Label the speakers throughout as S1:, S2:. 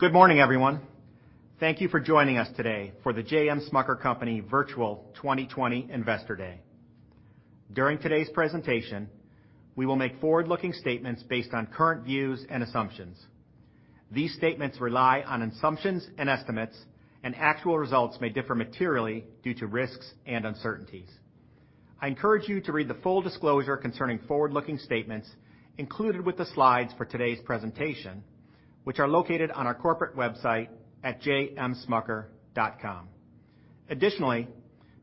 S1: Good morning, everyone. Thank you for joining us today for the J. M. Smucker Company Virtual 2020 Investor Day. During today's presentation, we will make forward-looking statements based on current views and assumptions. These statements rely on assumptions and estimates, and actual results may differ materially due to risks and uncertainties. I encourage you to read the full disclosure concerning forward-looking statements included with the slides for today's presentation, which are located on our corporate website at jmsmucker.com. Additionally,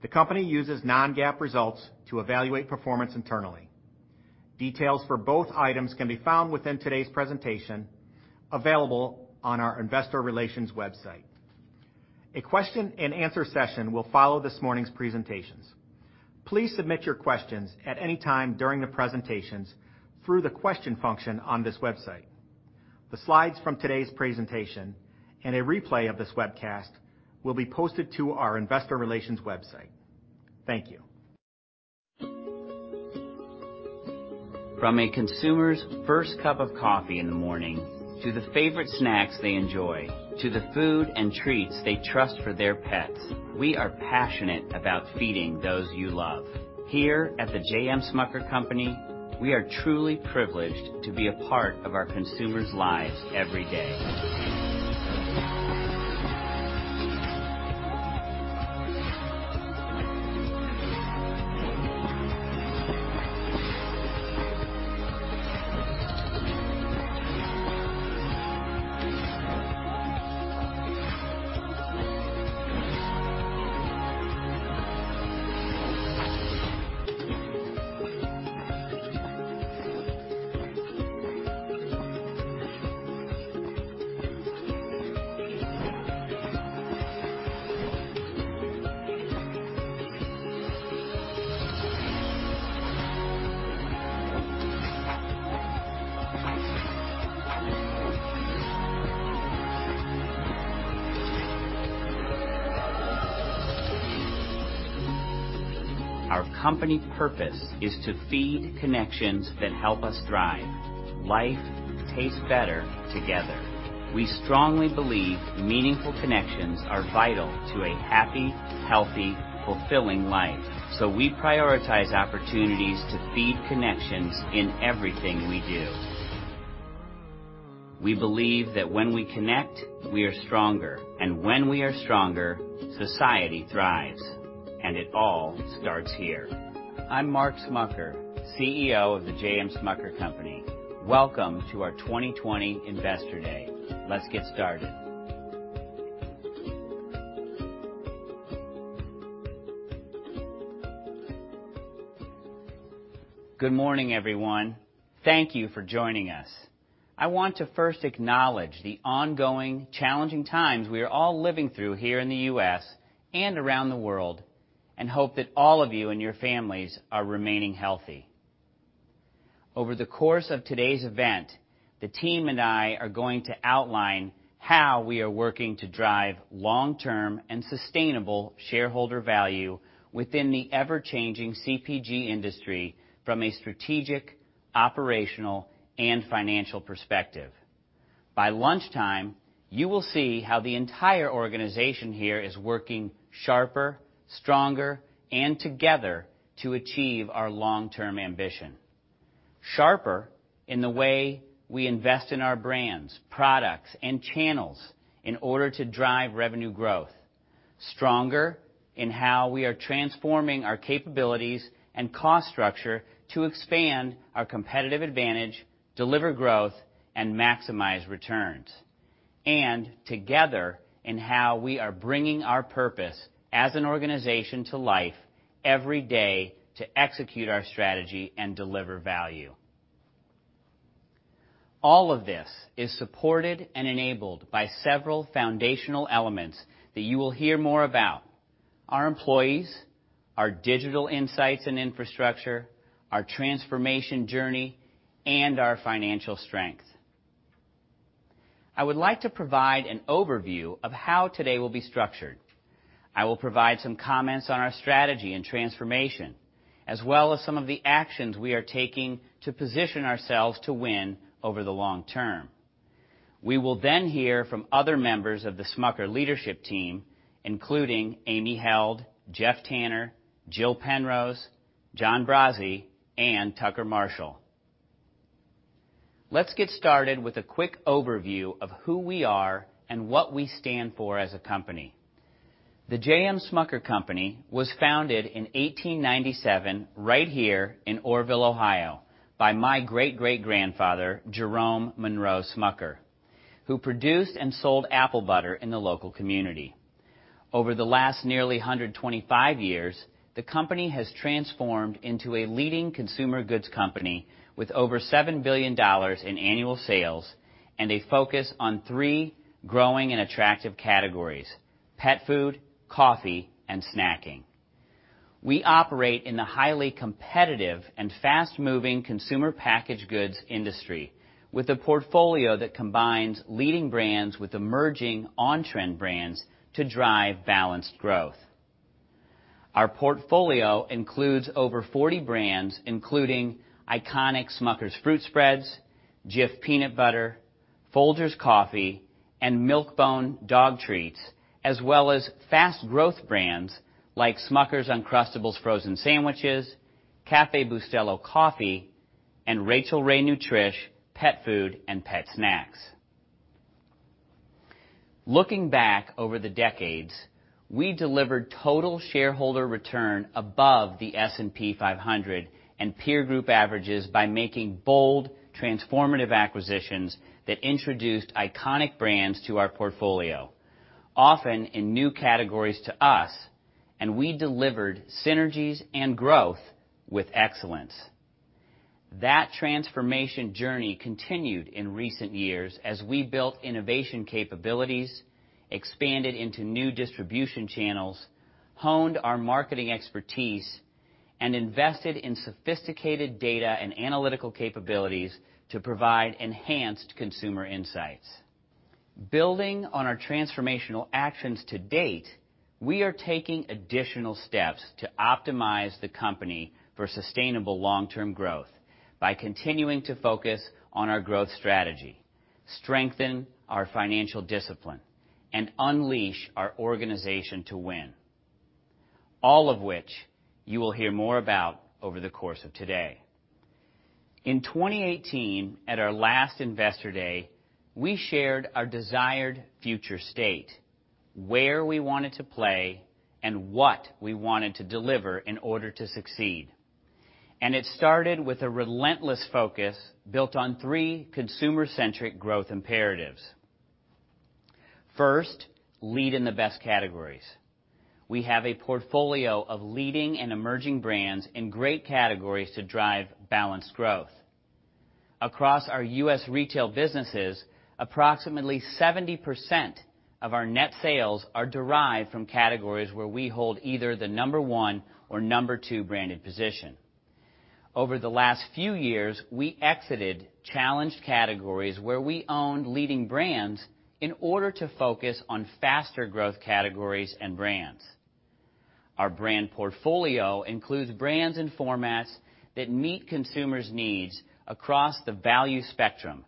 S1: the company uses non-GAAP results to evaluate performance internally. Details for both items can be found within today's presentation, available on our investor relations website. A question-and-answer session will follow this morning's presentations. Please submit your questions at any time during the presentations through the question function on this website. The slides from today's presentation and a replay of this webcast will be posted to our investor relations website. Thank you.
S2: From a consumer's first cup of coffee in the morning, to the favorite snacks they enjoy, to the food and treats they trust for their pets, we are passionate about feeding those you love. Here at the J. M. Smucker Company, we are truly privileged to be a part of our consumers' lives every day. Our company purpose is to feed connections that help us thrive. Life tastes better together. We strongly believe meaningful connections are vital to a happy, healthy, fulfilling life, so we prioritize opportunities to feed connections in everything we do. We believe that when we connect, we are stronger, and when we are stronger, society thrives, and it all starts here. I'm Mark Smucker, CEO of the J. M. Smucker Company. Welcome to our 2020 Investor Day. Let's get started. Good morning, everyone. Thank you for joining us. I want to first acknowledge the ongoing, challenging times we are all living through here in the U.S. and around the world, and hope that all of you and your families are remaining healthy. Over the course of today's event, the team and I are going to outline how we are working to drive long-term and sustainable shareholder value within the ever-changing CPG industry from a strategic, operational, and financial perspective. By lunchtime, you will see how the entire organization here is working sharper, stronger, and together to achieve our long-term ambition. Sharper in the way we invest in our brands, products, and channels in order to drive revenue growth. Stronger in how we are transforming our capabilities and cost structure to expand our competitive advantage, deliver growth, and maximize returns. Together in how we are bringing our purpose as an organization to life every day to execute our strategy and deliver value. All of this is supported and enabled by several foundational elements that you will hear more about: our employees, our digital insights and infrastructure, our transformation journey, and our financial strength. I would like to provide an overview of how today will be structured. I will provide some comments on our strategy and transformation, as well as some of the actions we are taking to position ourselves to win over the long term. We will then hear from other members of the Smucker leadership team, including Amy Held, Geoff Tanner, Jill Penrose, John Brase, and Tucker Marshall. Let's get started with a quick overview of who we are and what we stand for as a company. The J. M. Smucker Company was founded in 1897 right here in Orrville, Ohio, by my great-great-grandfather, Jerome Monroe Smucker, who produced and sold apple butter in the local community. Over the last nearly 125 years, the company has transformed into a leading consumer goods company with over $7 billion in annual sales and a focus on three growing and attractive categories: pet food, coffee, and snacking. We operate in the highly competitive and fast-moving consumer packaged goods industry, with a portfolio that combines leading brands with emerging on-trend brands to drive balanced growth. Our portfolio includes over 40 brands, including iconic Smucker's Fruit Spreads, Jif Peanut Butter, Folgers Coffee, and Milk-Bone Dog Treats, as well as fast-growth brands like Smucker's Uncrustables Frozen Sandwiches, Café Bustelo Coffee, and Rachael Ray Nutrish Pet Food and Pet Snacks. Looking back over the decades, we delivered total shareholder return above the S&P 500 and peer group averages by making bold, transformative acquisitions that introduced iconic brands to our portfolio, often in new categories to us, and we delivered synergies and growth with excellence. That transformation journey continued in recent years as we built innovation capabilities, expanded into new distribution channels, honed our marketing expertise, and invested in sophisticated data and analytical capabilities to provide enhanced consumer insights. Building on our transformational actions to date, we are taking additional steps to optimize the company for sustainable long-term growth by continuing to focus on our growth strategy, strengthen our financial discipline, and unleash our organization to win, all of which you will hear more about over the course of today. In 2018, at our last Investor Day, we shared our desired future state, where we wanted to play, and what we wanted to deliver in order to succeed. And it started with a relentless focus built on three consumer-centric growth imperatives. First, lead in the best categories. We have a portfolio of leading and emerging brands in great categories to drive balanced growth. Across our U.S. retail businesses, approximately 70% of our net sales are derived from categories where we hold either the number one or number two branded position. Over the last few years, we exited challenged categories where we owned leading brands in order to focus on faster-growth categories and brands. Our brand portfolio includes brands and formats that meet consumers' needs across the value spectrum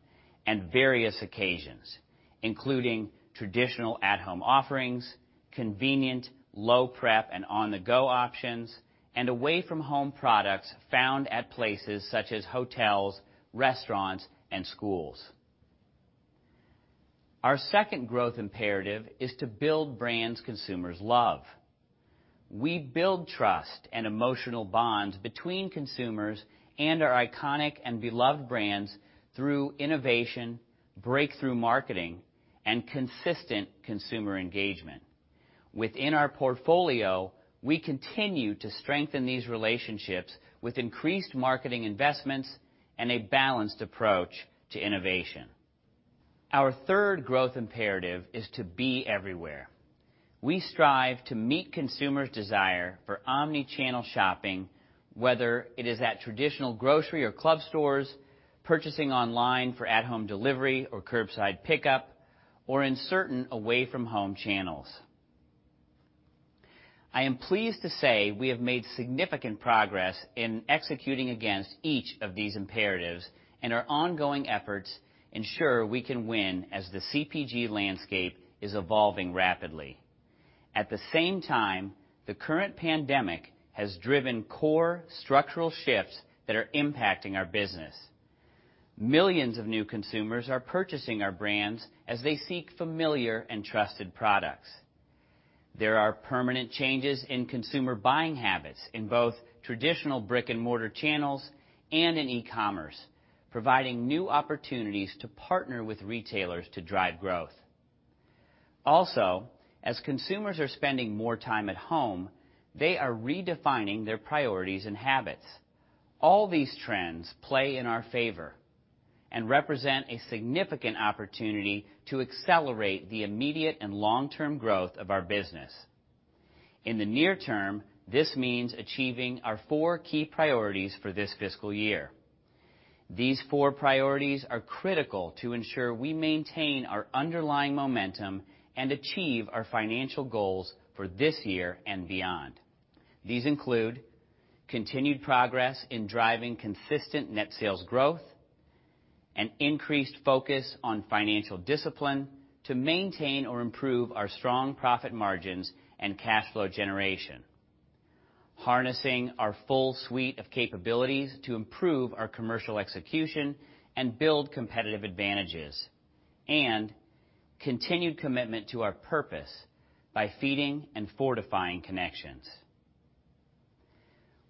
S2: and various occasions, including traditional at-home offerings, convenient low-prep and on-the-go options, and away-from-home products found at places such as hotels, restaurants, and schools. Our second growth imperative is to build brands consumers love. We build trust and emotional bonds between consumers and our iconic and beloved brands through innovation, breakthrough marketing, and consistent consumer engagement. Within our portfolio, we continue to strengthen these relationships with increased marketing investments and a balanced approach to innovation. Our third growth imperative is to be everywhere. We strive to meet consumers' desire for omnichannel shopping, whether it is at traditional grocery or club stores, purchasing online for at-home delivery or curbside pickup, or in certain away-from-home channels. I am pleased to say we have made significant progress in executing against each of these imperatives, and our ongoing efforts ensure we can win as the CPG landscape is evolving rapidly. At the same time, the current pandemic has driven core structural shifts that are impacting our business. Millions of new consumers are purchasing our brands as they seek familiar and trusted products. There are permanent changes in consumer buying habits in both traditional brick-and-mortar channels and in e-commerce, providing new opportunities to partner with retailers to drive growth. Also, as consumers are spending more time at home, they are redefining their priorities and habits. All these trends play in our favor and represent a significant opportunity to accelerate the immediate and long-term growth of our business. In the near term, this means achieving our four key priorities for this fiscal year. These four priorities are critical to ensure we maintain our underlying momentum and achieve our financial goals for this year and beyond. These include continued progress in driving consistent net sales growth and increased focus on financial discipline to maintain or improve our strong profit margins and cash flow generation, harnessing our full suite of capabilities to improve our commercial execution and build competitive advantages, and continued commitment to our purpose by feeding and fortifying connections.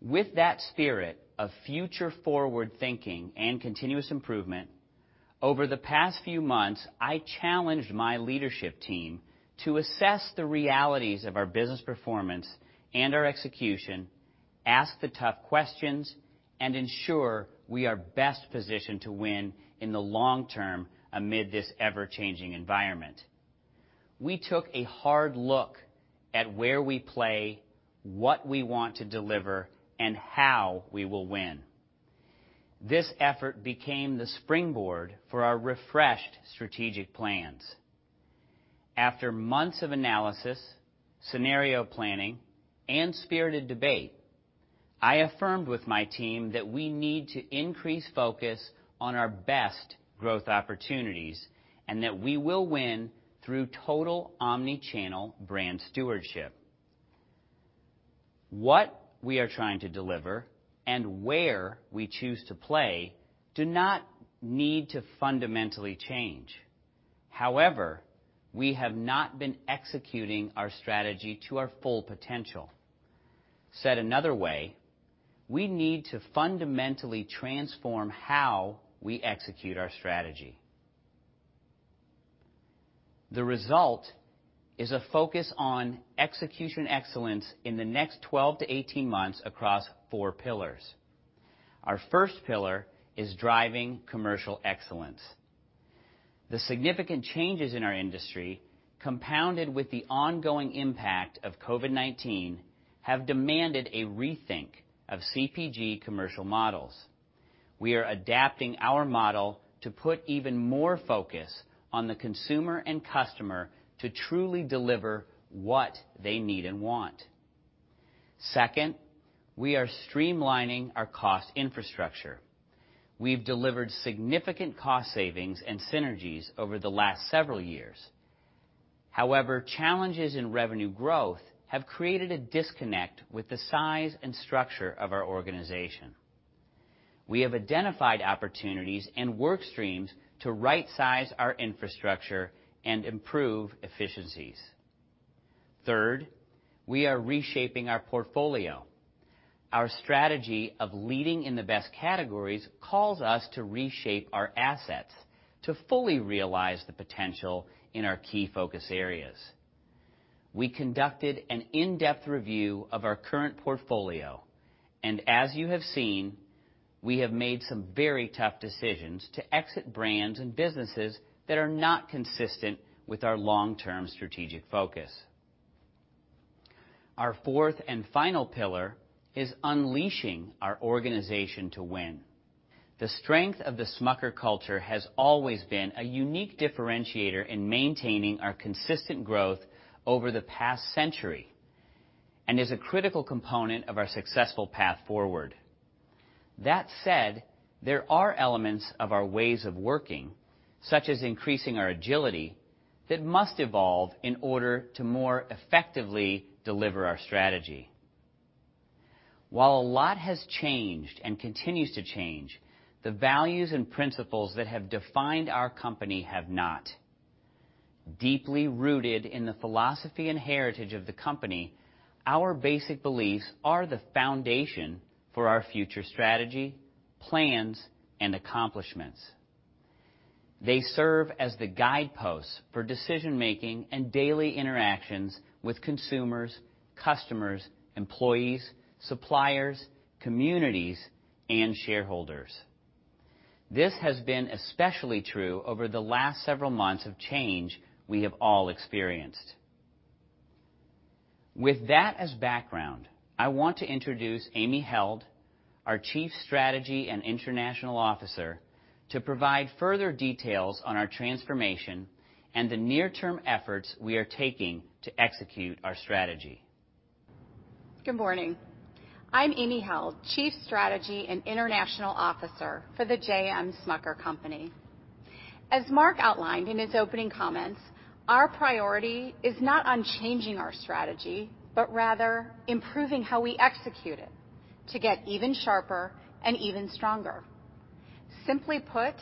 S2: With that spirit of future-forward thinking and continuous improvement, over the past few months, I challenged my leadership team to assess the realities of our business performance and our execution, ask the tough questions, and ensure we are best positioned to win in the long term amid this ever-changing environment. We took a hard look at where we play, what we want to deliver, and how we will win. This effort became the springboard for our refreshed strategic plans. After months of analysis, scenario planning, and spirited debate, I affirmed with my team that we need to increase focus on our best growth opportunities and that we will win through total omnichannel brand stewardship. What we are trying to deliver and where we choose to play do not need to fundamentally change. However, we have not been executing our strategy to our full potential. Said another way, we need to fundamentally transform how we execute our strategy. The result is a focus on execution excellence in the next 12-18 months across four pillars. Our first pillar is driving commercial excellence. The significant changes in our industry, compounded with the ongoing impact of COVID-19, have demanded a rethink of CPG commercial models. We are adapting our model to put even more focus on the consumer and customer to truly deliver what they need and want. Second, we are streamlining our cost infrastructure. We've delivered significant cost savings and synergies over the last several years. However, challenges in revenue growth have created a disconnect with the size and structure of our organization. We have identified opportunities and work streams to right-size our infrastructure and improve efficiencies. Third, we are reshaping our portfolio. Our strategy of leading in the best categories calls us to reshape our assets to fully realize the potential in our key focus areas. We conducted an in-depth review of our current portfolio, and as you have seen, we have made some very tough decisions to exit brands and businesses that are not consistent with our long-term strategic focus. Our fourth and final pillar is unleashing our organization to win. The strength of the Smucker culture has always been a unique differentiator in maintaining our consistent growth over the past century and is a critical component of our successful path forward. That said, there are elements of our ways of working, such as increasing our agility, that must evolve in order to more effectively deliver our strategy. While a lot has changed and continues to change, the values and principles that have defined our company have not. Deeply rooted in the philosophy and heritage of the company, our basic beliefs are the foundation for our future strategy, plans, and accomplishments. They serve as the guideposts for decision-making and daily interactions with consumers, customers, employees, suppliers, communities, and shareholders. This has been especially true over the last several months of change we have all experienced. With that as background, I want to introduce Amy Held, our Chief Strategy and International Officer, to provide further details on our transformation and the near-term efforts we are taking to execute our strategy.
S3: Good morning. I'm Amy Held, Chief Strategy and International Officer for the J. M. Smucker Company. As Mark outlined in his opening comments, our priority is not on changing our strategy, but rather improving how we execute it to get even sharper and even stronger. Simply put,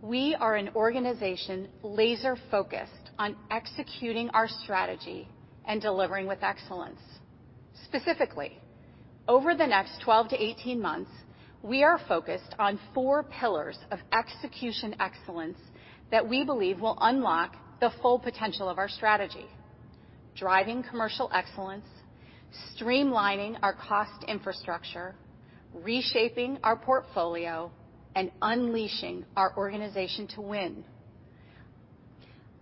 S3: we are an organization laser-focused on executing our strategy and delivering with excellence. Specifically, over the next 12-18 months, we are focused on four pillars of execution excellence that we believe will unlock the full potential of our strategy: driving commercial excellence, streamlining our cost infrastructure, reshaping our portfolio, and unleashing our organization to win.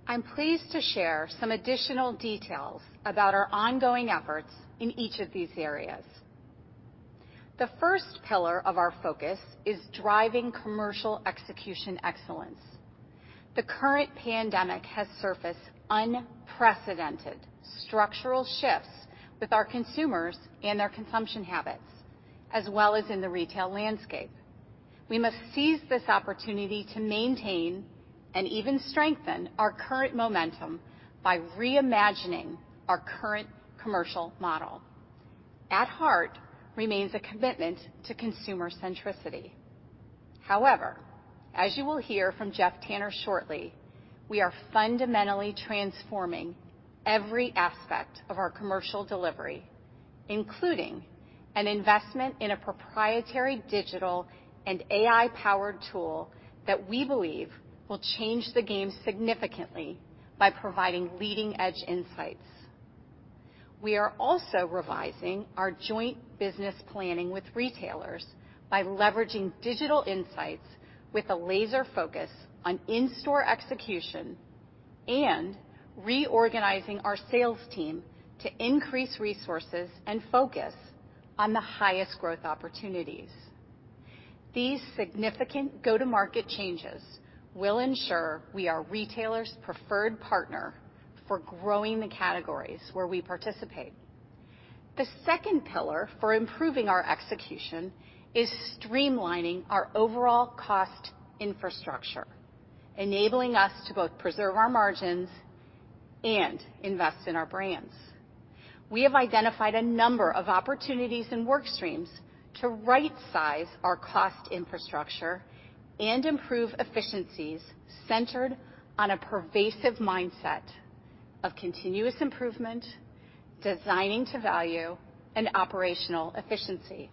S3: I'm pleased to share some additional details about our ongoing efforts in each of these areas. The first pillar of our focus is driving commercial execution excellence. The current pandemic has surfaced unprecedented structural shifts with our consumers and their consumption habits, as well as in the retail landscape. We must seize this opportunity to maintain and even strengthen our current momentum by reimagining our current commercial model. At heart remains a commitment to consumer centricity. However, as you will hear from Geoff Tanner shortly, we are fundamentally transforming every aspect of our commercial delivery, including an investment in a proprietary digital and AI-powered tool that we believe will change the game significantly by providing leading-edge insights. We are also revising our joint business planning with retailers by leveraging digital insights with a laser focus on in-store execution and reorganizing our sales team to increase resources and focus on the highest growth opportunities. These significant go-to-market changes will ensure we are retailers' preferred partner for growing the categories where we participate. The second pillar for improving our execution is streamlining our overall cost infrastructure, enabling us to both preserve our margins and invest in our brands. We have identified a number of opportunities and work streams to right-size our cost infrastructure and improve efficiencies centered on a pervasive mindset of continuous improvement, designing to value, and operational efficiency.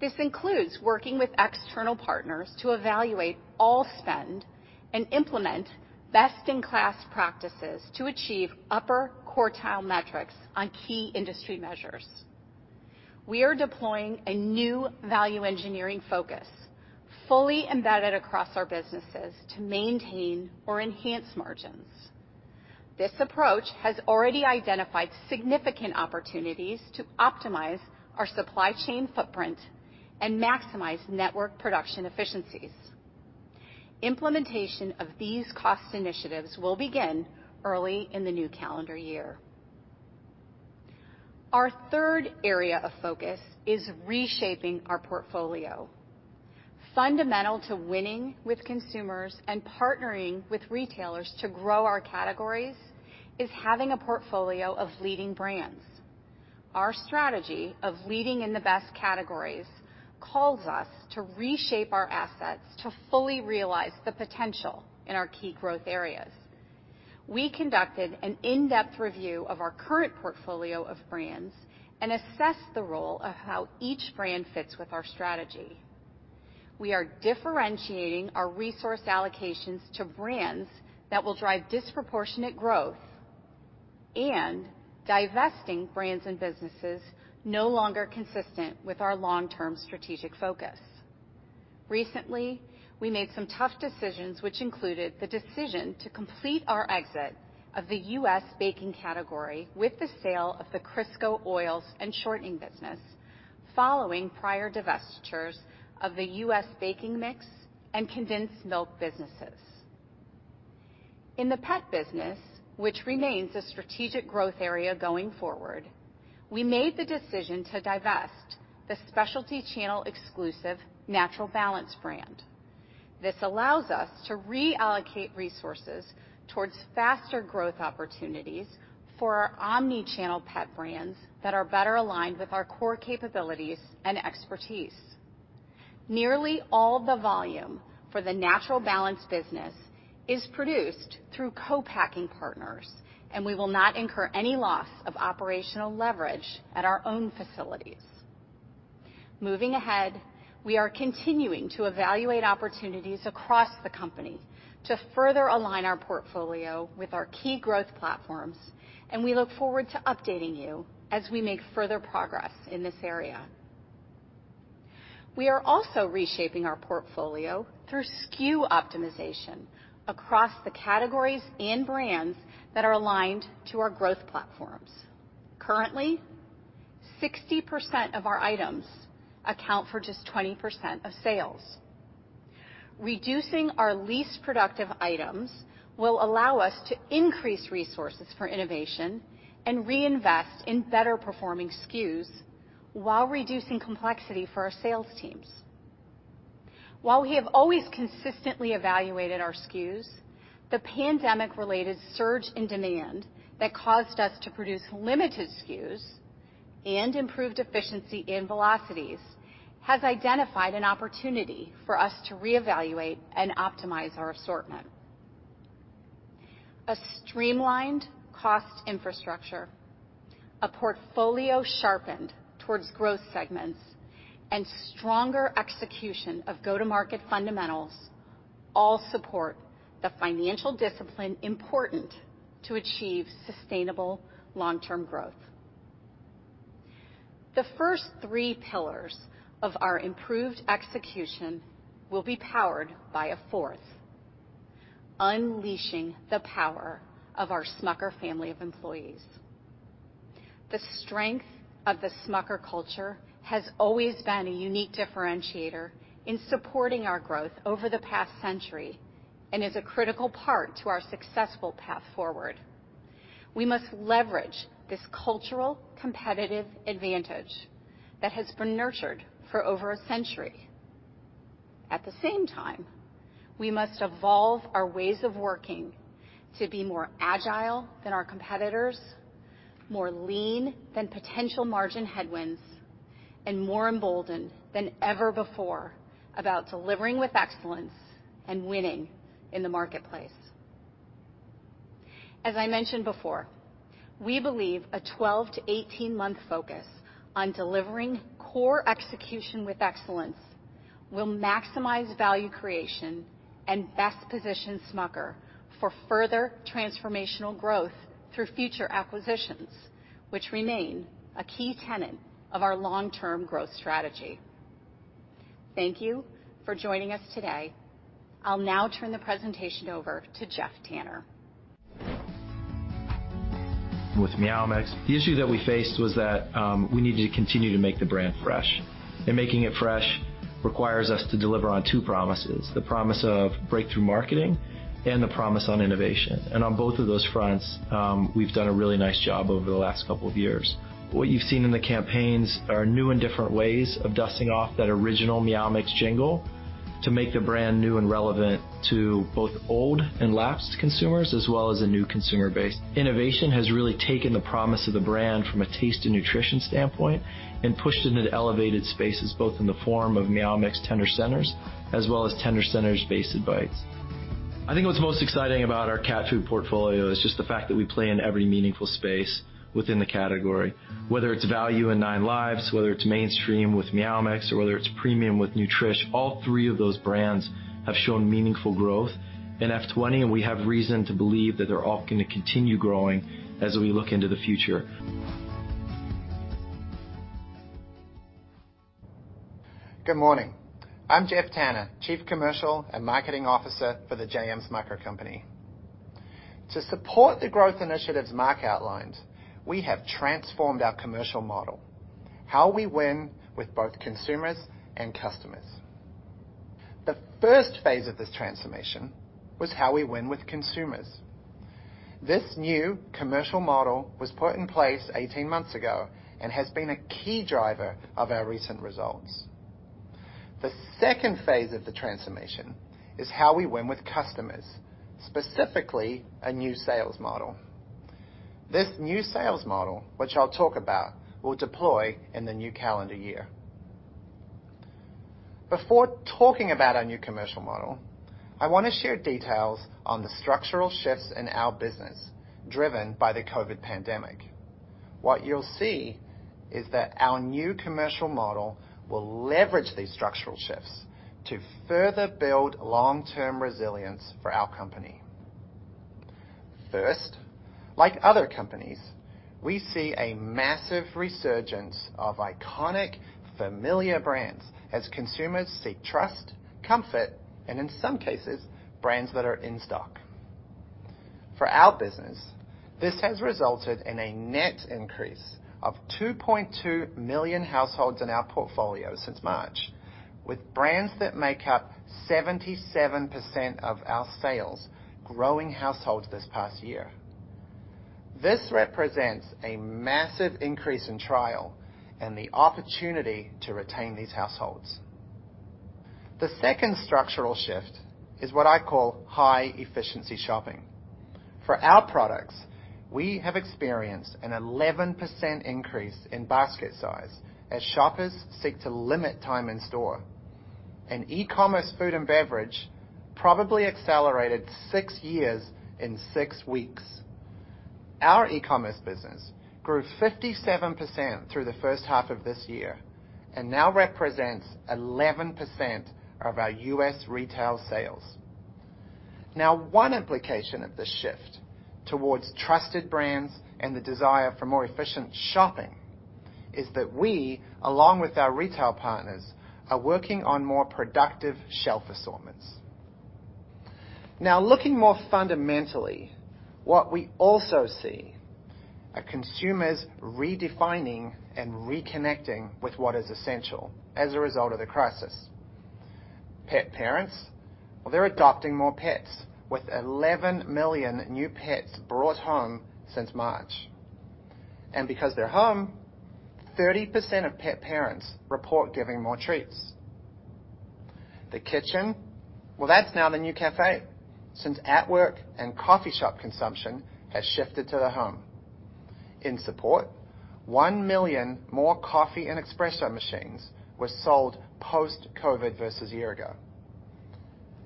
S3: This includes working with external partners to evaluate all spend and implement best-in-class practices to achieve upper quartile metrics on key industry measures. We are deploying a new Value Engineering focus fully embedded across our businesses to maintain or enhance margins. This approach has already identified significant opportunities to optimize our supply chain footprint and maximize network production efficiencies. Implementation of these cost initiatives will begin early in the new calendar year. Our third area of focus is reshaping our portfolio. Fundamental to winning with consumers and partnering with retailers to grow our categories is having a portfolio of leading brands. Our strategy of leading in the best categories calls us to reshape our assets to fully realize the potential in our key growth areas. We conducted an in-depth review of our current portfolio of brands and assessed the role of how each brand fits with our strategy. We are differentiating our resource allocations to brands that will drive disproportionate growth and divesting brands and businesses no longer consistent with our long-term strategic focus. Recently, we made some tough decisions, which included the decision to complete our exit of the U.S. baking category with the sale of the Crisco oils and shortening business, following prior divestitures of the U.S. baking mix and condensed milk businesses. In the pet business, which remains a strategic growth area going forward, we made the decision to divest the specialty channel exclusive Natural Balance brand. This allows us to reallocate resources towards faster growth opportunities for our omnichannel pet brands that are better aligned with our core capabilities and expertise. Nearly all the volume for the Natural Balance business is produced through co-packing partners, and we will not incur any loss of operational leverage at our own facilities. Moving ahead, we are continuing to evaluate opportunities across the company to further align our portfolio with our key growth platforms, and we look forward to updating you as we make further progress in this area. We are also reshaping our portfolio through SKU optimization across the categories and brands that are aligned to our growth platforms. Currently, 60% of our items account for just 20% of sales. Reducing our least productive items will allow us to increase resources for innovation and reinvest in better-performing SKUs while reducing complexity for our sales teams. While we have always consistently evaluated our SKUs, the pandemic-related surge in demand that caused us to produce limited SKUs and improved efficiency and velocities has identified an opportunity for us to reevaluate and optimize our assortment. A streamlined cost infrastructure, a portfolio sharpened towards growth segments, and stronger execution of go-to-market fundamentals all support the financial discipline important to achieve sustainable long-term growth. The first three pillars of our improved execution will be powered by a fourth: unleashing the power of our Smucker family of employees. The strength of the Smucker culture has always been a unique differentiator in supporting our growth over the past century and is a critical part to our successful path forward. We must leverage this cultural competitive advantage that has been nurtured for over a century. At the same time, we must evolve our ways of working to be more agile than our competitors, more lean than potential margin headwinds, and more emboldened than ever before about delivering with excellence and winning in the marketplace. As I mentioned before, we believe a 12-18-month focus on delivering core execution with excellence will maximize value creation and best position Smucker for further transformational growth through future acquisitions, which remain a key tenet of our long-term growth strategy. Thank you for joining us today. I'll now turn the presentation over to Geoff Tanner.
S2: With Meow Mix, the issue that we faced was that we needed to continue to make the brand fresh, and making it fresh requires us to deliver on two promises: the promise of breakthrough marketing and the promise on innovation, and on both of those fronts, we've done a really nice job over the last couple of years. What you've seen in the campaigns are new and different ways of dusting off that original Meow Mix jingle to make the brand new and relevant to both old and lapsed consumers, as well as a new consumer base. Innovation has really taken the promise of the brand from a taste and nutrition standpoint and pushed it into elevated spaces, both in the form of Meow Mix Tender Centers as well as Tender Centers Basted Bites. I think what's most exciting about our cat food portfolio is just the fact that we play in every meaningful space within the category. Whether it's Value and 9Lives, whether it's Mainstream with Meow Mix, or whether it's Premium with Nutrish, all three of those brands have shown meaningful growth in F20, and we have reason to believe that they're all going to continue growing as we look into the future.
S4: Good morning. I'm Geoff Tanner, Chief Commercial and Marketing Officer for the J. M. Smucker Company. To support the growth initiatives Mark outlined, we have transformed our commercial model: how we win with both consumers and customers. The first phase of this transformation was how we win with consumers. This new commercial model was put in place 18 months ago and has been a key driver of our recent results. The second phase of the transformation is how we win with customers, specifically a new sales model. This new sales model, which I'll talk about, will deploy in the new calendar year. Before talking about our new commercial model, I want to share details on the structural shifts in our business driven by the COVID pandemic. What you'll see is that our new commercial model will leverage these structural shifts to further build long-term resilience for our company. First, like other companies, we see a massive resurgence of iconic, familiar brands as consumers seek trust, comfort, and in some cases, brands that are in stock. For our business, this has resulted in a net increase of 2.2 million households in our portfolio since March, with brands that make up 77% of our sales growing households this past year. This represents a massive increase in trial and the opportunity to retain these households. The second structural shift is what I call high-efficiency shopping. For our products, we have experienced an 11% increase in basket size as shoppers seek to limit time in store. And e-commerce food and beverage probably accelerated six years in six weeks. Our e-commerce business grew 57% through the first half of this year and now represents 11% of our U.S. retail sales. Now, one implication of this shift towards trusted brands and the desire for more efficient shopping is that we, along with our retail partners, are working on more productive shelf assortments. Now, looking more fundamentally, what we also see are consumers redefining and reconnecting with what is essential as a result of the crisis. Pet parents, well, they're adopting more pets, with 11 million new pets brought home since March, and because they're home, 30% of pet parents report giving more treats. The kitchen, well, that's now the new café since at-work and coffee shop consumption has shifted to the home. In support, one million more coffee and espresso machines were sold post-COVID versus a year ago,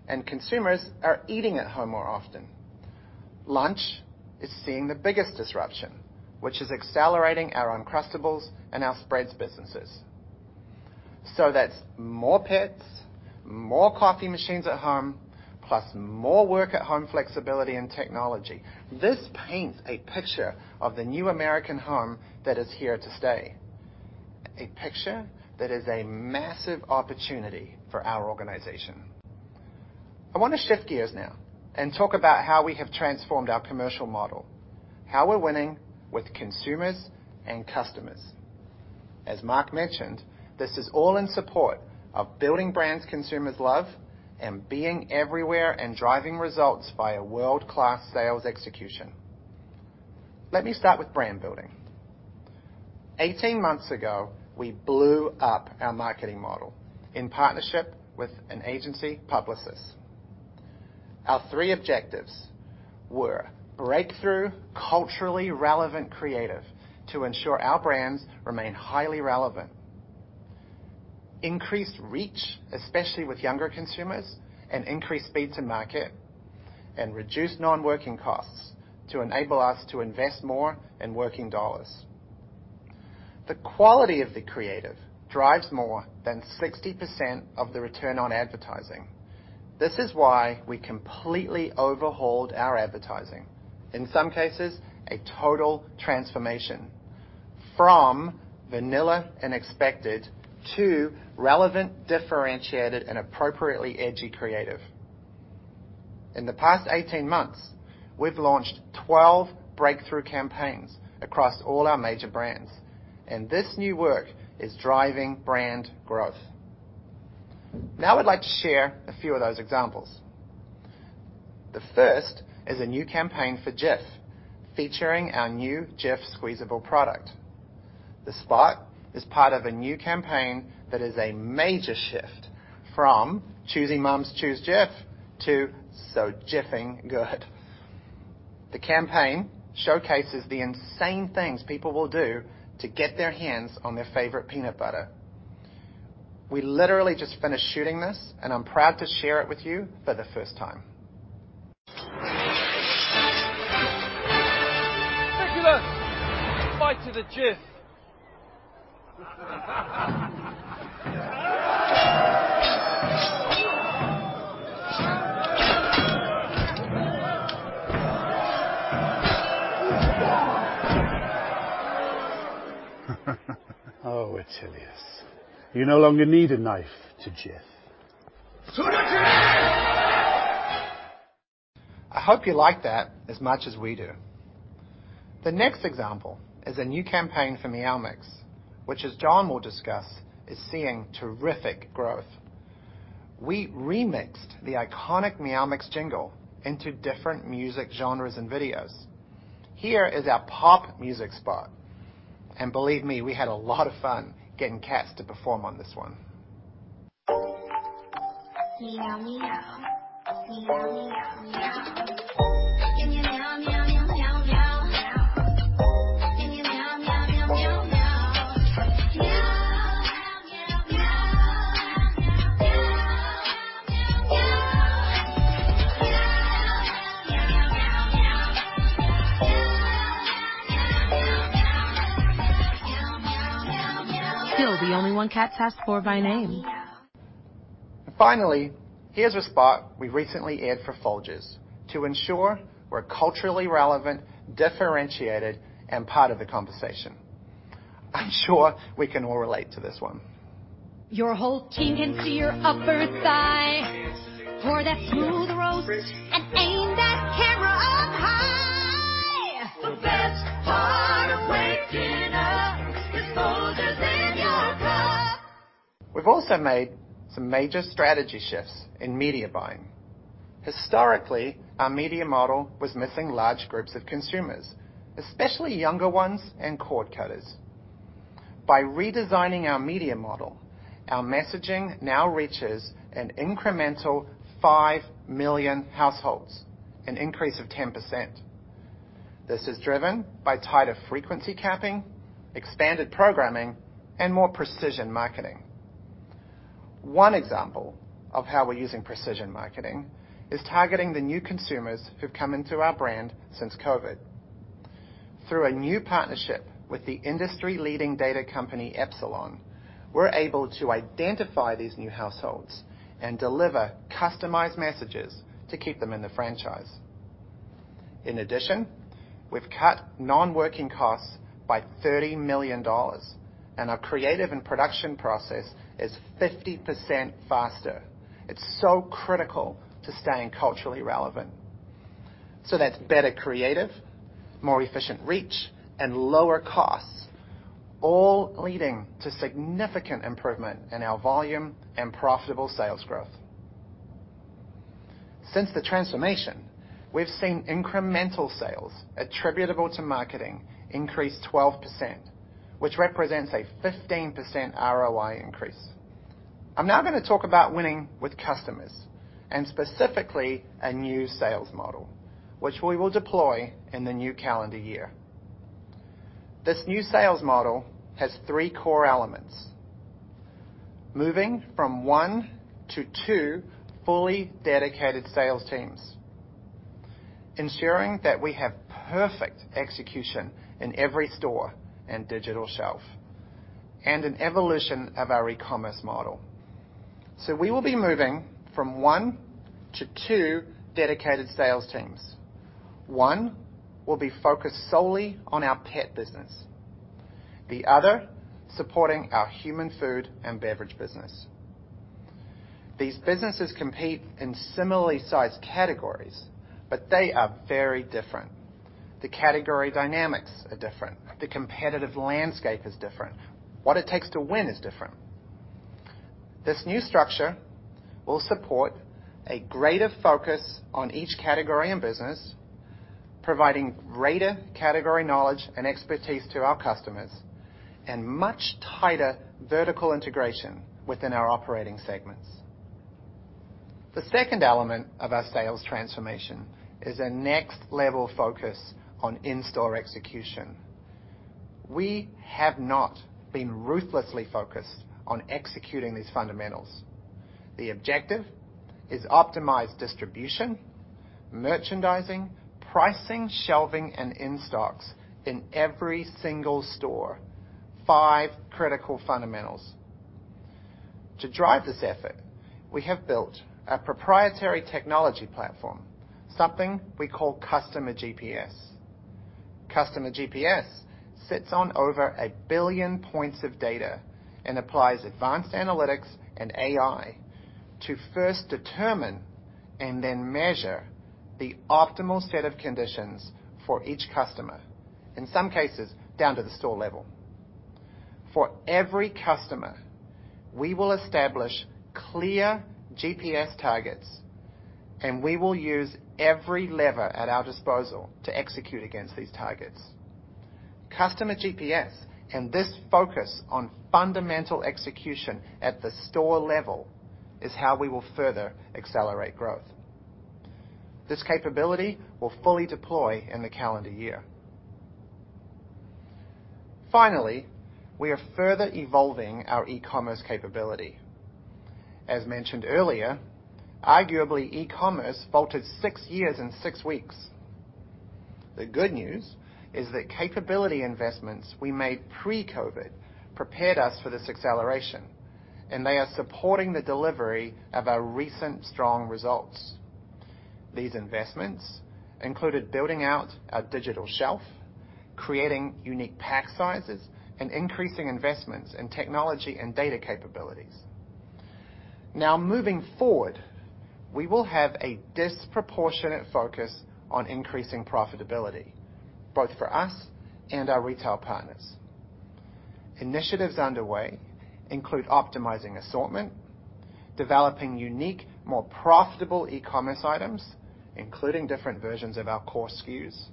S4: and consumers are eating at home more often. Lunch is seeing the biggest disruption, which is accelerating our Uncrustables and our spreads businesses. So that's more pets, more coffee machines at home, plus more work-at-home flexibility and technology. This paints a picture of the new American home that is here to stay, a picture that is a massive opportunity for our organization. I want to shift gears now and talk about how we have transformed our commercial model, how we're winning with consumers and customers. As Mark mentioned, this is all in support of building brands consumers love and being everywhere and driving results via world-class sales execution. Let me start with brand building. 18 months ago, we blew up our marketing model in partnership with an agency, Publicis. Our three objectives were breakthrough culturally relevant creative to ensure our brands remain highly relevant, increased reach, especially with younger consumers, and increased speed to market, and reduced non-working costs to enable us to invest more in working dollars. The quality of the creative drives more than 60% of the return on advertising. This is why we completely overhauled our advertising, in some cases, a total transformation from vanilla and expected to relevant, differentiated, and appropriately edgy creative. In the past 18 months, we've launched 12 breakthrough campaigns across all our major brands, and this new work is driving brand growth. Now, I'd like to share a few of those examples. The first is a new campaign for Jif, featuring our new Jif squeezable product. The spot is part of a new campaign that is a major shift from choosy moms choose Jif to so Jifing good. The campaign showcases the insane things people will do to get their hands on their favorite peanut butter. We literally just finished shooting this, and I'm proud to share it with you for the first time.
S5: Speculoos. Fight to the Jif. Oh, it's hideous. You no longer need a knife to Jif. To the Jif!
S4: I hope you like that as much as we do. The next example is a new campaign for Meow Mix, which, as John will discuss, is seeing terrific growth. We remixed the iconic Meow Mix jingle into different music genres and videos. Here is our pop music spot. And believe me, we had a lot of fun getting cats to perform on this one. Still the only one cats ask for by name. And finally, here's a spot we recently aired for Folgers to ensure we're culturally relevant, differentiated, and part of the conversation. I'm sure we can all relate to this one.
S5: Your whole team can see your upper thigh. Pour that smooth roast and aim that camera up high. The best part of waking up is Folgers in your cup.
S4: We've also made some major strategy shifts in media buying. Historically, our media model was missing large groups of consumers, especially younger ones and cord cutters. By redesigning our media model, our messaging now reaches an incremental five million households, an increase of 10%. This is driven by tighter frequency capping, expanded programming, and more precision marketing. One example of how we're using precision marketing is targeting the new consumers who've come into our brand since COVID. Through a new partnership with the industry-leading data company Epsilon, we're able to identify these new households and deliver customized messages to keep them in the franchise. In addition, we've cut non-working costs by $30 million, and our creative and production process is 50% faster. It's so critical to staying culturally relevant. So that's better creative, more efficient reach, and lower costs, all leading to significant improvement in our volume and profitable sales growth. Since the transformation, we've seen incremental sales attributable to marketing increase 12%, which represents a 15% ROI increase. I'm now going to talk about winning with customers and specifically a new sales model, which we will deploy in the new calendar year. This new sales model has three core elements: moving from one to two fully dedicated sales teams, ensuring that we have perfect execution in every store and digital shelf, and an evolution of our e-commerce model. So we will be moving from one to two dedicated sales teams. One will be focused solely on our pet business. The other supporting our human food and beverage business. These businesses compete in similarly sized categories, but they are very different. The category dynamics are different. The competitive landscape is different. What it takes to win is different. This new structure will support a greater focus on each category and business, providing greater category knowledge and expertise to our customers and much tighter vertical integration within our operating segments. The second element of our sales transformation is a next-level focus on in-store execution. We have not been ruthlessly focused on executing these fundamentals. The objective is optimized distribution, merchandising, pricing, shelving, and in-stocks in every single store: five critical fundamentals. To drive this effort, we have built a proprietary technology platform, something we call Customer GPS. Customer GPS sits on over a billion points of data and applies advanced analytics and AI to first determine and then measure the optimal set of conditions for each customer, in some cases down to the store level. For every customer, we will establish clear GPS targets, and we will use every lever at our disposal to execute against these targets. Customer GPS and this focus on fundamental execution at the store level is how we will further accelerate growth. This capability will fully deploy in the calendar year. Finally, we are further evolving our e-commerce capability. As mentioned earlier, arguably e-commerce faltered six years and six weeks. The good news is that capability investments we made pre-COVID prepared us for this acceleration, and they are supporting the delivery of our recent strong results. These investments included building out our digital shelf, creating unique pack sizes, and increasing investments in technology and data capabilities. Now, moving forward, we will have a disproportionate focus on increasing profitability, both for us and our retail partners. Initiatives underway include optimizing assortment, developing unique, more profitable e-commerce items, including different versions of our core SKUs,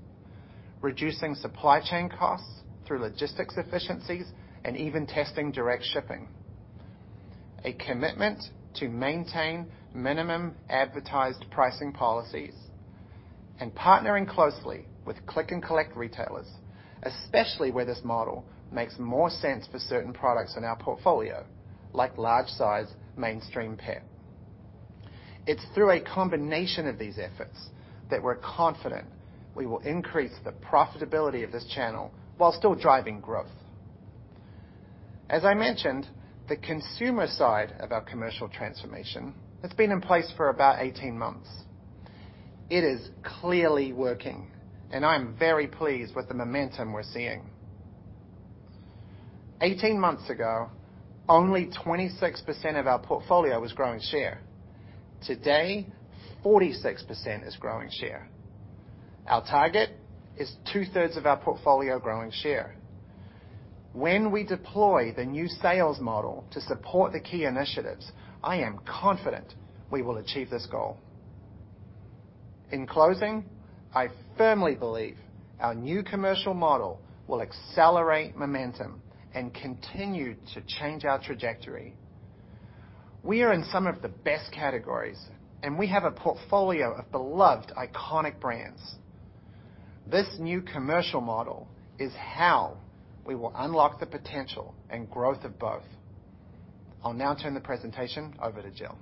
S4: reducing supply chain costs through logistics efficiencies, and even testing direct shipping. A commitment to maintain minimum advertised pricing policies and partnering closely with click-and-collect retailers, especially where this model makes more sense for certain products in our portfolio, like large-sized mainstream pet. It's through a combination of these efforts that we're confident we will increase the profitability of this channel while still driving growth. As I mentioned, the consumer side of our commercial transformation has been in place for about 18 months. It is clearly working, and I'm very pleased with the momentum we're seeing. 18 months ago, only 26% of our portfolio was growing share. Today, 46% is growing share. Our target is two-thirds of our portfolio growing share. When we deploy the new sales model to support the key initiatives, I am confident we will achieve this goal. In closing, I firmly believe our new commercial model will accelerate momentum and continue to change our trajectory. We are in some of the best categories, and we have a portfolio of beloved iconic brands. This new commercial model is how we will unlock the potential and growth of both. I'll now turn the presentation over to Jill.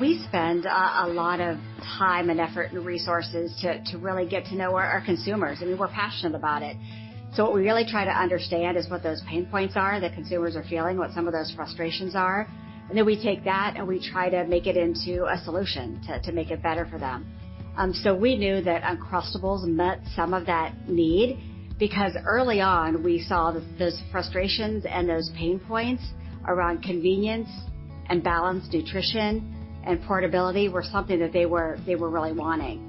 S6: We spend a lot of time and effort and resources to really get to know our consumers. I mean, we're passionate about it, so what we really try to understand is what those pain points are, the consumers are feeling, what some of those frustrations are, and then we take that and we try to make it into a solution to make it better for them. So we knew that Uncrustables met some of that need because early on, we saw that those frustrations and those pain points around convenience and balanced nutrition and portability were something that they were really wanting.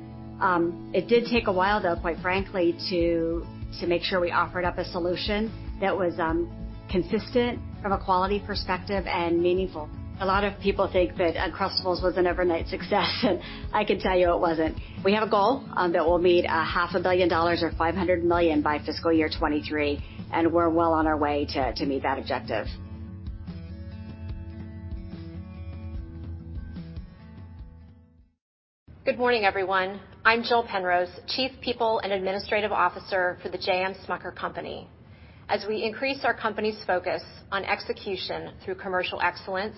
S6: It did take a while, though, quite frankly, to make sure we offered up a solution that was consistent from a quality perspective and meaningful. A lot of people think that Uncrustables was an overnight success, and I can tell you it wasn't. We have a goal that we'll meet $500 million by Fiscal Year 2023, and we're well on our way to meet that objective. Good morning, everyone. I'm Jill Penrose, Chief People and Administrative Officer for the J. M. Smucker Company. As we increase our company's focus on execution through commercial excellence,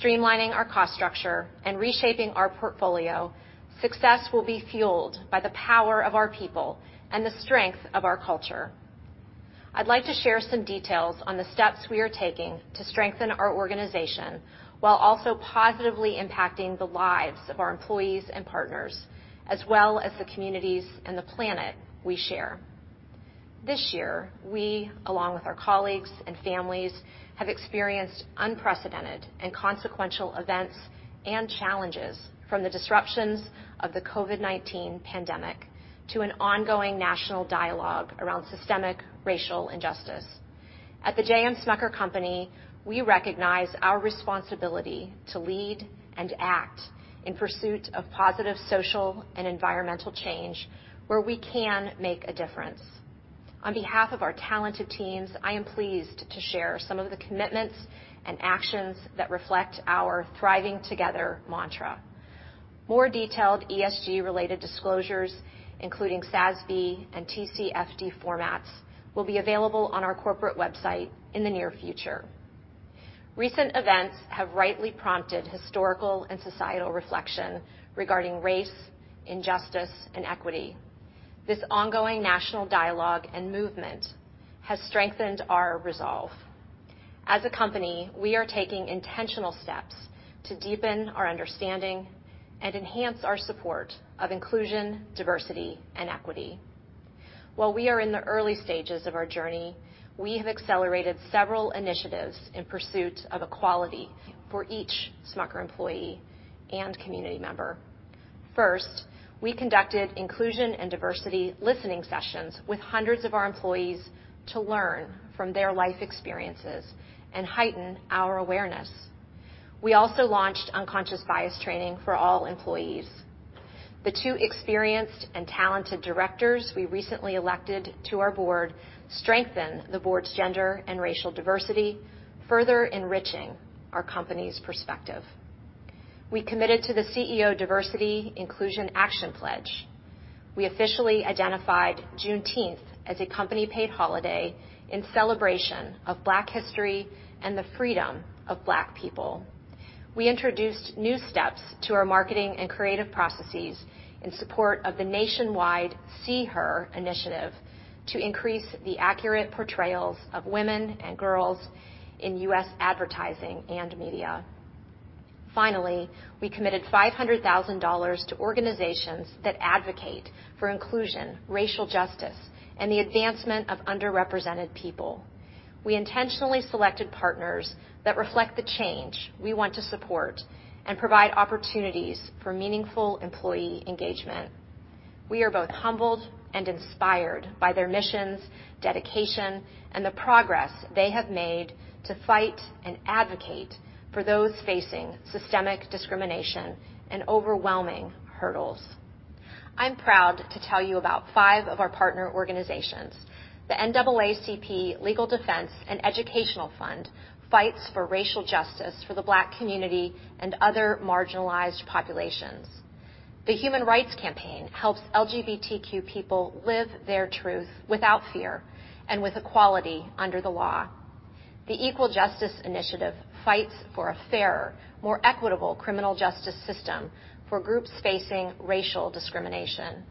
S6: streamlining our cost structure, and reshaping our portfolio, success will be fueled by the power of our people and the strength of our culture. I'd like to share some details on the steps we are taking to strengthen our organization while also positively impacting the lives of our employees and partners, as well as the communities and the planet we share. This year, we, along with our colleagues and families, have experienced unprecedented and consequential events and challenges from the disruptions of the COVID-19 pandemic to an ongoing national dialogue around systemic racial injustice. At the J. M. Smucker Company, we recognize our responsibility to lead and act in pursuit of positive social and environmental change where we can make a difference. On behalf of our talented teams, I am pleased to share some of the commitments and actions that reflect our Thriving Together mantra. More detailed ESG-related disclosures, including SASB and TCFD formats, will be available on our corporate website in the near future. Recent events have rightly prompted historical and societal reflection regarding race, injustice, and equity. This ongoing national dialogue and movement has strengthened our resolve. As a company, we are taking intentional steps to deepen our understanding and enhance our support of inclusion, diversity, and equity. While we are in the early stages of our journey, we have accelerated several initiatives in pursuit of equality for each Smucker employee and community member. First, we conducted inclusion and diversity listening sessions with hundreds of our employees to learn from their life experiences and heighten our awareness. We also launched unconscious bias training for all employees. The two experienced and talented directors we recently elected to our board strengthen the board's gender and racial diversity, further enriching our company's perspective. We committed to the CEO Diversity Inclusion Action Pledge. We officially identified Juneteenth as a company-paid holiday in celebration of Black history and the freedom of Black people. We introduced new steps to our marketing and creative processes in support of the nationwide SeeHer initiative to increase the accurate portrayals of women and girls in U.S. advertising and media. Finally, we committed $500,000 to organizations that advocate for inclusion, racial justice, and the advancement of underrepresented people. We intentionally selected partners that reflect the change we want to support and provide opportunities for meaningful employee engagement. We are both humbled and inspired by their missions, dedication, and the progress they have made to fight and advocate for those facing systemic discrimination and overwhelming hurdles. I'm proud to tell you about five of our partner organizations. The NAACP Legal Defense and Educational Fund fights for racial justice for the Black community and other marginalized populations. The Human Rights Campaign helps LGBTQ people live their truth without fear and with equality under the law. The Equal Justice Initiative fights for a fairer, more equitable criminal justice system for groups facing racial discrimination.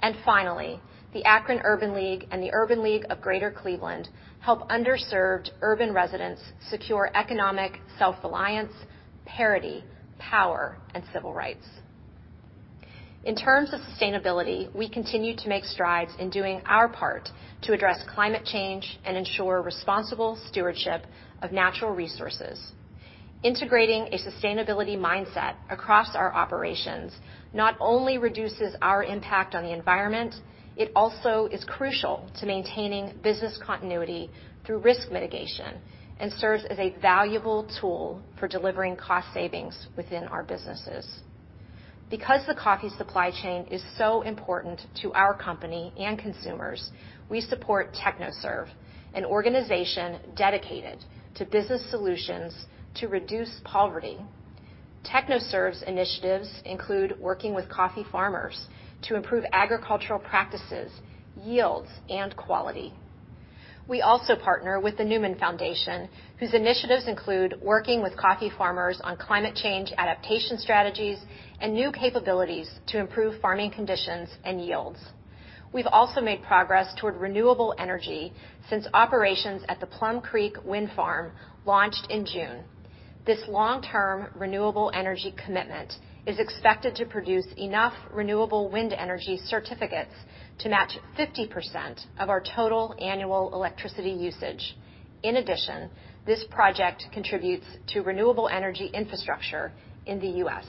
S6: And finally, the Akron Urban League and the Urban League of Greater Cleveland help underserved urban residents secure economic self-reliance, parity, power, and civil rights. In terms of sustainability, we continue to make strides in doing our part to address climate change and ensure responsible stewardship of natural resources. Integrating a sustainability mindset across our operations not only reduces our impact on the environment, it also is crucial to maintaining business continuity through risk mitigation and serves as a valuable tool for delivering cost savings within our businesses. Because the coffee supply chain is so important to our company and consumers, we support TechnoServe, an organization dedicated to business solutions to reduce poverty. TechnoServe's initiatives include working with coffee farmers to improve agricultural practices, yields, and quality. We also partner with the Newman Foundation, whose initiatives include working with coffee farmers on climate change adaptation strategies and new capabilities to improve farming conditions and yields. We've also made progress toward renewable energy since operations at the Plum Creek Wind Farm launched in June. This long-term renewable energy commitment is expected to produce enough renewable wind energy certificates to match 50% of our total annual electricity usage. In addition, this project contributes to renewable energy infrastructure in the U.S.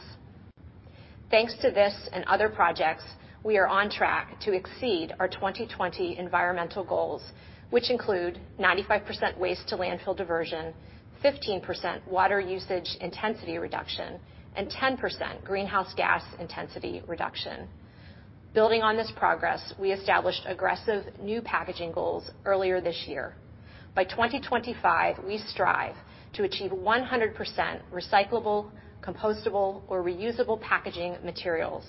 S6: Thanks to this and other projects, we are on track to exceed our 2020 environmental goals, which include 95% waste-to-landfill diversion, 15% water usage intensity reduction, and 10% greenhouse gas intensity reduction. Building on this progress, we established aggressive new packaging goals earlier this year. By 2025, we strive to achieve 100% recyclable, compostable, or reusable packaging materials.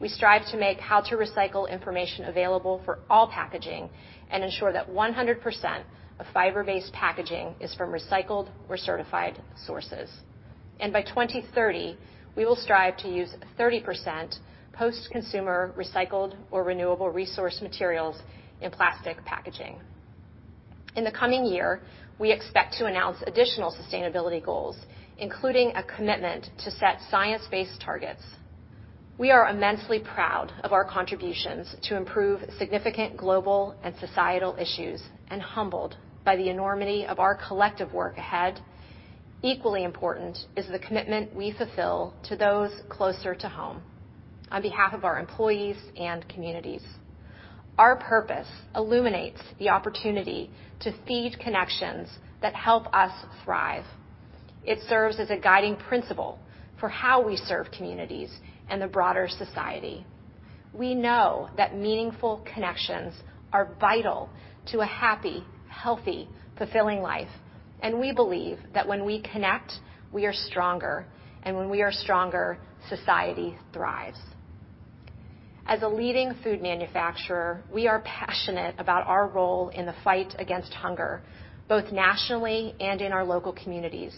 S6: We strive to make how-to-recycle information available for all packaging and ensure that 100% of fiber-based packaging is from recycled or certified sources, and by 2030, we will strive to use 30% post-consumer recycled or renewable resource materials in plastic packaging. In the coming year, we expect to announce additional sustainability goals, including a commitment to set science-based targets. We are immensely proud of our contributions to improve significant global and societal issues and humbled by the enormity of our collective work ahead. Equally important is the commitment we fulfill to those closer to home. On behalf of our employees and communities, our purpose illuminates the opportunity to feed connections that help us thrive. It serves as a guiding principle for how we serve communities and the broader society. We know that meaningful connections are vital to a happy, healthy, fulfilling life, and we believe that when we connect, we are stronger, and when we are stronger, society thrives. As a leading food manufacturer, we are passionate about our role in the fight against hunger, both nationally and in our local communities.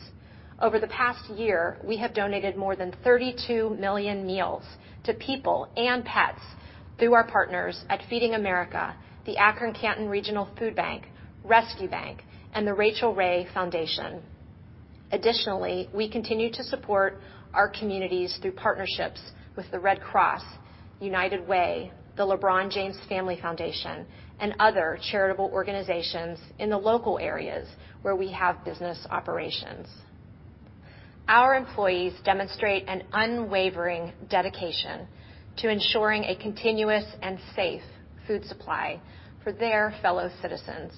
S6: Over the past year, we have donated more than 32 million meals to people and pets through our partners at Feeding America, the Akron-Canton Regional Foodbank, Rescue Bank, and the Rachael Ray Foundation. Additionally, we continue to support our communities through partnerships with the Red Cross, United Way, the LeBron James Family Foundation, and other charitable organizations in the local areas where we have business operations. Our employees demonstrate an unwavering dedication to ensuring a continuous and safe food supply for their fellow citizens.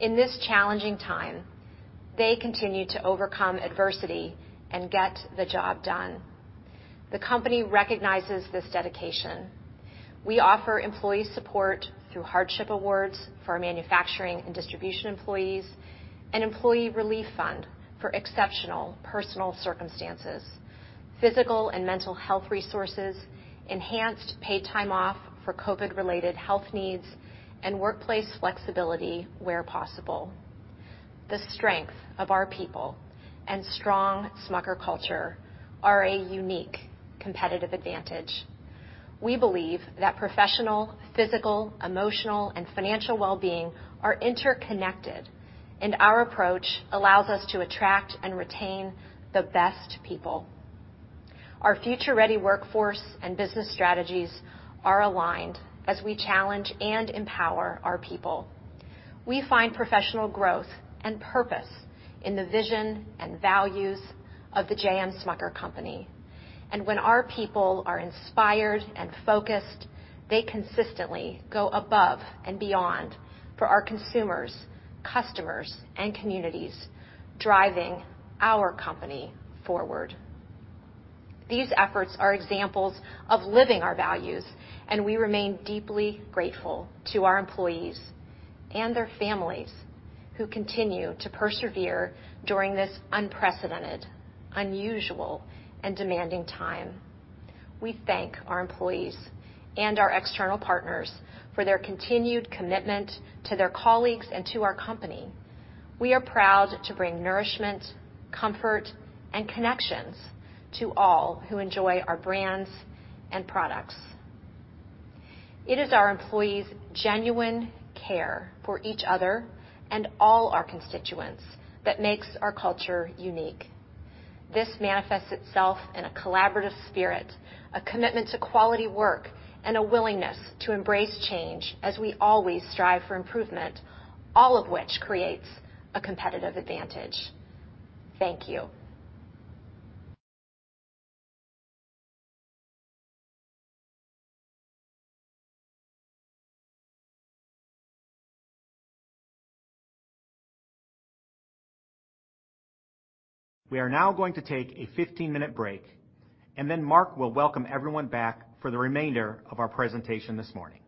S6: In this challenging time, they continue to overcome adversity and get the job done. The company recognizes this dedication. We offer employee support through hardship awards for our manufacturing and distribution employees, an employee relief fund for exceptional personal circumstances, physical and mental health resources, enhanced paid time off for COVID-related health needs, and workplace flexibility where possible. The strength of our people and strong Smucker culture are a unique competitive advantage. We believe that professional, physical, emotional, and financial well-being are interconnected, and our approach allows us to attract and retain the best people. Our future-ready workforce and business strategies are aligned as we challenge and empower our people. We find professional growth and purpose in the vision and values of the J. M. Smucker Company, and when our people are inspired and focused, they consistently go above and beyond for our consumers, customers, and communities, driving our company forward. These efforts are examples of living our values, and we remain deeply grateful to our employees and their families who continue to persevere during this unprecedented, unusual, and demanding time. We thank our employees and our external partners for their continued commitment to their colleagues and to our company. We are proud to bring nourishment, comfort, and connections to all who enjoy our brands and products. It is our employees' genuine care for each other and all our constituents that makes our culture unique. This manifests itself in a collaborative spirit, a commitment to quality work, and a willingness to embrace change as we always strive for improvement, all of which creates a competitive advantage. Thank you.
S1: We are now going to take a 15-minute break, and then Mark will welcome everyone back for the remainder of our presentation this morning.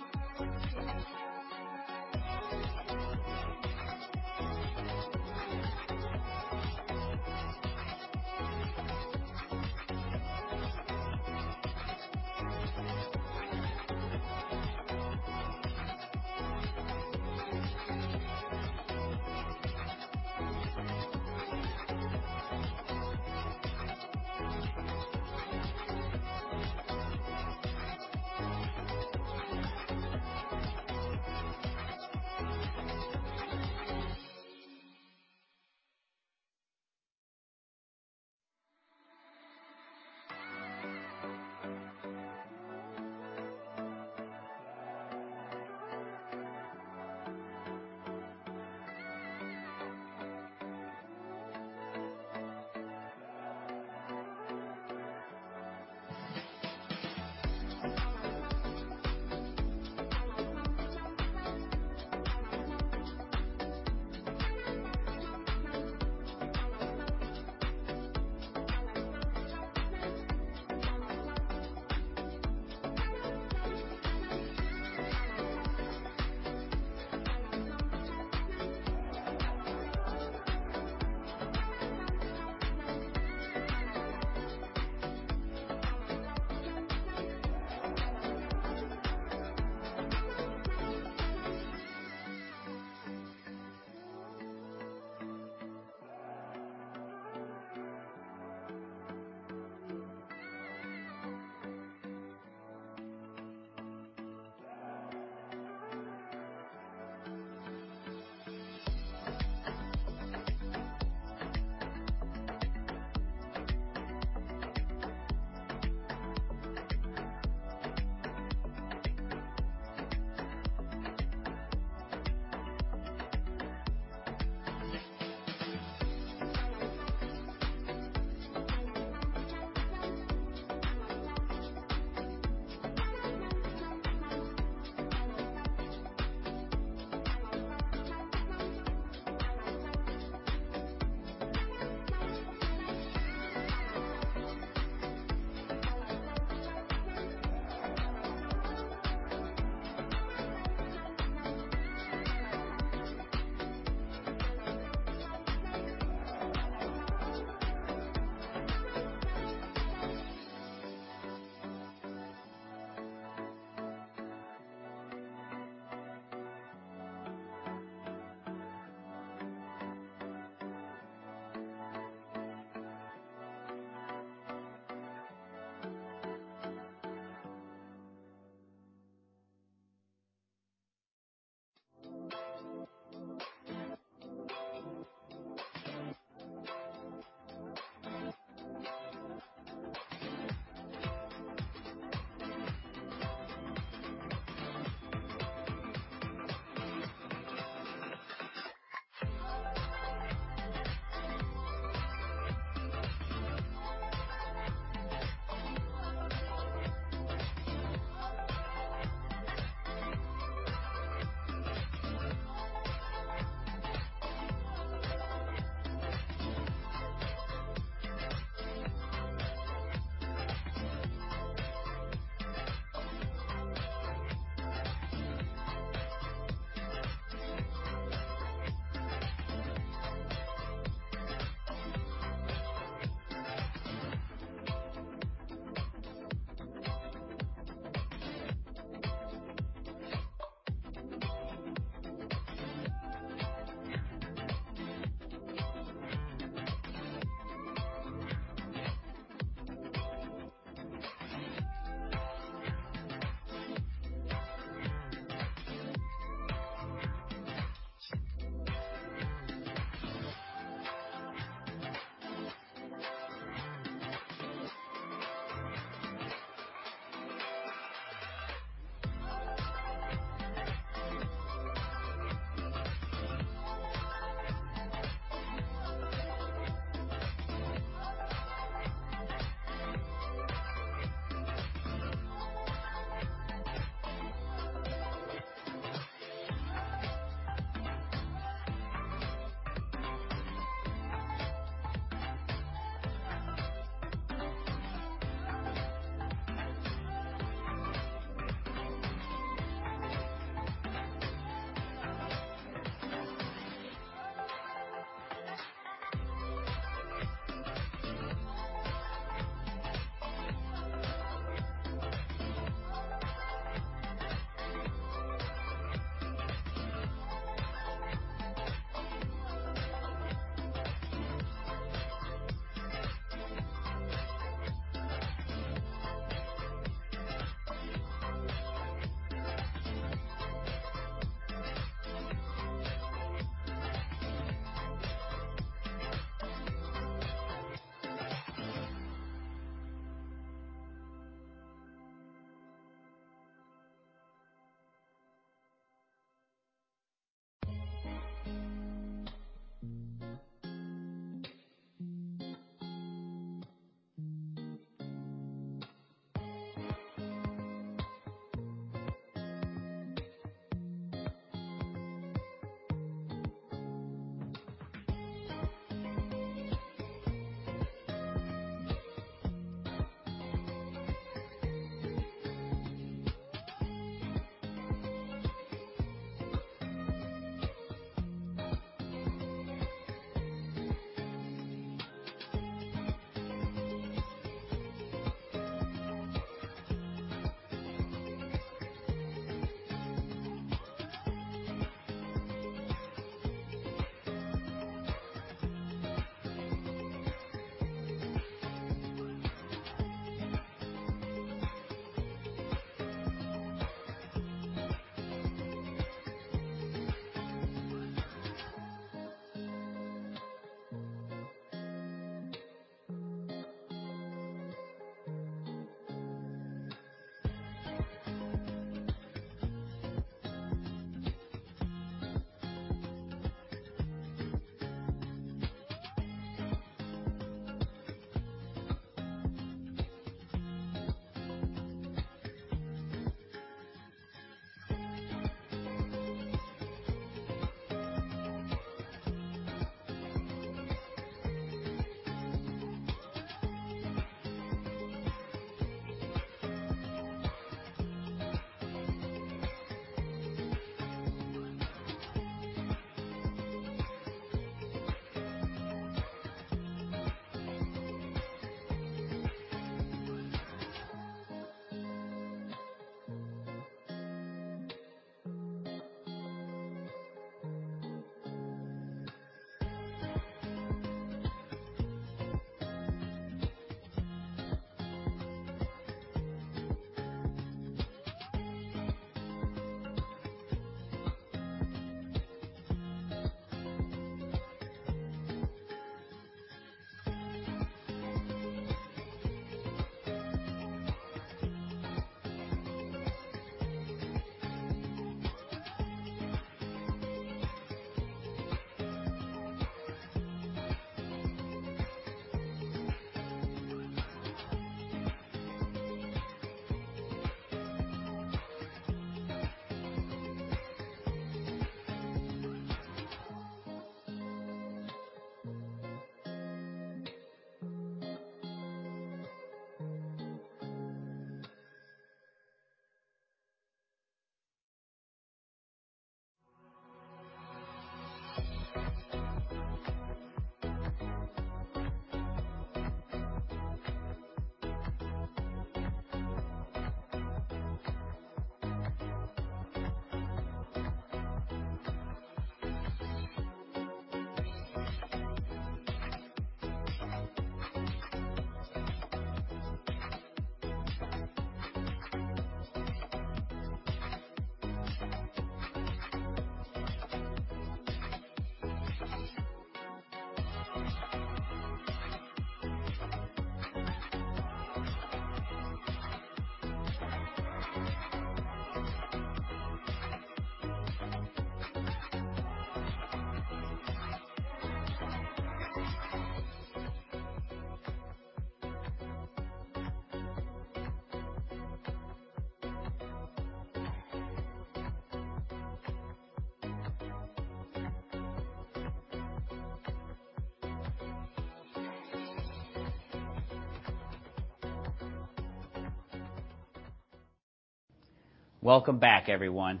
S2: Welcome back, everyone.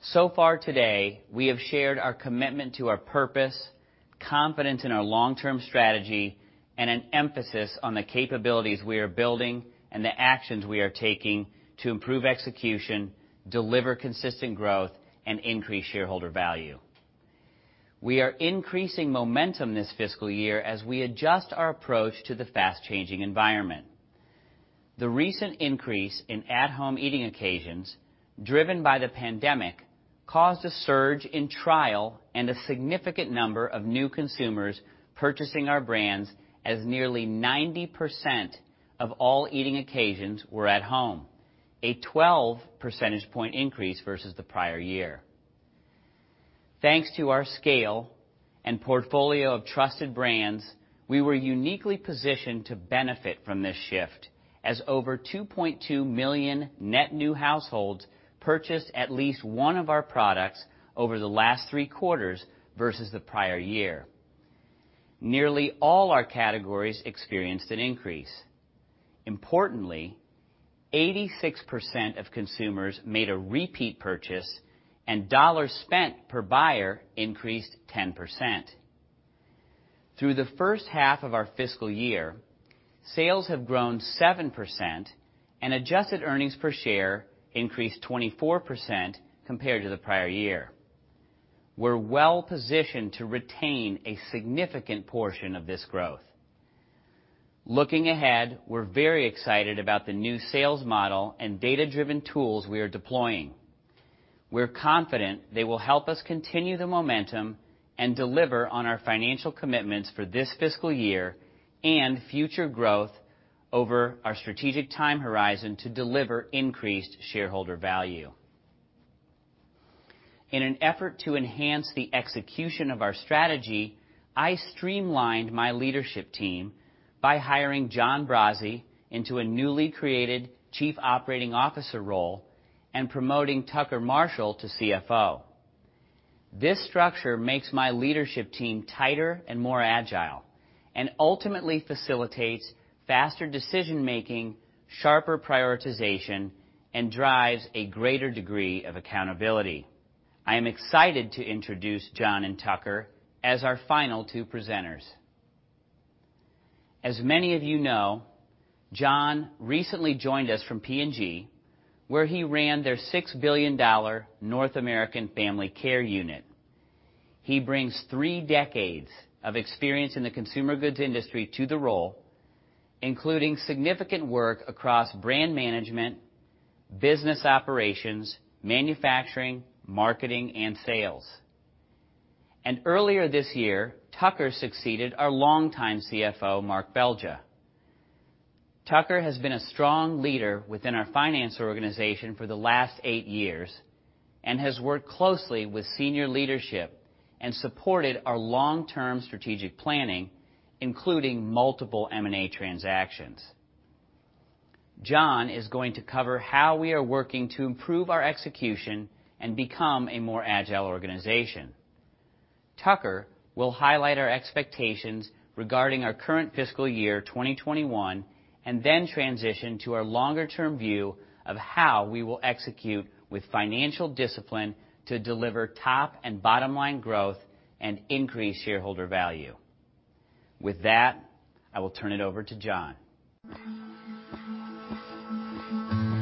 S2: So far today, we have shared our commitment to our purpose, confidence in our long-term strategy, and an emphasis on the capabilities we are building and the actions we are taking to improve execution, deliver consistent growth, and increase shareholder value. We are increasing momentum this fiscal year as we adjust our approach to the fast-changing environment. The recent increase in at-home eating occasions, driven by the pandemic, caused a surge in trial and a significant number of new consumers purchasing our brands, as nearly 90% of all eating occasions were at home, a 12 percentage point increase versus the prior year. Thanks to our scale and portfolio of trusted brands, we were uniquely positioned to benefit from this shift, as over 2.2 million net new households purchased at least one of our products over the last three quarters versus the prior year. Nearly all our categories experienced an increase. Importantly, 86% of consumers made a repeat purchase, and dollars spent per buyer increased 10%. Through the first half of our fiscal year, sales have grown 7%, and adjusted earnings per share increased 24% compared to the prior year. We're well positioned to retain a significant portion of this growth. Looking ahead, we're very excited about the new sales model and data-driven tools we are deploying. We're confident they will help us continue the momentum and deliver on our financial commitments for this fiscal year and future growth over our strategic time horizon to deliver increased shareholder value. In an effort to enhance the execution of our strategy, I streamlined my leadership team by hiring John Brase into a newly created Chief Operating Officer role and promoting Tucker Marshall to CFO. This structure makes my leadership team tighter and more agile, and ultimately facilitates faster decision-making, sharper prioritization, and drives a greater degree of accountability. I am excited to introduce John and Tucker as our final two presenters. As many of you know, John recently joined us from P&G, where he ran their $6 billion North American Family Care Unit. He brings three decades of experience in the consumer goods industry to the role, including significant work across brand management, business operations, manufacturing, marketing, and sales. Earlier this year, Tucker succeeded our longtime CFO, Mark Belgya. Tucker has been a strong leader within our finance organization for the last eight years and has worked closely with senior leadership and supported our long-term strategic planning, including multiple M&A transactions. John is going to cover how we are working to improve our execution and become a more agile organization. Tucker will highlight our expectations regarding our current Fiscal Year 2021 and then transition to our longer-term view of how we will execute with financial discipline to deliver top and bottom-line growth and increase shareholder value. With that, I will turn it over to John.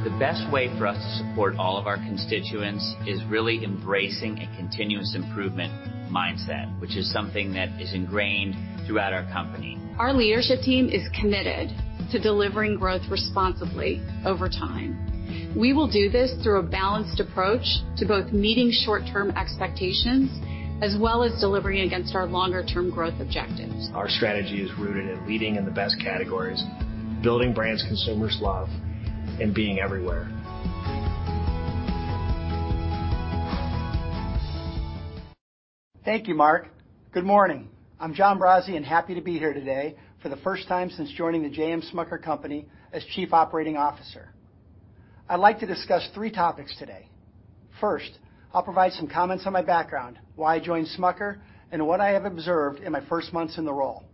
S2: The best way for us to support all of our constituents is really embracing a continuous improvement mindset, which is something that is ingrained throughout our company. Our leadership team is committed to delivering growth responsibly over time. We will do this through a balanced approach to both meeting short-term expectations as well as delivering against our longer-term growth objectives. Our strategy is rooted in leading in the best categories, building brands consumers love, and being everywhere.
S7: Thank you, Mark. Good morning. I'm John Brase and happy to be here today for the first time since joining the J. M. Smucker Company as Chief Operating Officer. I'd like to discuss three topics today. First, I'll provide some comments on my background, why I joined Smucker, and what I have observed in my first months in the role.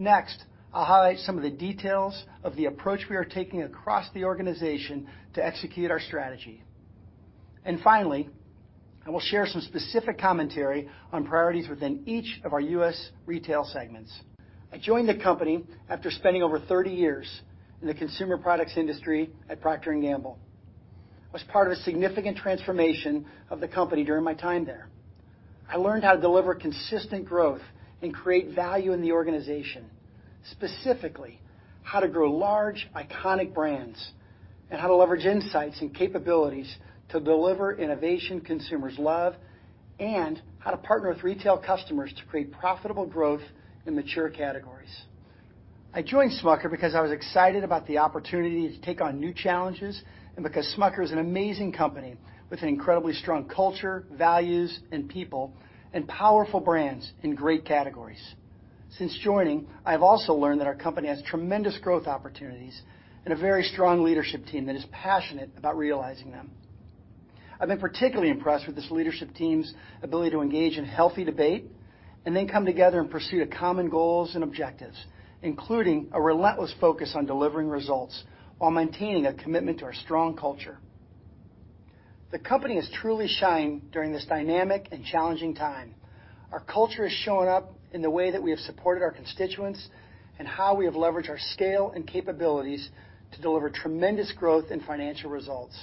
S7: Next, I'll highlight some of the details of the approach we are taking across the organization to execute our strategy, and finally, I will share some specific commentary on priorities within each of our U.S. retail segments. I joined the company after spending over 30 years in the consumer products industry at Procter & Gamble. I was part of a significant transformation of the company during my time there. I learned how to deliver consistent growth and create value in the organization, specifically how to grow large, iconic brands and how to leverage insights and capabilities to deliver innovation consumers love, and how to partner with retail customers to create profitable growth in mature categories. I joined Smucker because I was excited about the opportunity to take on new challenges and because Smucker is an amazing company with an incredibly strong culture, values, and people, and powerful brands in great categories. Since joining, I have also learned that our company has tremendous growth opportunities and a very strong leadership team that is passionate about realizing them. I've been particularly impressed with this leadership team's ability to engage in healthy debate and then come together and pursue common goals and objectives, including a relentless focus on delivering results while maintaining a commitment to our strong culture. The company is truly shining during this dynamic and challenging time. Our culture has shown up in the way that we have supported our constituents and how we have leveraged our scale and capabilities to deliver tremendous growth and financial results.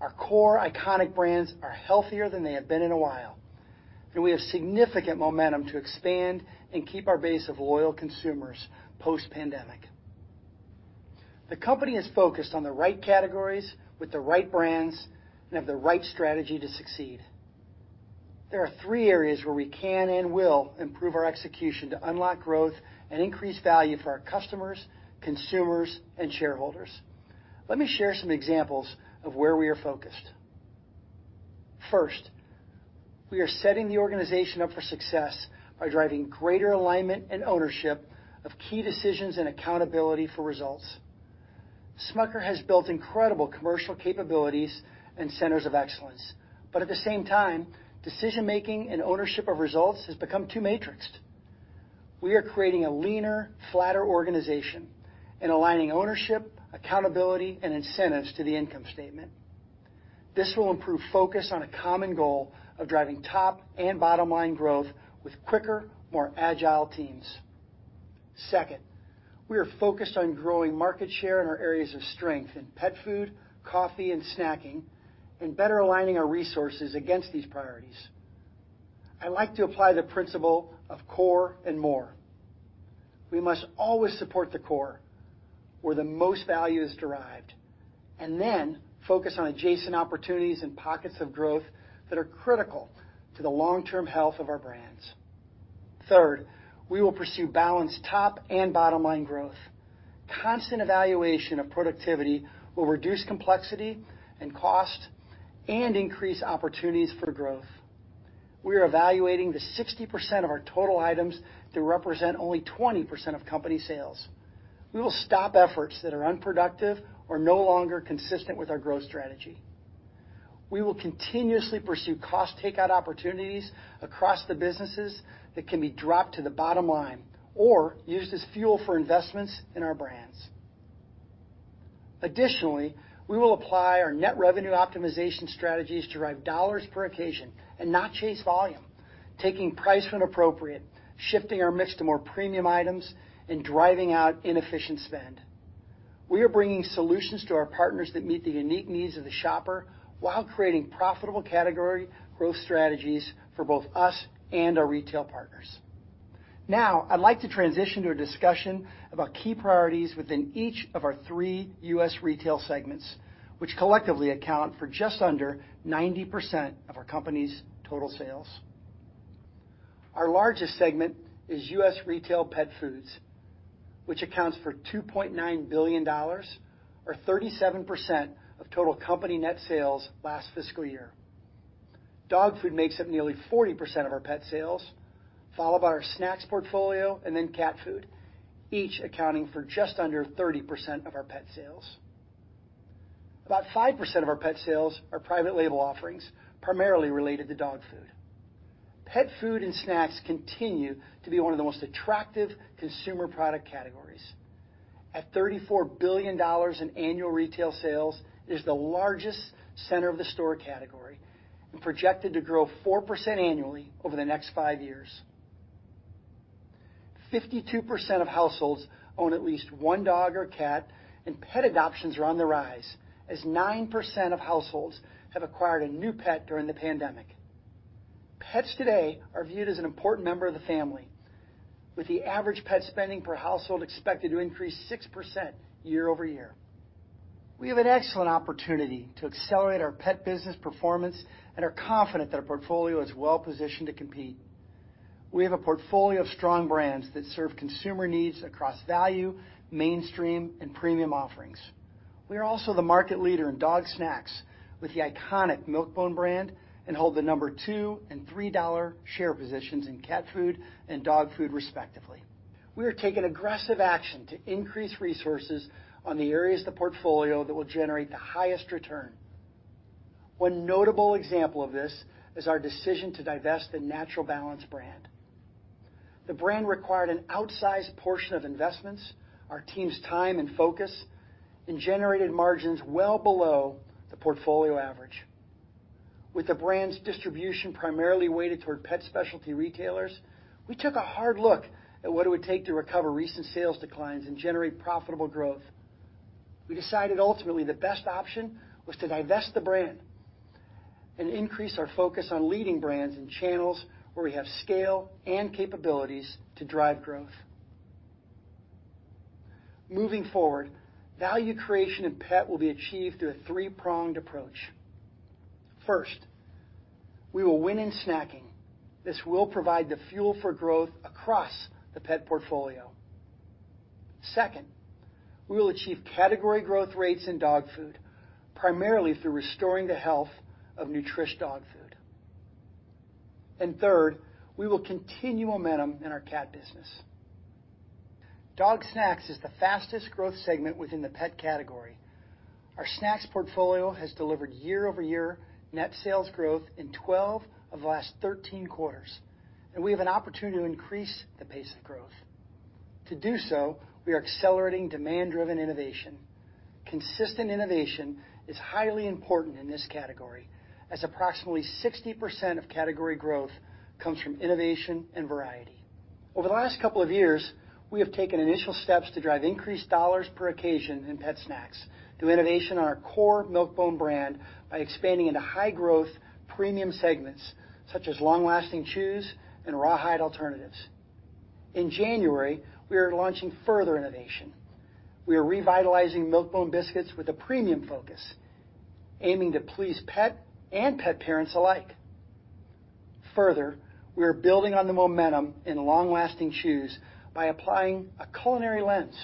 S7: Our core, iconic brands are healthier than they have been in a while, and we have significant momentum to expand and keep our base of loyal consumers post-pandemic. The company is focused on the right categories with the right brands and have the right strategy to succeed. There are three areas where we can and will improve our execution to unlock growth and increase value for our customers, consumers, and shareholders. Let me share some examples of where we are focused. First, we are setting the organization up for success by driving greater alignment and ownership of key decisions and accountability for results. Smucker has built incredible commercial capabilities and centers of excellence, but at the same time, decision-making and ownership of results has become too matrixed. We are creating a leaner, flatter organization and aligning ownership, accountability, and incentives to the income statement. This will improve focus on a common goal of driving top and bottom-line growth with quicker, more agile teams. Second, we are focused on growing market share in our areas of strength in pet food, coffee, and snacking, and better aligning our resources against these priorities. I like to apply the principle of core and more. We must always support the core, where the most value is derived, and then focus on adjacent opportunities and pockets of growth that are critical to the long-term health of our brands. Third, we will pursue balanced top and bottom-line growth. Constant evaluation of productivity will reduce complexity and cost and increase opportunities for growth. We are evaluating the 60% of our total items to represent only 20% of company sales. We will stop efforts that are unproductive or no longer consistent with our growth strategy. We will continuously pursue cost takeout opportunities across the businesses that can be dropped to the bottom line or used as fuel for investments in our brands. Additionally, we will apply our net revenue optimization strategies to drive dollars per occasion and not chase volume, taking price when appropriate, shifting our mix to more premium items, and driving out inefficient spend. We are bringing solutions to our partners that meet the unique needs of the shopper while creating profitable category growth strategies for both us and our retail partners. Now, I'd like to transition to a discussion about key priorities within each of our three U.S. retail segments, which collectively account for just under 90% of our company's total sales. Our largest segment is U.S. retail pet foods, which accounts for $2.9 billion, or 37% of total company net sales last fiscal year. Dog food makes up nearly 40% of our pet sales, followed by our snacks portfolio and then cat food, each accounting for just under 30% of our pet sales. About 5% of our pet sales are private label offerings, primarily related to dog food. Pet food and snacks continue to be one of the most attractive consumer product categories. At $34 billion in annual retail sales, it is the largest center of the store category and projected to grow 4% annually over the next five years. 52% of households own at least one dog or cat, and pet adoptions are on the rise, as 9% of households have acquired a new pet during the pandemic. Pets today are viewed as an important member of the family, with the average pet spending per household expected to increase 6% year over year. We have an excellent opportunity to accelerate our pet business performance, and are confident that our portfolio is well positioned to compete. We have a portfolio of strong brands that serve consumer needs across value, mainstream, and premium offerings. We are also the market leader in dog snacks with the iconic Milk-Bone brand and hold the number two and three dollar share positions in cat food and dog food, respectively. We are taking aggressive action to increase resources on the areas of the portfolio that will generate the highest return. One notable example of this is our decision to divest the Natural Balance brand. The brand required an outsized portion of investments, our team's time and focus, and generated margins well below the portfolio average. With the brand's distribution primarily weighted toward pet specialty retailers, we took a hard look at what it would take to recover recent sales declines and generate profitable growth. We decided ultimately the best option was to divest the brand and increase our focus on leading brands and channels where we have scale and capabilities to drive growth. Moving forward, value creation in pet will be achieved through a three-pronged approach. First, we will win in snacking. This will provide the fuel for growth across the pet portfolio. Second, we will achieve category growth rates in dog food, primarily through restoring the health of Nutrish dog food. And third, we will continue momentum in our cat business. Dog snacks is the fastest growth segment within the pet category. Our snacks portfolio has delivered year-over-year net sales growth in 12 of the last 13 quarters, and we have an opportunity to increase the pace of growth. To do so, we are accelerating demand-driven innovation. Consistent innovation is highly important in this category, as approximately 60% of category growth comes from innovation and variety. Over the last couple of years, we have taken initial steps to drive increased dollars per occasion in pet snacks through innovation on our core Milk-Bone brand by expanding into high-growth premium segments such as long-lasting chews and rawhide alternatives. In January, we are launching further innovation. We are revitalizing Milk-Bone biscuits with a premium focus, aiming to please pet and pet parents alike. Further, we are building on the momentum in long-lasting chews by applying a culinary lens.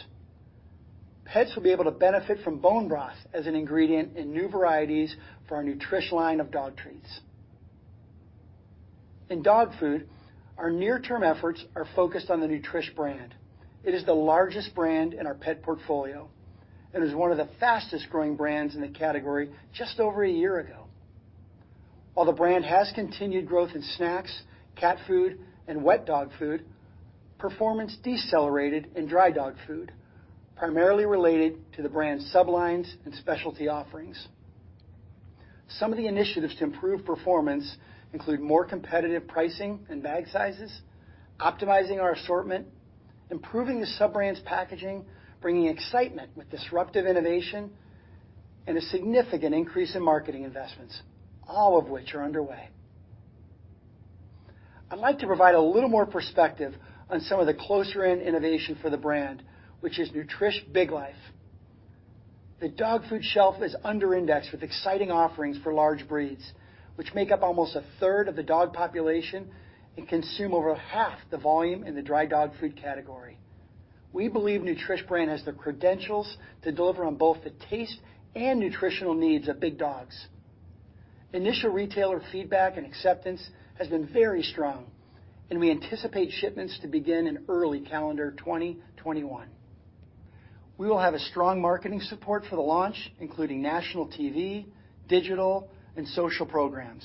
S7: Pets will be able to benefit from bone broth as an ingredient in new varieties for our nutritious line of dog treats. In dog food, our near-term efforts are focused on the Nutrish brand. It is the largest brand in our pet portfolio and is one of the fastest-growing brands in the category just over a year ago. While the brand has continued growth in snacks, cat food, and wet dog food, performance decelerated in dry dog food, primarily related to the brand's sublines and specialty offerings. Some of the initiatives to improve performance include more competitive pricing and bag sizes, optimizing our assortment, improving the sub-brand's packaging, bringing excitement with disruptive innovation, and a significant increase in marketing investments, all of which are underway. I'd like to provide a little more perspective on some of the closer-in innovation for the brand, which is Nutrish Big Life. The dog food shelf is under-indexed with exciting offerings for large breeds, which make up almost a third of the dog population and consume over half the volume in the dry dog food category. We believe Nutrish brand has the credentials to deliver on both the taste and nutritional needs of big dogs. Initial retailer feedback and acceptance has been very strong, and we anticipate shipments to begin in early calendar 2021. We will have a strong marketing support for the launch, including national TV, digital, and social programs.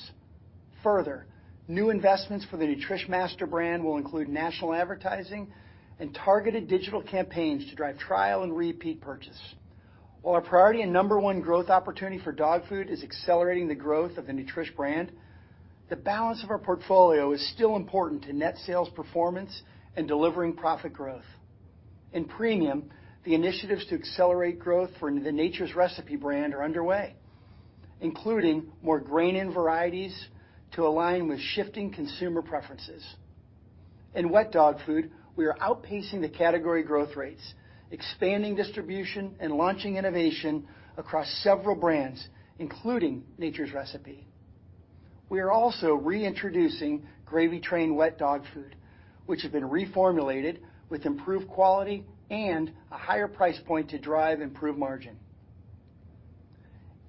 S7: Further, new investments for the Nutrish Master brand will include national advertising and targeted digital campaigns to drive trial and repeat purchase. While our priority and number one growth opportunity for dog food is accelerating the growth of the Nutrish brand, the balance of our portfolio is still important to net sales performance and delivering profit growth. In premium, the initiatives to accelerate growth for the Nature's Recipe brand are underway, including more grain and varieties to align with shifting consumer preferences. In wet dog food, we are outpacing the category growth rates, expanding distribution, and launching innovation across several brands, including Nature's Recipe. We are also reintroducing Gravy Train wet dog food, which has been reformulated with improved quality and a higher price point to drive improved margin.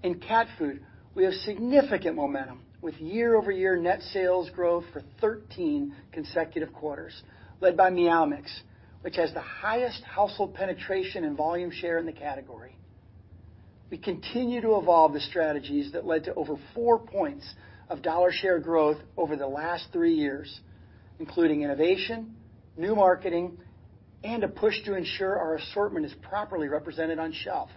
S7: In cat food, we have significant momentum with year-over-year net sales growth for 13 consecutive quarters, led by Meow Mix, which has the highest household penetration and volume share in the category. We continue to evolve the strategies that led to over four points of dollar share growth over the last three years, including innovation, new marketing, and a push to ensure our assortment is properly represented on shelf,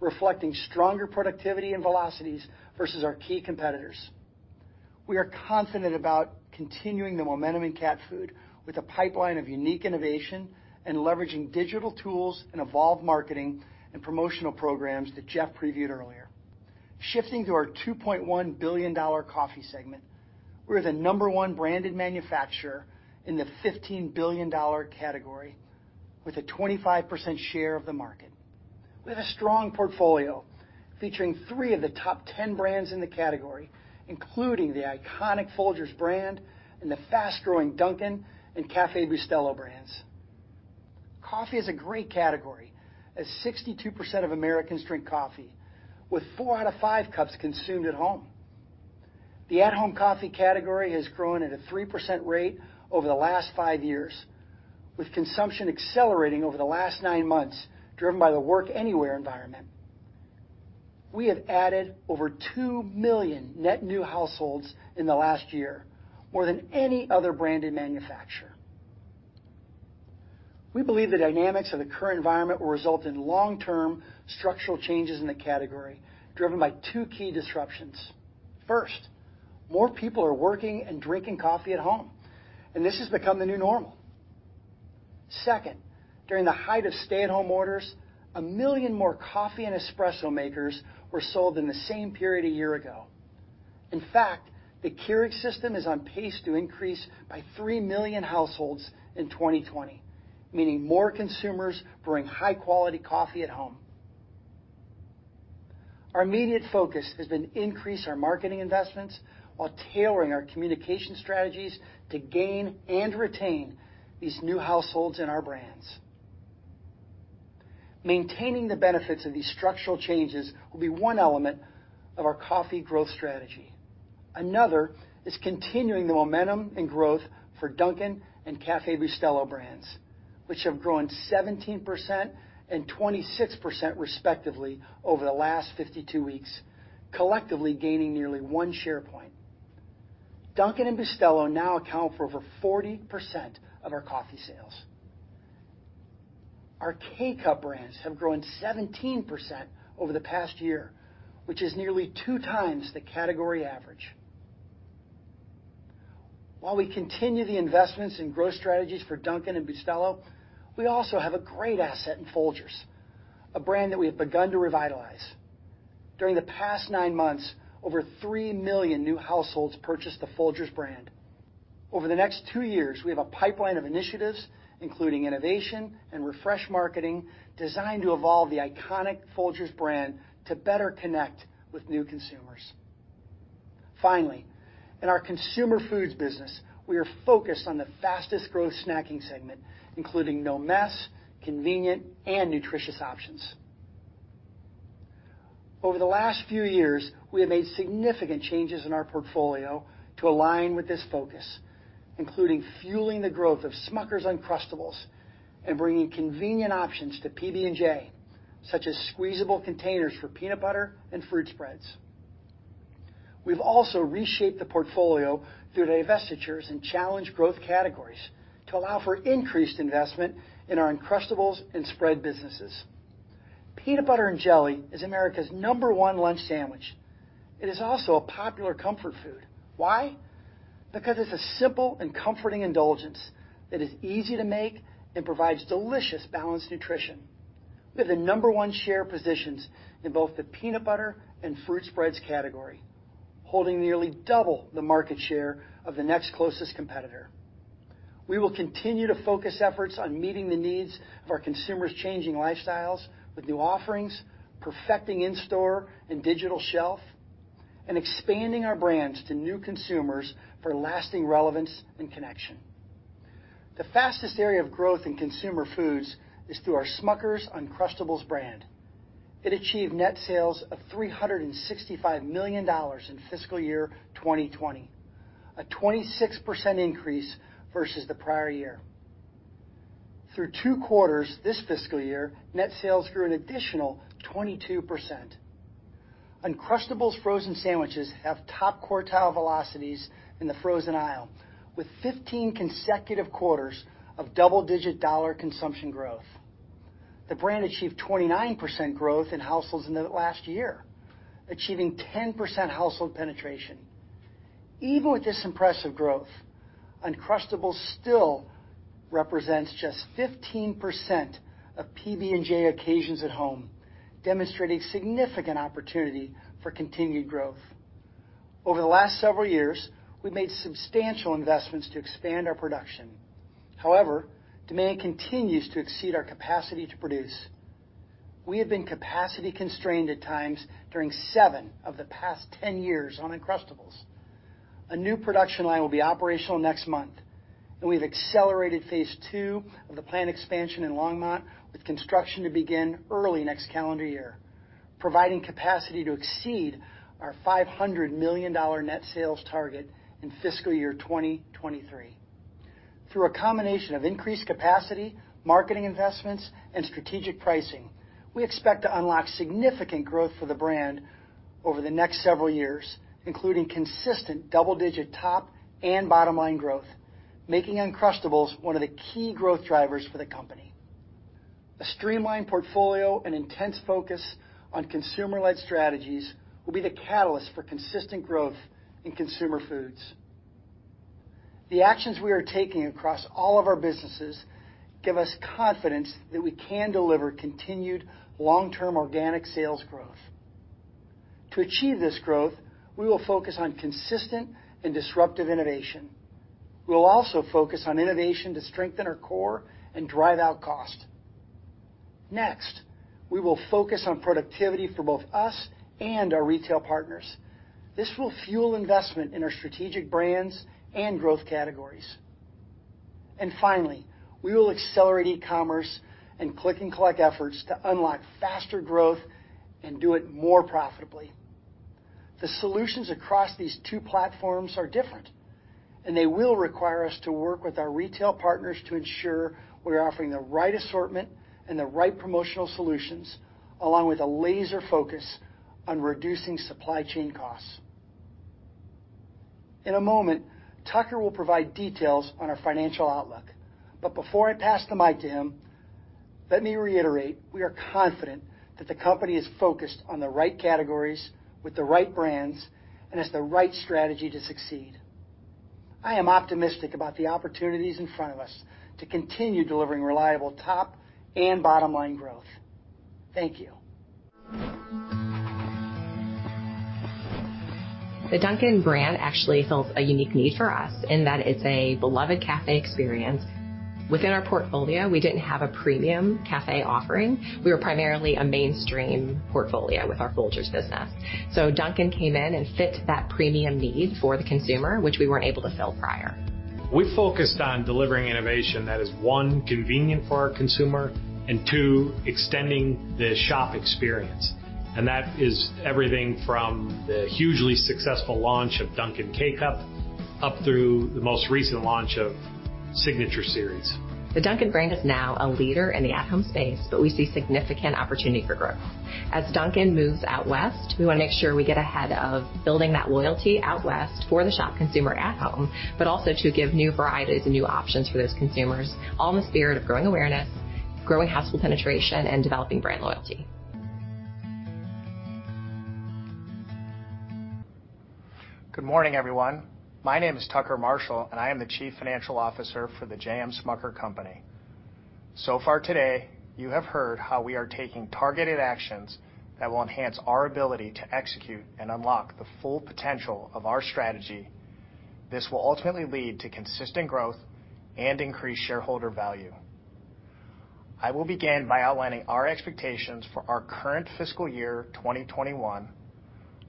S7: reflecting stronger productivity and velocities versus our key competitors. We are confident about continuing the momentum in cat food with a pipeline of unique innovation and leveraging digital tools and evolved marketing and promotional programs that Geoff previewed earlier. Shifting to our $2.1 billion coffee segment, we are the number one branded manufacturer in the $15 billion category with a 25% share of the market. We have a strong portfolio featuring three of the top 10 brands in the category, including the iconic Folgers brand and the fast-growing Dunkin' and Café Bustelo brands. Coffee is a great category, as 62% of Americans drink coffee, with four out of five cups consumed at home. The at-home coffee category has grown at a 3% rate over the last five years, with consumption accelerating over the last nine months driven by the work-anywhere environment. We have added over two million net new households in the last year, more than any other branded manufacturer. We believe the dynamics of the current environment will result in long-term structural changes in the category driven by two key disruptions. First, more people are working and drinking coffee at home, and this has become the new normal. Second, during the height of stay-at-home orders, a million more coffee and espresso makers were sold in the same period a year ago. In fact, the Keurig system is on pace to increase by three million households in 2020, meaning more consumers brewing high-quality coffee at home. Our immediate focus has been to increase our marketing investments while tailoring our communication strategies to gain and retain these new households in our brands. Maintaining the benefits of these structural changes will be one element of our coffee growth strategy. Another is continuing the momentum and growth for Dunkin' and Café Bustelo brands, which have grown 17% and 26% respectively over the last 52 weeks, collectively gaining nearly one share point. Dunkin' and Bustelo now account for over 40% of our coffee sales. Our K-Cup brands have grown 17% over the past year, which is nearly two times the category average. While we continue the investments and growth strategies for Dunkin' and Bustelo, we also have a great asset in Folgers, a brand that we have begun to revitalize. During the past nine months, over three million new households purchased the Folgers brand. Over the next two years, we have a pipeline of initiatives, including innovation and refresh marketing, designed to evolve the iconic Folgers brand to better connect with new consumers. Finally, in our consumer foods business, we are focused on the fastest-growth snacking segment, including no-mess, convenient, and nutritious options. Over the last few years, we have made significant changes in our portfolio to align with this focus, including fueling the growth of Smucker's Uncrustables and bringing convenient options to PB&J, such as squeezable containers for peanut butter and fruit spreads. We've also reshaped the portfolio through divestitures and challenged growth categories to allow for increased investment in our Uncrustables and spread businesses. Peanut butter and jelly is America's number one lunch sandwich. It is also a popular comfort food. Why? Because it's a simple and comforting indulgence that is easy to make and provides delicious balanced nutrition. We have the number one share positions in both the peanut butter and fruit spreads category, holding nearly double the market share of the next closest competitor. We will continue to focus efforts on meeting the needs of our consumers' changing lifestyles with new offerings, perfecting in-store and digital shelf, and expanding our brands to new consumers for lasting relevance and connection. The fastest area of growth in consumer foods is through our Smucker's Uncrustables brand. It achieved net sales of $365 million in Fiscal Year 2020, a 26% increase versus the prior year. Through two quarters this fiscal year, net sales grew an additional 22%. Uncrustables frozen sandwiches have top quartile velocities in the frozen aisle, with 15 consecutive quarters of double-digit dollar consumption growth. The brand achieved 29% growth in households in the last year, achieving 10% household penetration. Even with this impressive growth, Uncrustables still represents just 15% of PB&J occasions at home, demonstrating significant opportunity for continued growth. Over the last several years, we've made substantial investments to expand our production. However, demand continues to exceed our capacity to produce. We have been capacity-constrained at times during seven of the past 10 years on Uncrustables. A new production line will be operational next month, and we've accelerated phase two of the planned expansion in Longmont, with construction to begin early next calendar year, providing capacity to exceed our $500 million net sales target in Fiscal Year 2023. Through a combination of increased capacity, marketing investments, and strategic pricing, we expect to unlock significant growth for the brand over the next several years, including consistent double-digit top and bottom-line growth, making Uncrustables one of the key growth drivers for the company. A streamlined portfolio and intense focus on consumer-led strategies will be the catalyst for consistent growth in consumer foods. The actions we are taking across all of our businesses give us confidence that we can deliver continued long-term organic sales growth. To achieve this growth, we will focus on consistent and disruptive innovation. We'll also focus on innovation to strengthen our core and drive out cost. Next, we will focus on productivity for both us and our retail partners. This will fuel investment in our strategic brands and growth categories. And finally, we will accelerate e-commerce and click-and-collect efforts to unlock faster growth and do it more profitably. The solutions across these two platforms are different, and they will require us to work with our retail partners to ensure we're offering the right assortment and the right promotional solutions, along with a laser focus on reducing supply chain costs. In a moment, Tucker will provide details on our financial outlook, but before I pass the mic to him, let me reiterate we are confident that the company is focused on the right categories with the right brands and has the right strategy to succeed. I am optimistic about the opportunities in front of us to continue delivering reliable top and bottom-line growth. Thank you. The Dunkin' brand actually fills a unique need for us in that it's a beloved café experience. Within our portfolio, we didn't have a premium café offering. We were primarily a mainstream portfolio with our Folgers business. So Dunkin' came in and fit that premium need for the consumer, which we weren't able to fill prior. We focused on delivering innovation that is, one, convenient for our consumer, and two, extending the shop experience. And that is everything from the hugely successful launch of Dunkin' K-Cup up through the most recent launch of Signature Series.
S8: The Dunkin' brand is now a leader in the at-home space, but we see significant opportunity for growth. As Dunkin' moves out west, we want to make sure we get ahead of building that loyalty out west for the shop consumer at home, but also to give new varieties and new options for those consumers, all in the spirit of growing awareness, growing household penetration, and developing brand loyalty.
S9: Good morning, everyone. My name is Tucker Marshall, and I am the Chief Financial Officer for the J. M. Smucker Company. So far today, you have heard how we are taking targeted actions that will enhance our ability to execute and unlock the full potential of our strategy. This will ultimately lead to consistent growth and increased shareholder value. I will begin by outlining our expectations for our current Fiscal Year 2021.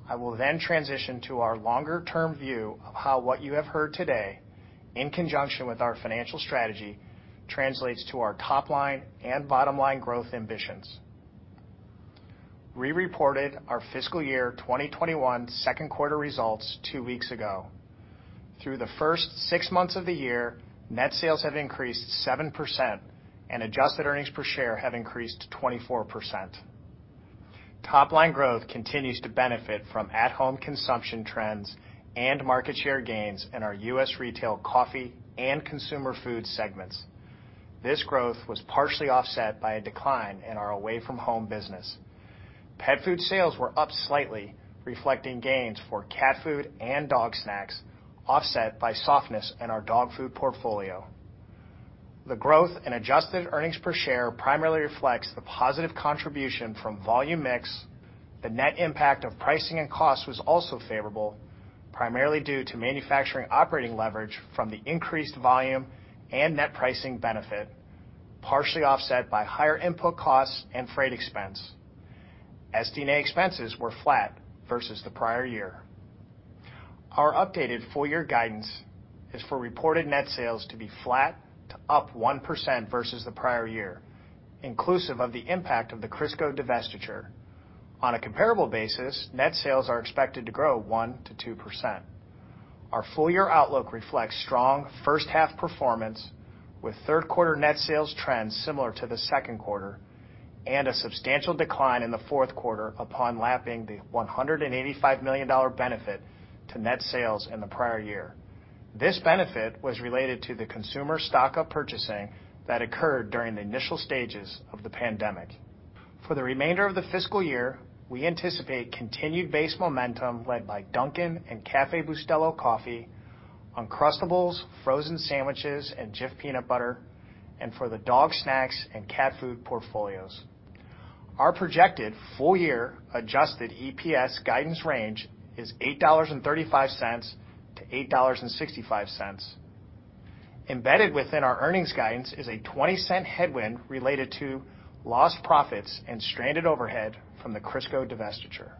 S9: I will then transition to our longer-term view of how what you have heard today, in conjunction with our financial strategy, translates to our top-line and bottom-line growth ambitions. We reported our Fiscal Year 2021 second quarter results two weeks ago. Through the first six months of the year, net sales have increased 7%, and adjusted earnings per share have increased 24%. Top-line growth continues to benefit from at-home consumption trends and market share gains in our U.S. retail coffee and consumer food segments. This growth was partially offset by a decline in our away-from-home business. Pet food sales were up slightly, reflecting gains for cat food and dog snacks, offset by softness in our dog food portfolio. The growth in adjusted earnings per share primarily reflects the positive contribution from volume mix. The net impact of pricing and costs was also favorable, primarily due to manufacturing operating leverage from the increased volume and net pricing benefit, partially offset by higher input costs and freight expense. SD&A expenses were flat versus the prior year. Our updated full-year guidance is for reported net sales to be flat to up 1% versus the prior year, inclusive of the impact of the Crisco Divestiture. On a comparable basis, net sales are expected to grow 1%-2%. Our full-year outlook reflects strong first-half performance, with third-quarter net sales trends similar to the second quarter and a substantial decline in the fourth quarter upon lapping the $185 million benefit to net sales in the prior year. This benefit was related to the consumer stock-up purchasing that occurred during the initial stages of the pandemic. For the remainder of the fiscal year, we anticipate continued base momentum led by Dunkin' and Café Bustelo Coffee, Uncrustables, frozen sandwiches, and Jif peanut butter, and for the dog snacks and cat food portfolios. Our projected full-year Adjusted EPS guidance range is $8.35-$8.65. Embedded within our earnings guidance is a $0.20 headwind related to lost profits and stranded overhead from the Crisco Divestiture.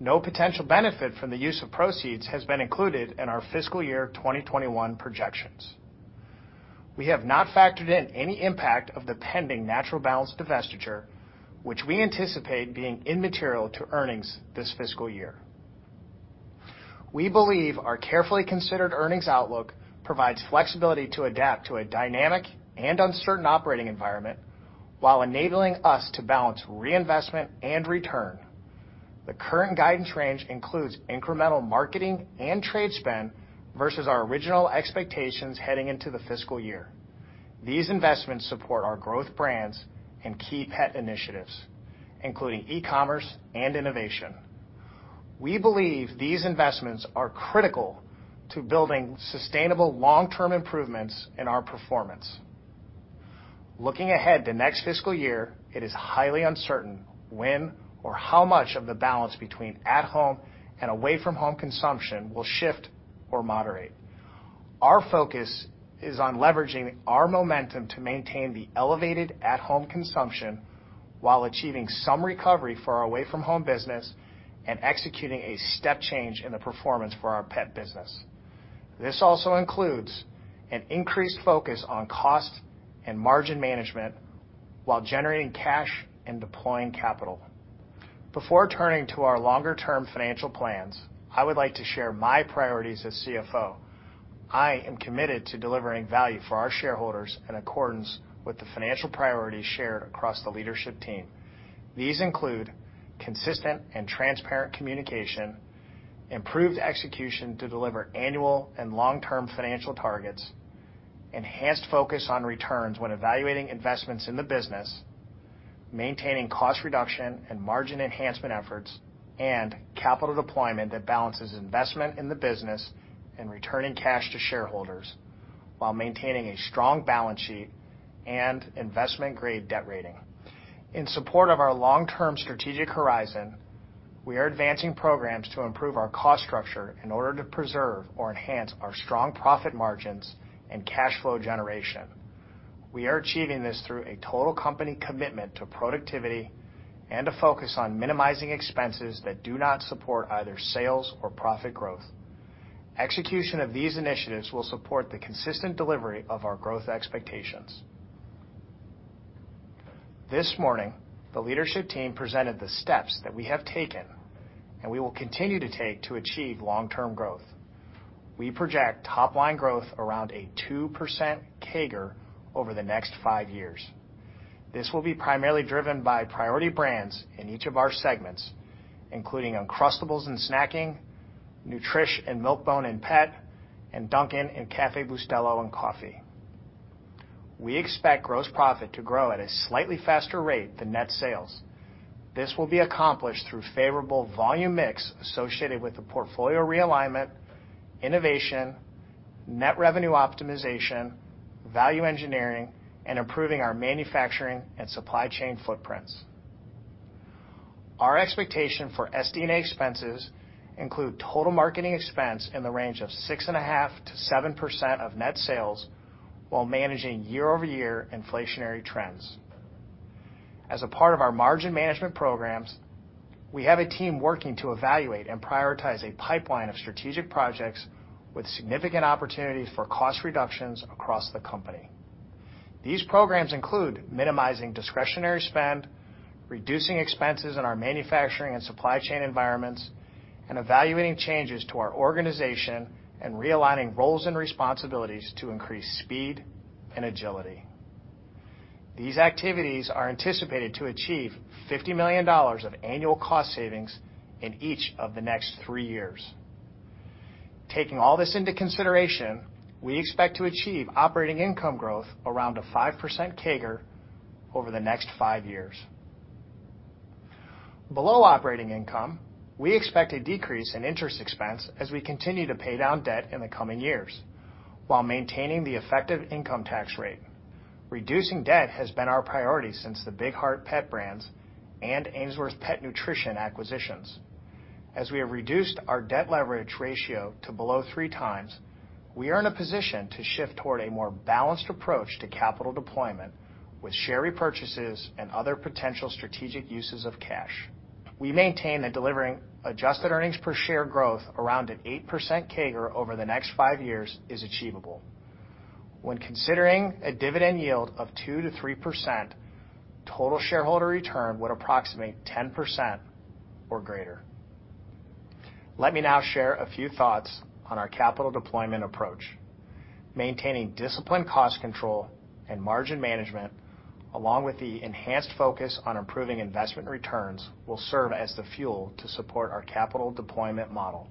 S9: No potential benefit from the use of proceeds has been included in our Fiscal Year 2021 projections. We have not factored in any impact of the pending Natural Balance divestiture, which we anticipate being immaterial to earnings this fiscal year. We believe our carefully considered earnings outlook provides flexibility to adapt to a dynamic and uncertain operating environment while enabling us to balance reinvestment and return. The current guidance range includes incremental marketing and trade spend versus our original expectations heading into the fiscal year. These investments support our growth brands and key pet initiatives, including e-commerce and innovation. We believe these investments are critical to building sustainable long-term improvements in our performance. Looking ahead to next fiscal year, it is highly uncertain when or how much of the balance between at-home and away-from-home consumption will shift or moderate. Our focus is on leveraging our momentum to maintain the elevated at-home consumption while achieving some recovery for our away-from-home business and executing a step change in the performance for our pet business. This also includes an increased focus on cost and margin management while generating cash and deploying capital. Before turning to our longer-term financial plans, I would like to share my priorities as CFO. I am committed to delivering value for our shareholders in accordance with the financial priorities shared across the leadership team. These include consistent and transparent communication, improved execution to deliver annual and long-term financial targets, enhanced focus on returns when evaluating investments in the business, maintaining cost reduction and margin enhancement efforts, and capital deployment that balances investment in the business and returning cash to shareholders while maintaining a strong balance sheet and investment-grade debt rating. In support of our long-term strategic horizon, we are advancing programs to improve our cost structure in order to preserve or enhance our strong profit margins and cash flow generation. We are achieving this through a total company commitment to productivity and a focus on minimizing expenses that do not support either sales or profit growth. Execution of these initiatives will support the consistent delivery of our growth expectations. This morning, the leadership team presented the steps that we have taken and we will continue to take to achieve long-term growth. We project top-line growth around a 2% CAGR over the next five years. This will be primarily driven by priority brands in each of our segments, including Uncrustables and snacking, Nutrish and Milk-Bone and Pet, and Dunkin' and Café Bustelo and Coffee. We expect gross profit to grow at a slightly faster rate than net sales. This will be accomplished through favorable volume mix associated with the portfolio realignment, innovation, net revenue optimization, value engineering, and improving our manufacturing and supply chain footprints. Our expectation for SD&A expenses includes total marketing expense in the range of 6.5%-7% of net sales while managing year-over-year inflationary trends. As a part of our margin management programs, we have a team working to evaluate and prioritize a pipeline of strategic projects with significant opportunities for cost reductions across the company. These programs include minimizing discretionary spend, reducing expenses in our manufacturing and supply chain environments, and evaluating changes to our organization and realigning roles and responsibilities to increase speed and agility. These activities are anticipated to achieve $50 million of annual cost savings in each of the next three years. Taking all this into consideration, we expect to achieve operating income growth around a 5% CAGR over the next five years. Below operating income, we expect a decrease in interest expense as we continue to pay down debt in the coming years while maintaining the effective income tax rate. Reducing debt has been our priority since the Big Heart Pet Brands and Ainsworth Pet Nutrition acquisitions. As we have reduced our debt leverage ratio to below three times, we are in a position to shift toward a more balanced approach to capital deployment with share repurchases and other potential strategic uses of cash. We maintain that delivering adjusted earnings per share growth around an 8% CAGR over the next five years is achievable. When considering a dividend yield of 2%-3%, total shareholder return would approximate 10% or greater. Let me now share a few thoughts on our capital deployment approach. Maintaining disciplined cost control and margin management, along with the enhanced focus on improving investment returns, will serve as the fuel to support our capital deployment model.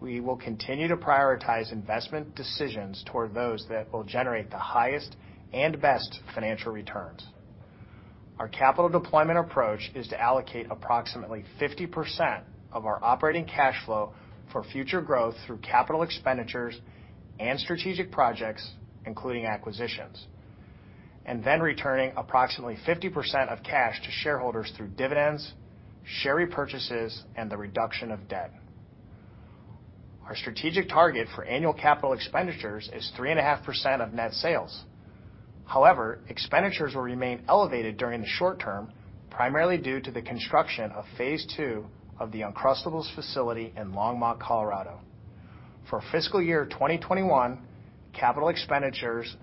S9: We will continue to prioritize investment decisions toward those that will generate the highest and best financial returns. Our capital deployment approach is to allocate approximately 50% of our operating cash flow for future growth through capital expenditures and strategic projects, including acquisitions, and then returning approximately 50% of cash to shareholders through dividends, share repurchases, and the reduction of debt. Our strategic target for annual capital expenditures is 3.5% of net sales. However, expenditures will remain elevated during the short term, primarily due to the construction of phase two of the Uncrustables facility in Longmont, Colorado. For fiscal year 2021, capital expenditures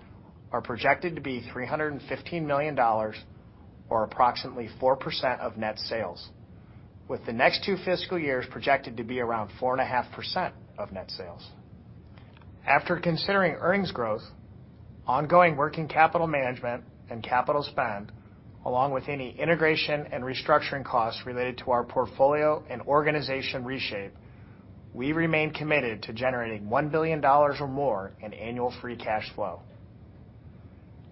S9: are projected to be $315 million or approximately 4% of net sales, with the next two fiscal years projected to be around 4.5% of net sales. After considering earnings growth, ongoing working capital management and capital spend, along with any integration and restructuring costs related to our portfolio and organization reshape, we remain committed to generating $1 billion or more in annual free cash flow.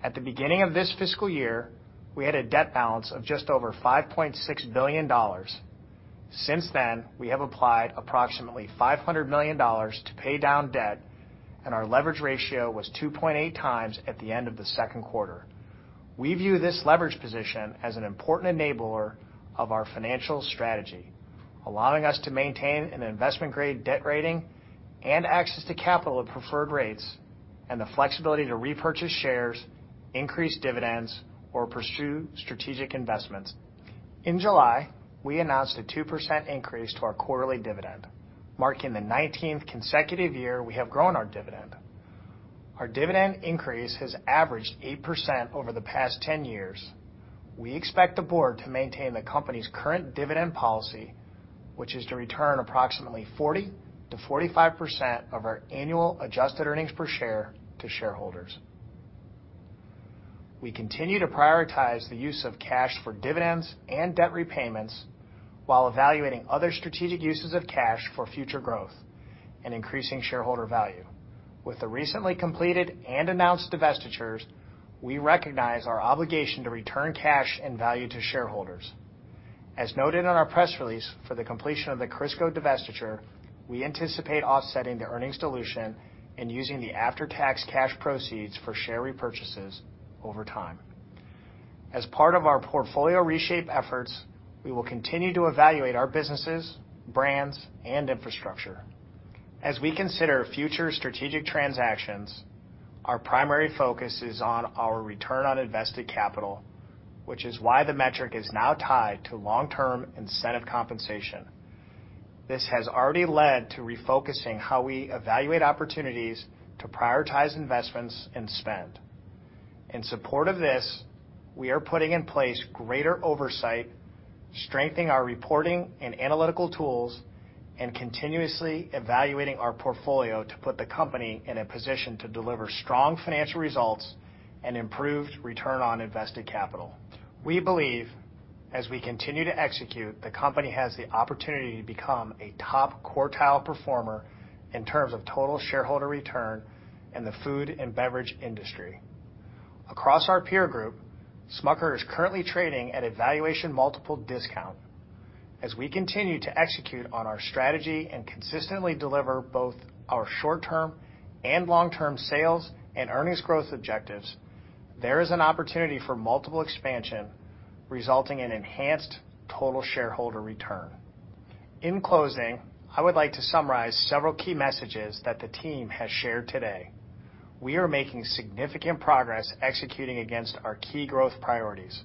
S9: At the beginning of this fiscal year, we had a debt balance of just over $5.6 billion. Since then, we have applied approximately $500 million to pay down debt, and our leverage ratio was 2.8 times at the end of the second quarter. We view this leverage position as an important enabler of our financial strategy, allowing us to maintain an investment-grade debt rating and access to capital at preferred rates and the flexibility to repurchase shares, increase dividends, or pursue strategic investments. In July, we announced a 2% increase to our quarterly dividend, marking the 19th consecutive year we have grown our dividend. Our dividend increase has averaged 8% over the past 10 years. We expect the board to maintain the company's current dividend policy, which is to return approximately 40%-45% of our annual adjusted earnings per share to shareholders. We continue to prioritize the use of cash for dividends and debt repayments while evaluating other strategic uses of cash for future growth and increasing shareholder value. With the recently completed and announced divestitures, we recognize our obligation to return cash and value to shareholders. As noted in our press release for the completion of the Crisco Divestiture, we anticipate offsetting the earnings dilution and using the after-tax cash proceeds for share repurchases over time. As part of our portfolio reshape efforts, we will continue to evaluate our businesses, brands, and infrastructure. As we consider future strategic transactions, our primary focus is on our return on invested capital, which is why the metric is now tied to long-term incentive compensation. This has already led to refocusing how we evaluate opportunities to prioritize investments and spend. In support of this, we are putting in place greater oversight, strengthening our reporting and analytical tools, and continuously evaluating our portfolio to put the company in a position to deliver strong financial results and improved return on invested capital. We believe, as we continue to execute, the company has the opportunity to become a top quartile performer in terms of total shareholder return in the food and beverage industry. Across our peer group, Smucker is currently trading at valuation multiple discount. As we continue to execute on our strategy and consistently deliver both our short-term and long-term sales and earnings growth objectives, there is an opportunity for multiple expansion, resulting in enhanced total shareholder return. In closing, I would like to summarize several key messages that the team has shared today. We are making significant progress executing against our key growth priorities.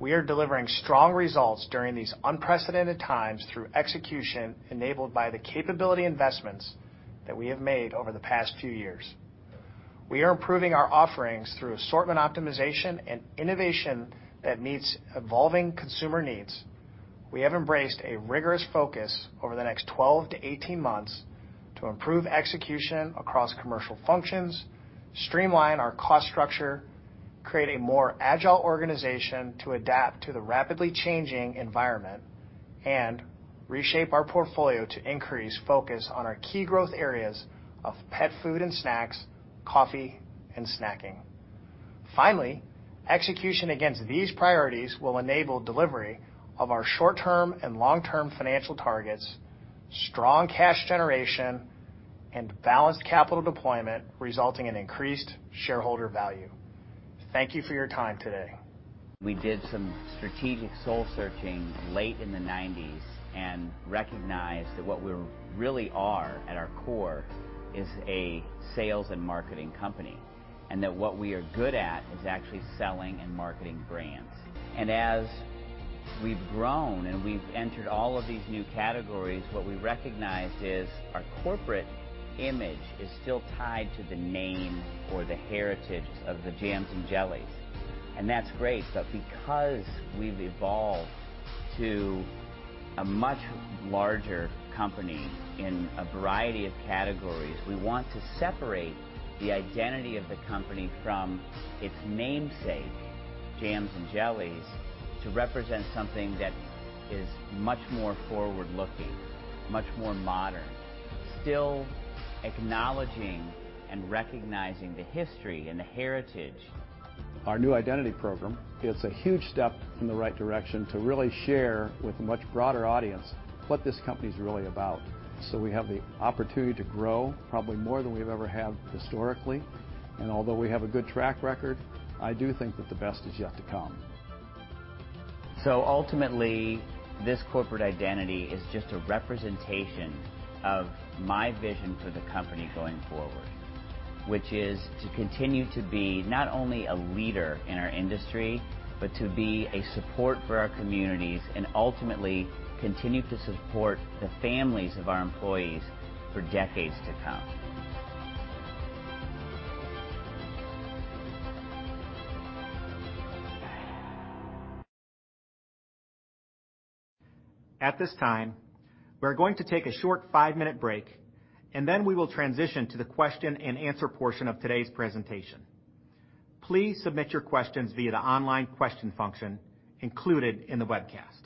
S9: We are delivering strong results during these unprecedented times through execution enabled by the capability investments that we have made over the past few years. We are improving our offerings through assortment optimization and innovation that meets evolving consumer needs. We have embraced a rigorous focus over the next 12-18 months to improve execution across commercial functions, streamline our cost structure, create a more agile organization to adapt to the rapidly changing environment, and reshape our portfolio to increase focus on our key growth areas of pet food and snacks, coffee, and snacking. Finally, execution against these priorities will enable delivery of our short-term and long-term financial targets, strong cash generation, and balanced capital deployment, resulting in increased shareholder value. Thank you for your time today.
S2: We did some strategic soul searching late in the 1990s and recognized that what we really are at our core is a sales and marketing company and that what we are good at is actually selling and marketing brands. And as we've grown and we've entered all of these new categories, what we recognized is our corporate image is still tied to the name or the heritage of the jams and jellies. And that's great, but because we've evolved to a much larger company in a variety of categories, we want to separate the identity of the company from its namesake, jams and jellies, to represent something that is much more forward-looking, much more modern, still acknowledging and recognizing the history and the heritage. Our new identity program is a huge step in the right direction to really share with a much broader audience what this company is really about. So we have the opportunity to grow probably more than we've ever had historically. And although we have a good track record, I do think that the best is yet to come. So ultimately, this corporate identity is just a representation of my vision for the company going forward, which is to continue to be not only a leader in our industry, but to be a support for our communities and ultimately continue to support the families of our employees for decades to come. At this time, we're going to take a short five-minute break, and then we will transition to the question and answer portion of today's presentation. Please submit your questions via the online question function included in the webcast.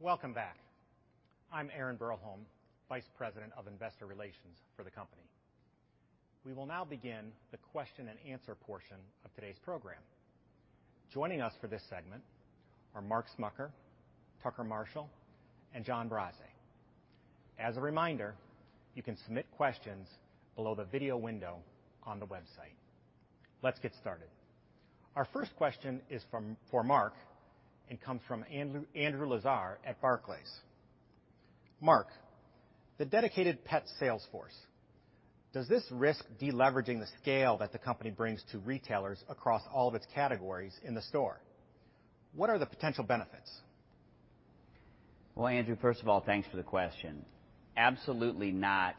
S10: Welcome back. I'm Aaron Broholm, Vice President of Investor Relations for the company. We will now begin the question and answer portion of today's program. Joining us for this segment are Mark Smucker, Tucker Marshall, and John Brase. As a reminder, you can submit questions below the video window on the website. Let's get started. Our first question is for Mark and comes from Andrew Lazar at Barclays. Mark, the dedicated pet salesforce, does this risk deleveraging the scale that the company brings to retailers across all of its categories in the store? What are the potentia
S2: l benefits? Well, Andrew, first of all, thanks for the question. Absolutely not.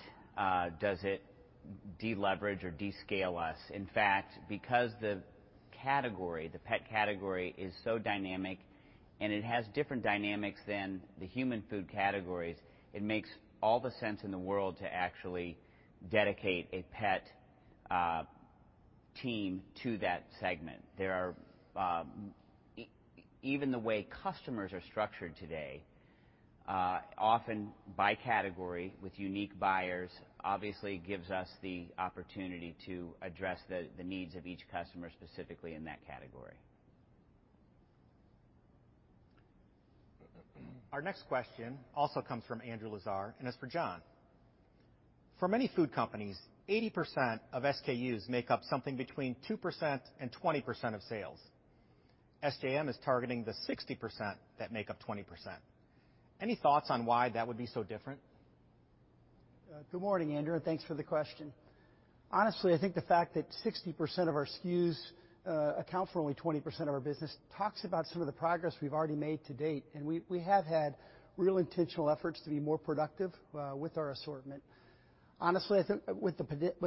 S2: Does it deleverage or descale us? In fact, because the category, the pet category, is so dynamic and it has different dynamics than the human food categories, it makes all the sense in the world to actually dedicate a pet team to that segment. Even the way customers are structured today, often by category with unique buyers, obviously gives us the opportunity to address the needs of each customer specifically in that category.
S10: Our next question also comes from Andrew Lazar and is for John. For many food companies, 80% of SKUs make up something between 2% and 20% of sales. SJM is targeting the 60% that make up 20%. Any thoughts on why that would be so different?
S7: Good morning, Andrew, and thanks for the question. Honestly, I think the fact that 60% of our SKUs account for only 20% of our business talks about some of the progress we've already made to date. And we have had real intentional efforts to be more productive with our assortment. Honestly, I think what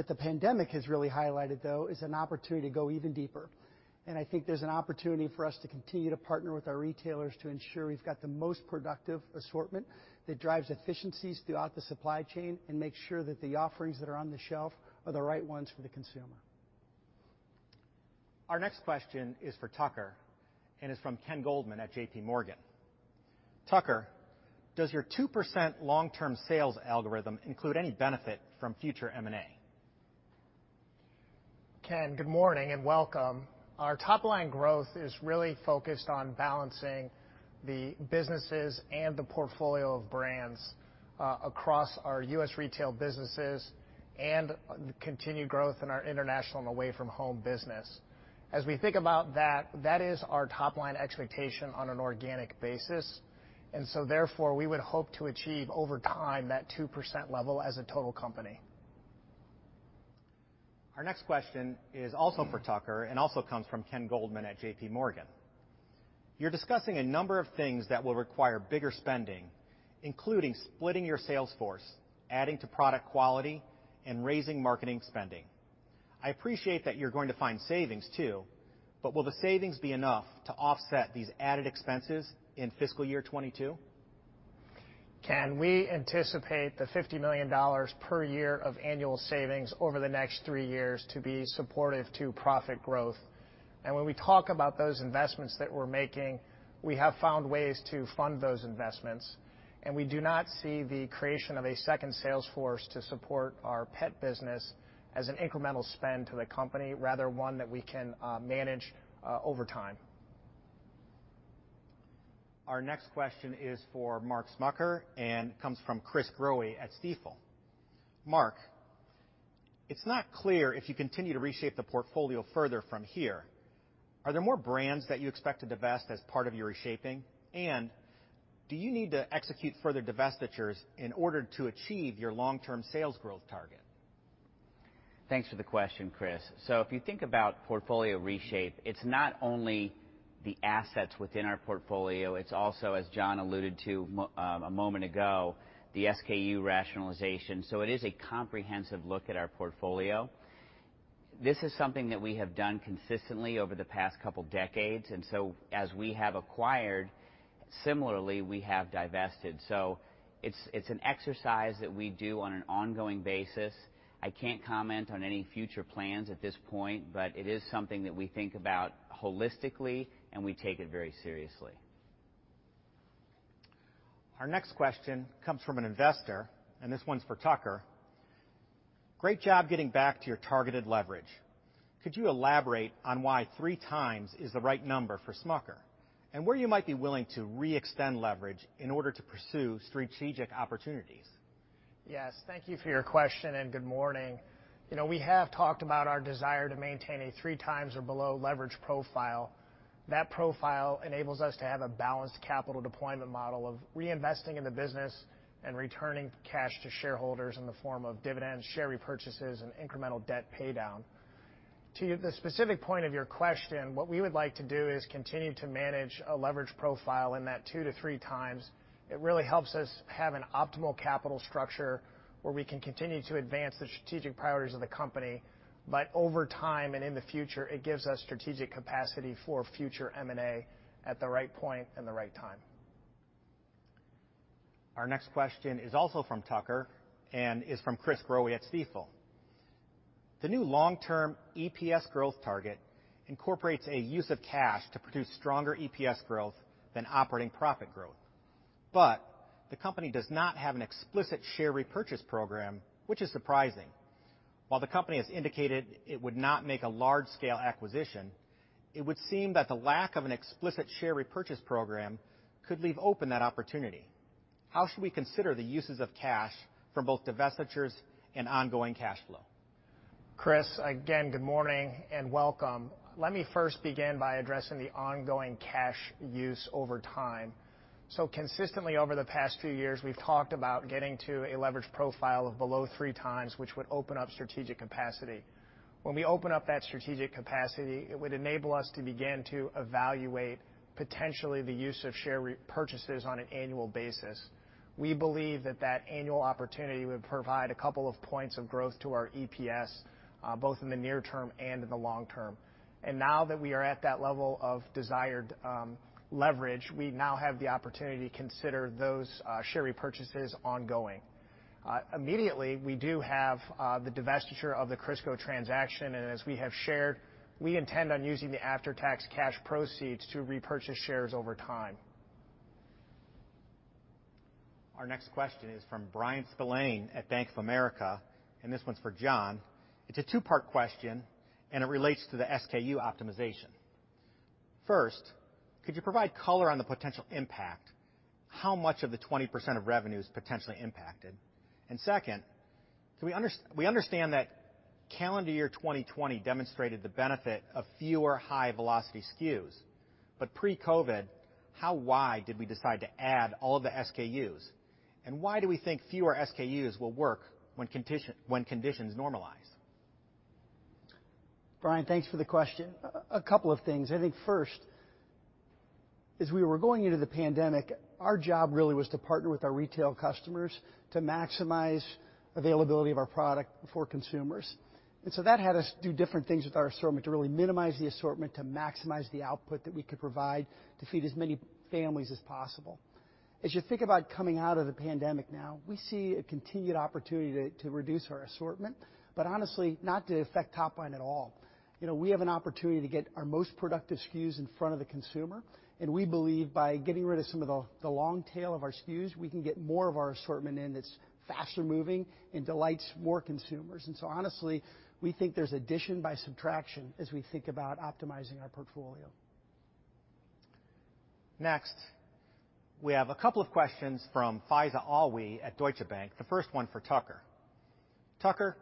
S7: the pandemic has really highlighted, though, is an opportunity to go even deeper. And I think there's an opportunity for us to continue to partner with our retailers to ensure we've got the most productive assortment that drives efficiencies throughout the supply chain and makes sure that the offerings that are on the shelf are the right ones for the consumer.
S10: Our next question is for Tucker and is from Ken Goldman at JPMorgan. Tucker, does your 2% long-term sales algorithm include any benefit from future M&A?
S9: Ken, good morning and welcome. Our top-line growth is really focused on balancing the businesses and the portfolio of brands across our U.S. retail businesses and the continued growth in our international and away-from-home business. As we think about that, that is our top-line expectation on an organic basis. And so therefore, we would hope to achieve over time that 2% level as a total company.
S10: Our next question is also for Tucker and also comes from Ken Goldman at J.P. Morgan. You're discussing a number of things that will require bigger spending, including splitting your salesforce, adding to product quality, and raising marketing spending. I appreciate that you're going to find savings, too, but will the savings be enough to offset these added expenses in Fiscal Year 2022?
S9: Ken, we anticipate the $50 million per year of annual savings over the next three years to be supportive to profit growth. And when we talk about those investments that we're making, we have found ways to fund those investments. And we do not see the creation of a second salesforce to support our pet business as an incremental spend to the company, rather one that we can manage over time.
S10: Our next question is for Mark Smucker and comes from Chris Growe at Stifel. Mark, it's not clear if you continue to reshape the portfolio further from here. Are there more brands that you expect to divest as part of your reshaping? And do you need to execute further divestitures in order to achieve your long-term sales growth target?
S2: Thanks for the question, Chris. So if you think about portfolio reshape, it's not only the assets within our portfolio. It's also, as John alluded to a moment ago, the SKU rationalization. So it is a comprehensive look at our portfolio. This is something that we have done consistently over the past couple of decades. And so as we have acquired, similarly, we have divested. So it's an exercise that we do on an ongoing basis. I can't comment on any future plans at this point, but it is something that we think about holistically, and we take it very seriously.
S10: Our next question comes from an investor, and this one's for Tucker. Great job getting back to your targeted leverage. Could you elaborate on why three times is the right number for Smucker and where you might be willing to re-extend leverage in order to pursue strategic opportunities? Yes. Thank you for your question and good morning. We have talked about our desire to maintain a three times or below leverage profile. That profile enables us to have a balanced capital deployment model of reinvesting in the business and returning cash to shareholders in the form of dividends, share repurchases, and incremental debt paydown. To the specific point of your question, what we would like to do is continue to manage a leverage profile in that two to three times.
S9: It really helps us have an optimal capital structure where we can continue to advance the strategic priorities of the company. But over time and in the future, it gives us strategic capacity for future M&A at the right point and the right time.
S10: Our next question is also from Tucker and is from Chris Growe at Stifel. The new long-term EPS growth target incorporates a use of cash to produce stronger EPS growth than operating profit growth. But the company does not have an explicit share repurchase program, which is surprising. While the company has indicated it would not make a large-scale acquisition, it would seem that the lack of an explicit share repurchase program could leave open that opportunity. How should we consider the uses of cash from both divestitures and ongoing cash flow?
S9: Chris, again, good morning and welcome. Let me first begin by addressing the ongoing cash use over time. Consistently over the past few years, we've talked about getting to a leverage profile of below three times, which would open up strategic capacity. When we open up that strategic capacity, it would enable us to begin to evaluate potentially the use of share repurchases on an annual basis. We believe that that annual opportunity would provide a couple of points of growth to our EPS, both in the near term and in the long term. Now that we are at that level of desired leverage, we now have the opportunity to consider those share repurchases ongoing. Immediately, we do have the divestiture of the Crisco transaction. As we have shared, we intend on using the after-tax cash proceeds to repurchase shares over time.
S10: Our next question is from Bryan Spillane at Bank of America. And this one's for John. It's a two-part question, and it relates to the SKU optimization. First, could you provide color on the potential impact? How much of the 20% of revenue is potentially impacted? And second, we understand that calendar year 2020 demonstrated the benefit of fewer high-velocity SKUs. But pre-COVID, how, why did we decide to add all of the SKUs? And why do we think fewer SKUs will work when conditions normalize?
S7: Bryan, thanks for the question. A couple of things. I think first, as we were going into the pandemic, our job really was to partner with our retail customers to maximize availability of our product for consumers. And so that had us do different things with our assortment to really minimize the assortment, to maximize the output that we could provide to feed as many families as possible. As you think about coming out of the pandemic now, we see a continued opportunity to reduce our assortment, but honestly, not to affect top-line at all. We have an opportunity to get our most productive SKUs in front of the consumer. And we believe by getting rid of some of the long tail of our SKUs, we can get more of our assortment in that's faster-moving and delights more consumers. And so honestly, we think there's addition by subtraction as we think about optimizing our portfolio. Next, we have a couple of questions from Faiza Alwy at Deutsche Bank. The first one for Tucker. Tucker,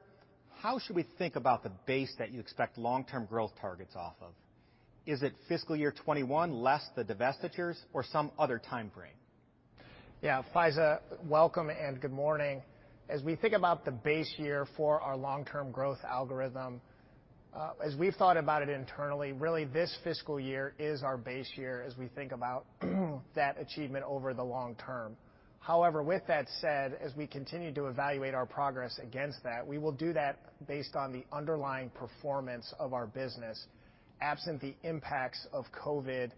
S7: how should we think about the base that you expect long-term growth targets off of? Is it Fiscal year 2021 less the divestitures or some other time frame?
S9: Yeah, Faiza, welcome and good morning. As we think about the base year for our long-term growth algorithm, as we've thought about it internally, really this fiscal year is our base year as we think about that achievement over the long term. However, with that said, as we continue to evaluate our progress against that, we will do that based on the underlying performance of our business, absent the impacts of COVID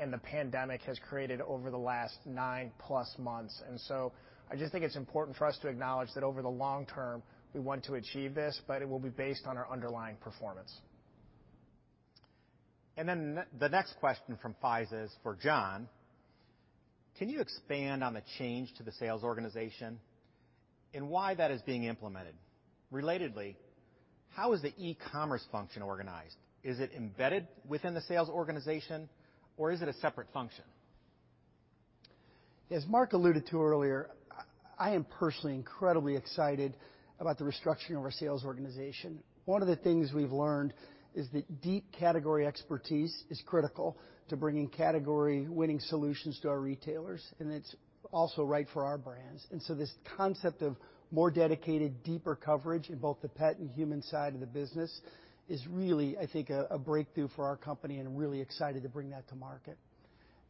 S9: and the pandemic has created over the last nine-plus months. And so I just think it's important for us to acknowledge that over the long term, we want to achieve this, but it will be based on our underlying performance.
S10: And then the next question from Faiza is for John. Can you expand on the change to the sales organization and why that is being implemented? Relatedly, how is the e-commerce function organized? Is it embedded within the sales organization, or is it a separate function?
S7: As Mark alluded to earlier, I am personally incredibly excited about the restructuring of our sales organization. One of the things we've learned is that deep category expertise is critical to bringing category-winning solutions to our retailers, and it's also right for our brands, and so this concept of more dedicated, deeper coverage in both the pet and human side of the business is really, I think, a breakthrough for our company and really excited to bring that to market.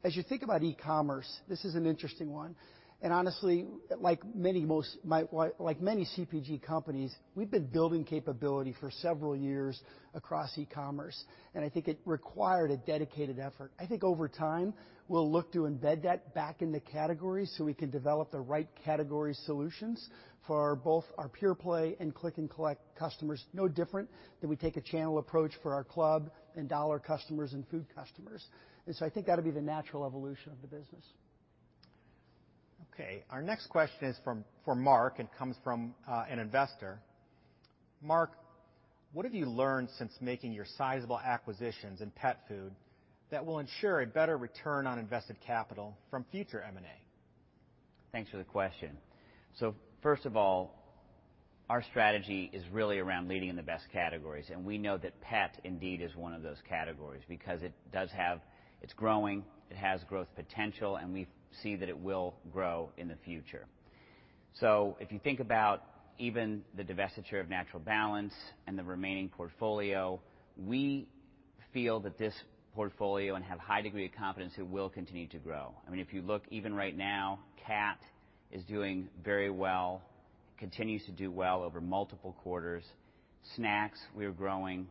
S7: As you think about e-commerce, this is an interesting one, and honestly, like many CPG companies, we've been building capability for several years across e-commerce, and I think it required a dedicated effort. I think over time, we'll look to embed that back in the categories so we can develop the right category solutions for both our pure-play and click-and-collect customers. No different than we take a channel approach for our club and dollar customers and food customers. And so I think that'll be the natural evolution of the business.
S10: Okay. Our next question is for Mark and comes from an investor. Mark, what have you learned since making your sizable acquisitions in pet food that will ensure a better return on invested capital from future M&A?
S2: Thanks for the question. So first of all, our strategy is really around leading in the best categories. And we know that pet, indeed, is one of those categories because it does have it's growing. It has growth potential, and we see that it will grow in the future. So if you think about even the divestiture of Natural Balance and the remaining portfolio, we feel that this portfolio and have a high degree of confidence it will continue to grow. I mean, if you look even right now, cat is doing very well. It continues to do well over multiple quarters. Snacks, we are growing.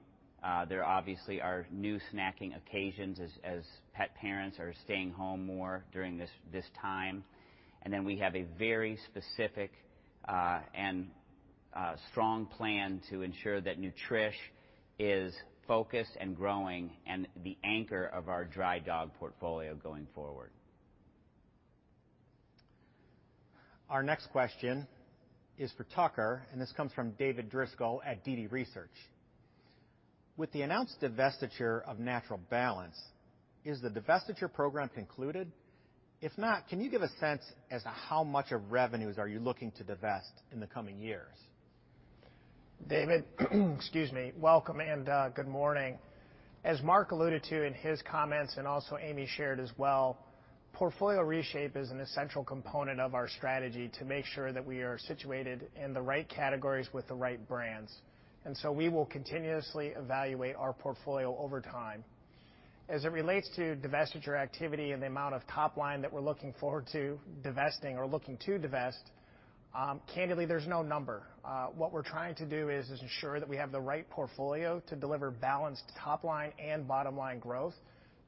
S2: There obviously are new snacking occasions as pet parents are staying home more during this time. And then we have a very specific and strong plan to ensure that Nutrish is focused and growing and the anchor of our dry dog portfolio going forward.
S10: Our next question is for Tucker, and this comes from David Driscoll at DD Research. With the announced divestiture of Natural Balance, is the divestiture program concluded? If not, can you give a sense as to how much of revenues are you looking to divest in the coming years?
S9: David, excuse me. Welcome and good morning. As Mark alluded to in his comments and also Amy shared as well, portfolio reshape is an essential component of our strategy to make sure that we are situated in the right categories with the right brands. And so we will continuously evaluate our portfolio over time. As it relates to divestiture activity and the amount of top-line that we're looking forward to divesting or looking to divest, candidly, there's no number. What we're trying to do is ensure that we have the right portfolio to deliver balanced top-line and bottom-line growth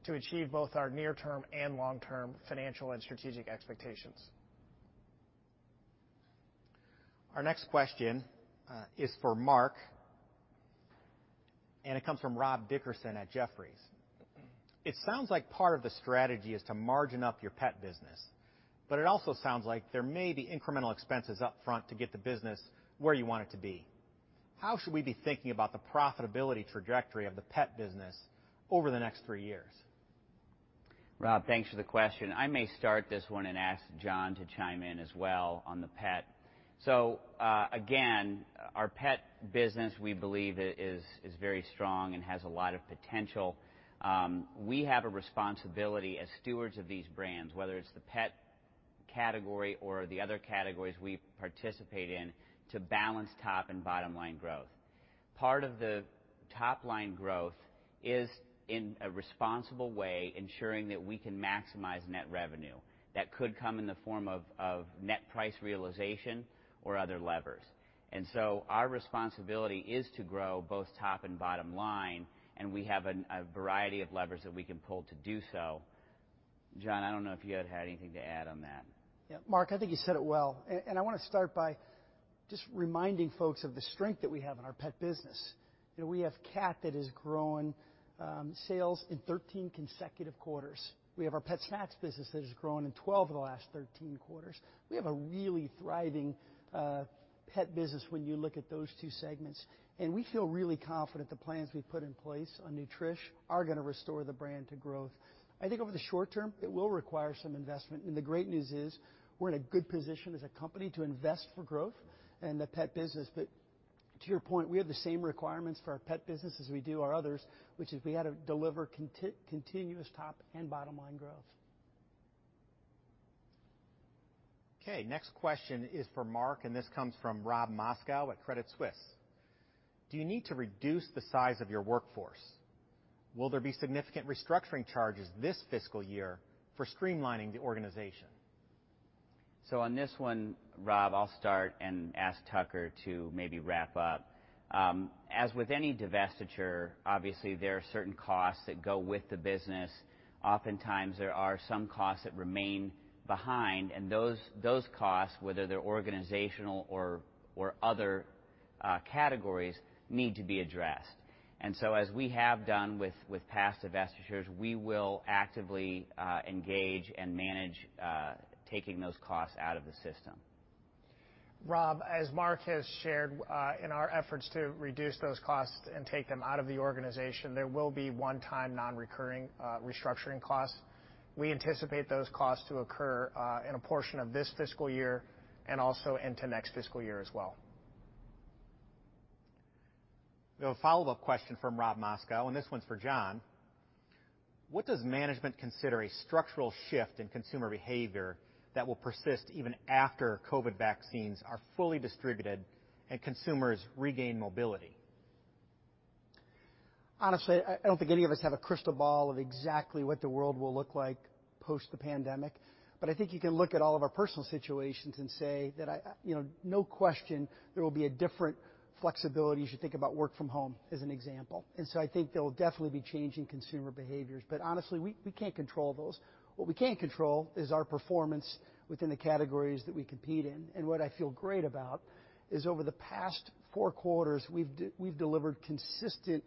S9: to achieve both our near-term and long-term financial and strategic expectations.
S10: Our next question is for Mark, and it comes from Rob Dickerson at Jefferies. It sounds like part of the strategy is to margin up your pet business, but it also sounds like there may be incremental expenses upfront to get the business where you want it to be. How should we be thinking about the profitability trajectory of the pet business over the next three years?
S2: Rob, thanks for the question. I may start this one and ask John to chime in as well on the pet. So again, our pet business, we believe it is very strong and has a lot of potential. We have a responsibility as stewards of these brands, whether it's the pet category or the other categories we participate in, to balance top and bottom-line growth. Part of the top-line growth is, in a responsible way, ensuring that we can maximize net revenue. That could come in the form of net price realization or other levers. Our responsibility is to grow both top and bottom line, and we have a variety of levers that we can pull to do so. John, I don't know if you had had anything to add on that.
S7: Yeah. Mark, I think you said it well. And I want to start by just reminding folks of the strength that we have in our pet business. We have cat that has grown sales in 13 consecutive quarters. We have our pet snacks business that has grown in 12 of the last 13 quarters. We have a really thriving pet business when you look at those two segments. And we feel really confident the plans we've put in place on Nutrish are going to restore the brand to growth. I think over the short term, it will require some investment. And the great news is we're in a good position as a company to invest for growth in the pet business. But to your point, we have the same requirements for our pet business as we do our others, which is we had to deliver continuous top and bottom-line growth. Okay. Next question is for Mark, and this comes from Rob Moskow at Credit Suisse. Do you need to reduce the size of your workforce? Will there be significant restructuring charges this fiscal year for streamlining the organization?
S2: So on this one, Rob, I'll start and ask Tucker to maybe wrap up. As with any divestiture, obviously, there are certain costs that go with the business. Oftentimes, there are some costs that remain behind. And those costs, whether they're organizational or other categories, need to be addressed. And so as we have done with past divestitures, we will actively engage and manage taking those costs out of the system.
S9: Rob, as Mark has shared, in our efforts to reduce those costs and take them out of the organization, there will be one-time non-recurring restructuring costs. We anticipate those costs to occur in a portion of this fiscal year and also into next fiscal year as well.
S10: We have a follow-up question from Rob Moskow, and this one's for John. What does management consider a structural shift in consumer behavior that will persist even after COVID vaccines are fully distributed and consumers regain mobility?
S7: Honestly, I don't think any of us have a crystal ball of exactly what the world will look like post the pandemic. But I think you can look at all of our personal situations and say that no question there will be a different flexibility as you think about work from home, as an example. And so I think there will definitely be changing consumer behaviors. But honestly, we can't control those. What we can control is our performance within the categories that we compete in. And what I feel great about is over the past four quarters, we've delivered consistent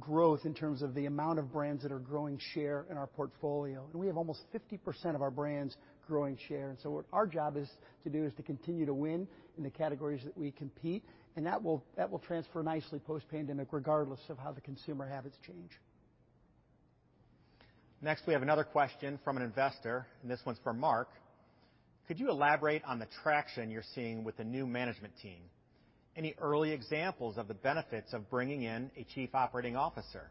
S7: growth in terms of the amount of brands that are growing share in our portfolio. And we have almost 50% of our brands growing share. And so what our job is to do is to continue to win in the categories that we compete. And that will transfer nicely post-pandemic regardless of how the consumer habits change.
S10: Next, we have another question from an investor. And this one's for Mark. Could you elaborate on the traction you're seeing with the new management team? Any early examples of the benefits of bringing in a Chief Operating Officer?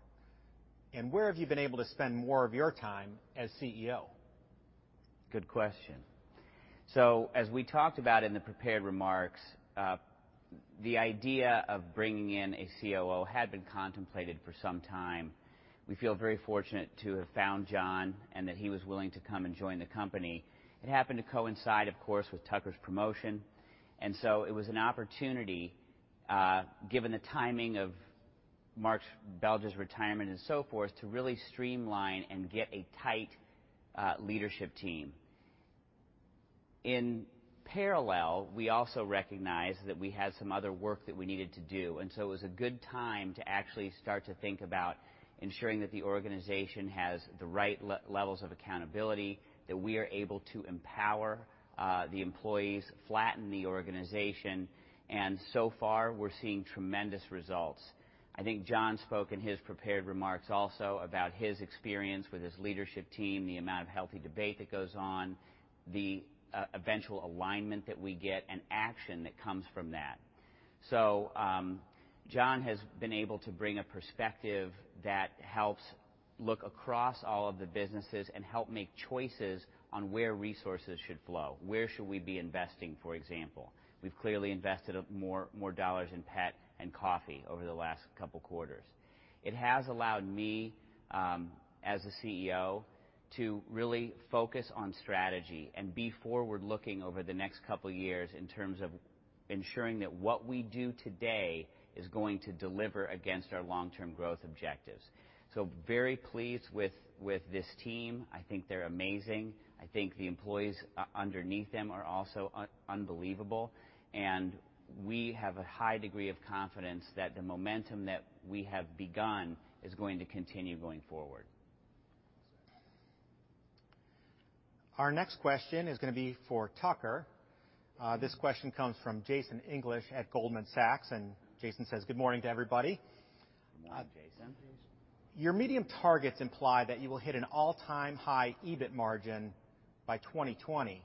S10: And where have you been able to spend more of your time as CEO?
S2: Good question. So as we talked about in the prepared remarks, the idea of bringing in a COO had been contemplated for some time. We feel very fortunate to have found John and that he was willing to come and join the company. It happened to coincide, of course, with Tucker's promotion. And so it was an opportunity, given the timing of Mark Belgya's retirement and so forth, to really streamline and get a tight leadership team. In parallel, we also recognized that we had some other work that we needed to do. And so it was a good time to actually start to think about ensuring that the organization has the right levels of accountability, that we are able to empower the employees, flatten the organization. And so far, we're seeing tremendous results. I think John spoke in his prepared remarks also about his experience with his leadership team, the amount of healthy debate that goes on, the eventual alignment that we get, and action that comes from that. So John has been able to bring a perspective that helps look across all of the businesses and help make choices on where resources should flow. Where should we be investing, for example? We've clearly invested more dollars in pet and coffee over the last couple of quarters. It has allowed me, as a CEO, to really focus on strategy and be forward-looking over the next couple of years in terms of ensuring that what we do today is going to deliver against our long-term growth objectives. So very pleased with this team. I think they're amazing. I think the employees underneath them are also unbelievable. And we have a high degree of confidence that the momentum that we have begun is going to continue going forward.
S10: Our next question is going to be for Tucker. This question comes from Jason English at Goldman Sachs. And Jason says, "Good morning to everybody." Good morning, Jason. Your medium targets imply that you will hit an all-time high EBIT margin by 2020.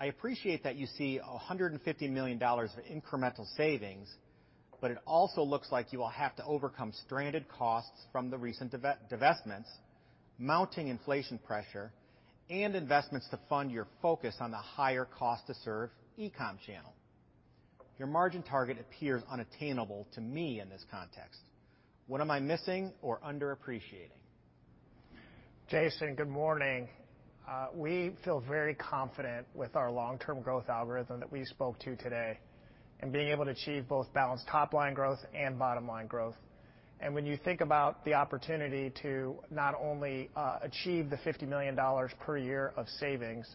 S10: I appreciate that you see $150 million of incremental savings, but it also looks like you will have to overcome stranded costs from the recent divestments, mounting inflation pressure, and investments to fund your focus on the higher cost-to-serve e-com channel. Your margin target appears unattainable to me in this context. What am I missing or underappreciating?
S9: Jason, good morning. We feel very confident with our long-term growth algorithm that we spoke to today and being able to achieve both balanced top-line growth and bottom-line growth. And when you think about the opportunity to not only achieve the $50 million per year of savings,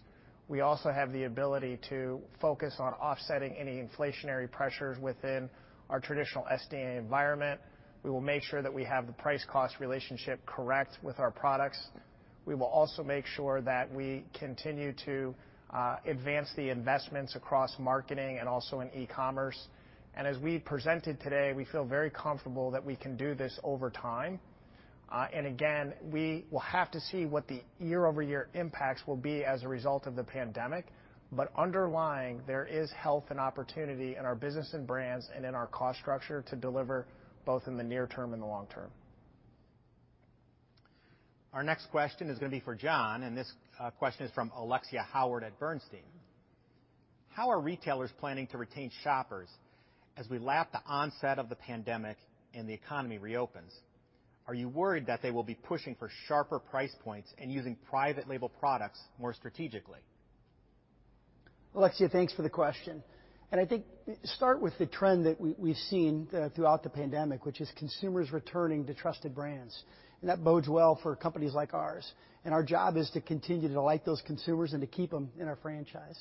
S9: we also have the ability to focus on offsetting any inflationary pressures within our traditional SDA environment. We will make sure that we have the price-cost relationship correct with our products. We will also make sure that we continue to advance the investments across marketing and also in e-commerce. And as we presented today, we feel very comfortable that we can do this over time. And again, we will have to see what the year-over-year impacts will be as a result of the pandemic. But underlying, there is health and opportunity in our business and brands and in our cost structure to deliver both in the near term and the long term. Our next question is going to be for John. And this question is from Alexia Howard at Bernstein. How are retailers planning to retain shoppers as we lap the onset of the pandemic and the economy reopens? Are you worried that they will be pushing for sharper price points and using private label products more strategically?
S7: Alexia, thanks for the question. I think start with the trend that we've seen throughout the pandemic, which is consumers returning to trusted brands. And that bodes well for companies like ours. And our job is to continue to delight those consumers and to keep them in our franchise.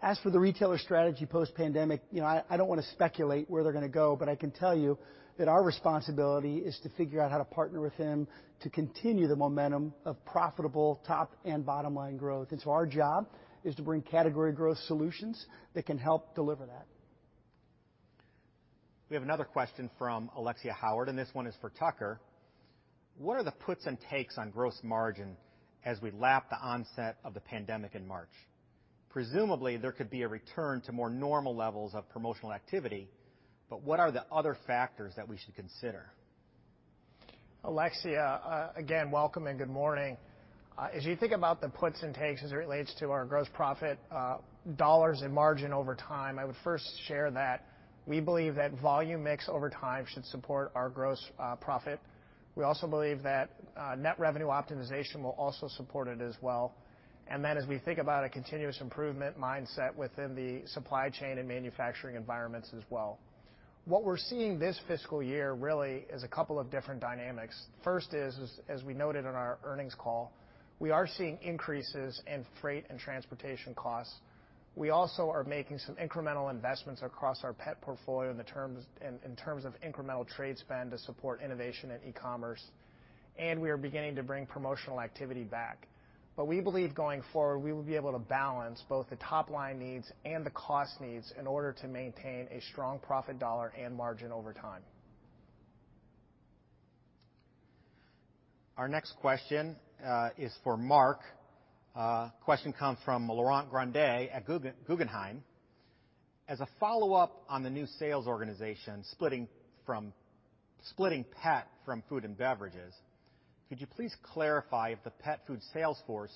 S7: As for the retailer strategy post-pandemic, I don't want to speculate where they're going to go, but I can tell you that our responsibility is to figure out how to partner with them to continue the momentum of profitable top and bottom-line growth. And so our job is to bring category growth solutions that can help deliver that.
S10: We have another question from Alexia Howard. And this one is for Tucker. What are the puts and takes on gross margin as we lap the onset of the pandemic in March? Presumably, there could be a return to more normal levels of promotional activity. But what are the other factors that we should consider?
S9: Alexia, again, welcome and good morning. As you think about the puts and takes as it relates to our gross profit dollars and margin over time, I would first share that we believe that volume mix over time should support our gross profit. We also believe that net revenue optimization will also support it as well. And then as we think about a continuous improvement mindset within the supply chain and manufacturing environments as well. What we're seeing this fiscal year really is a couple of different dynamics. First is, as we noted on our earnings call, we are seeing increases in freight and transportation costs. We also are making some incremental investments across our pet portfolio in terms of incremental trade spend to support innovation and e-commerce. And we are beginning to bring promotional activity back. But we believe going forward, we will be able to balance both the top-line needs and the cost needs in order to maintain a strong profit dollar and margin over time. Our next question is for Mark. Question comes from Laurent Grandet at Guggenheim. As a follow-up on the new sales organization splitting pet from food and beverages, could you please clarify if the pet food sales force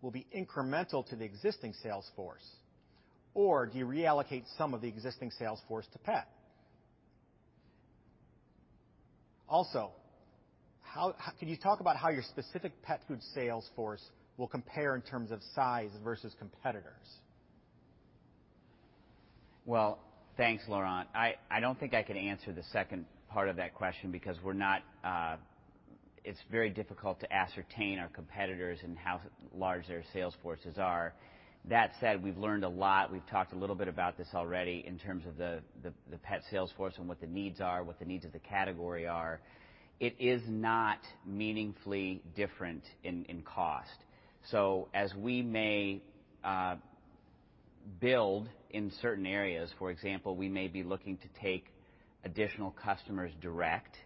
S9: will be incremental to the existing sales force? Or do you reallocate some of the existing sales force to pet? Also, could you talk about how your specific pet food sales force will compare in terms of size versus competitors?
S2: Well, thanks, Laurent. I don't think I can answer the second part of that question because it's very difficult to ascertain our competitors and how large their sales forces are. That said, we've learned a lot. We've talked a little bit about this already in terms of the pet sales force and what the needs are, what the needs of the category are. It is not meaningfully different in cost. So as we may build in certain areas, for example, we may be looking to take additional customers direct.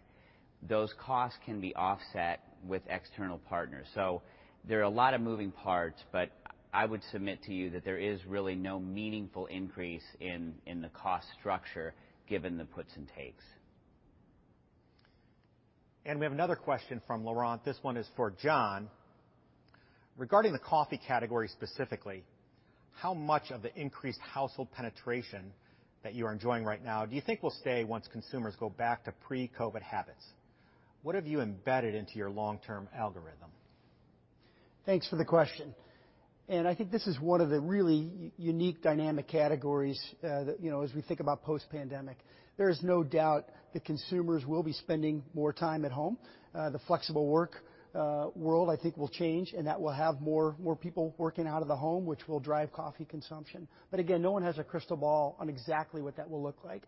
S2: Those costs can be offset with external partners. So there are a lot of moving parts, but I would submit to you that there is really no meaningful increase in the cost structure given the puts and takes.
S10: And we have another question from Laurent. This one is for John. Regarding the coffee category specifically, how much of the increased household penetration that you are enjoying right now do you think will stay once consumers go back to pre-COVID habits? What have you embedded into your long-term algorithm?
S7: Thanks for the question. And I think this is one of the really unique dynamic categories as we think about post-pandemic. There is no doubt that consumers will be spending more time at home. The flexible work world, I think, will change. And that will have more people working out of the home, which will drive coffee consumption. But again, no one has a crystal ball on exactly what that will look like.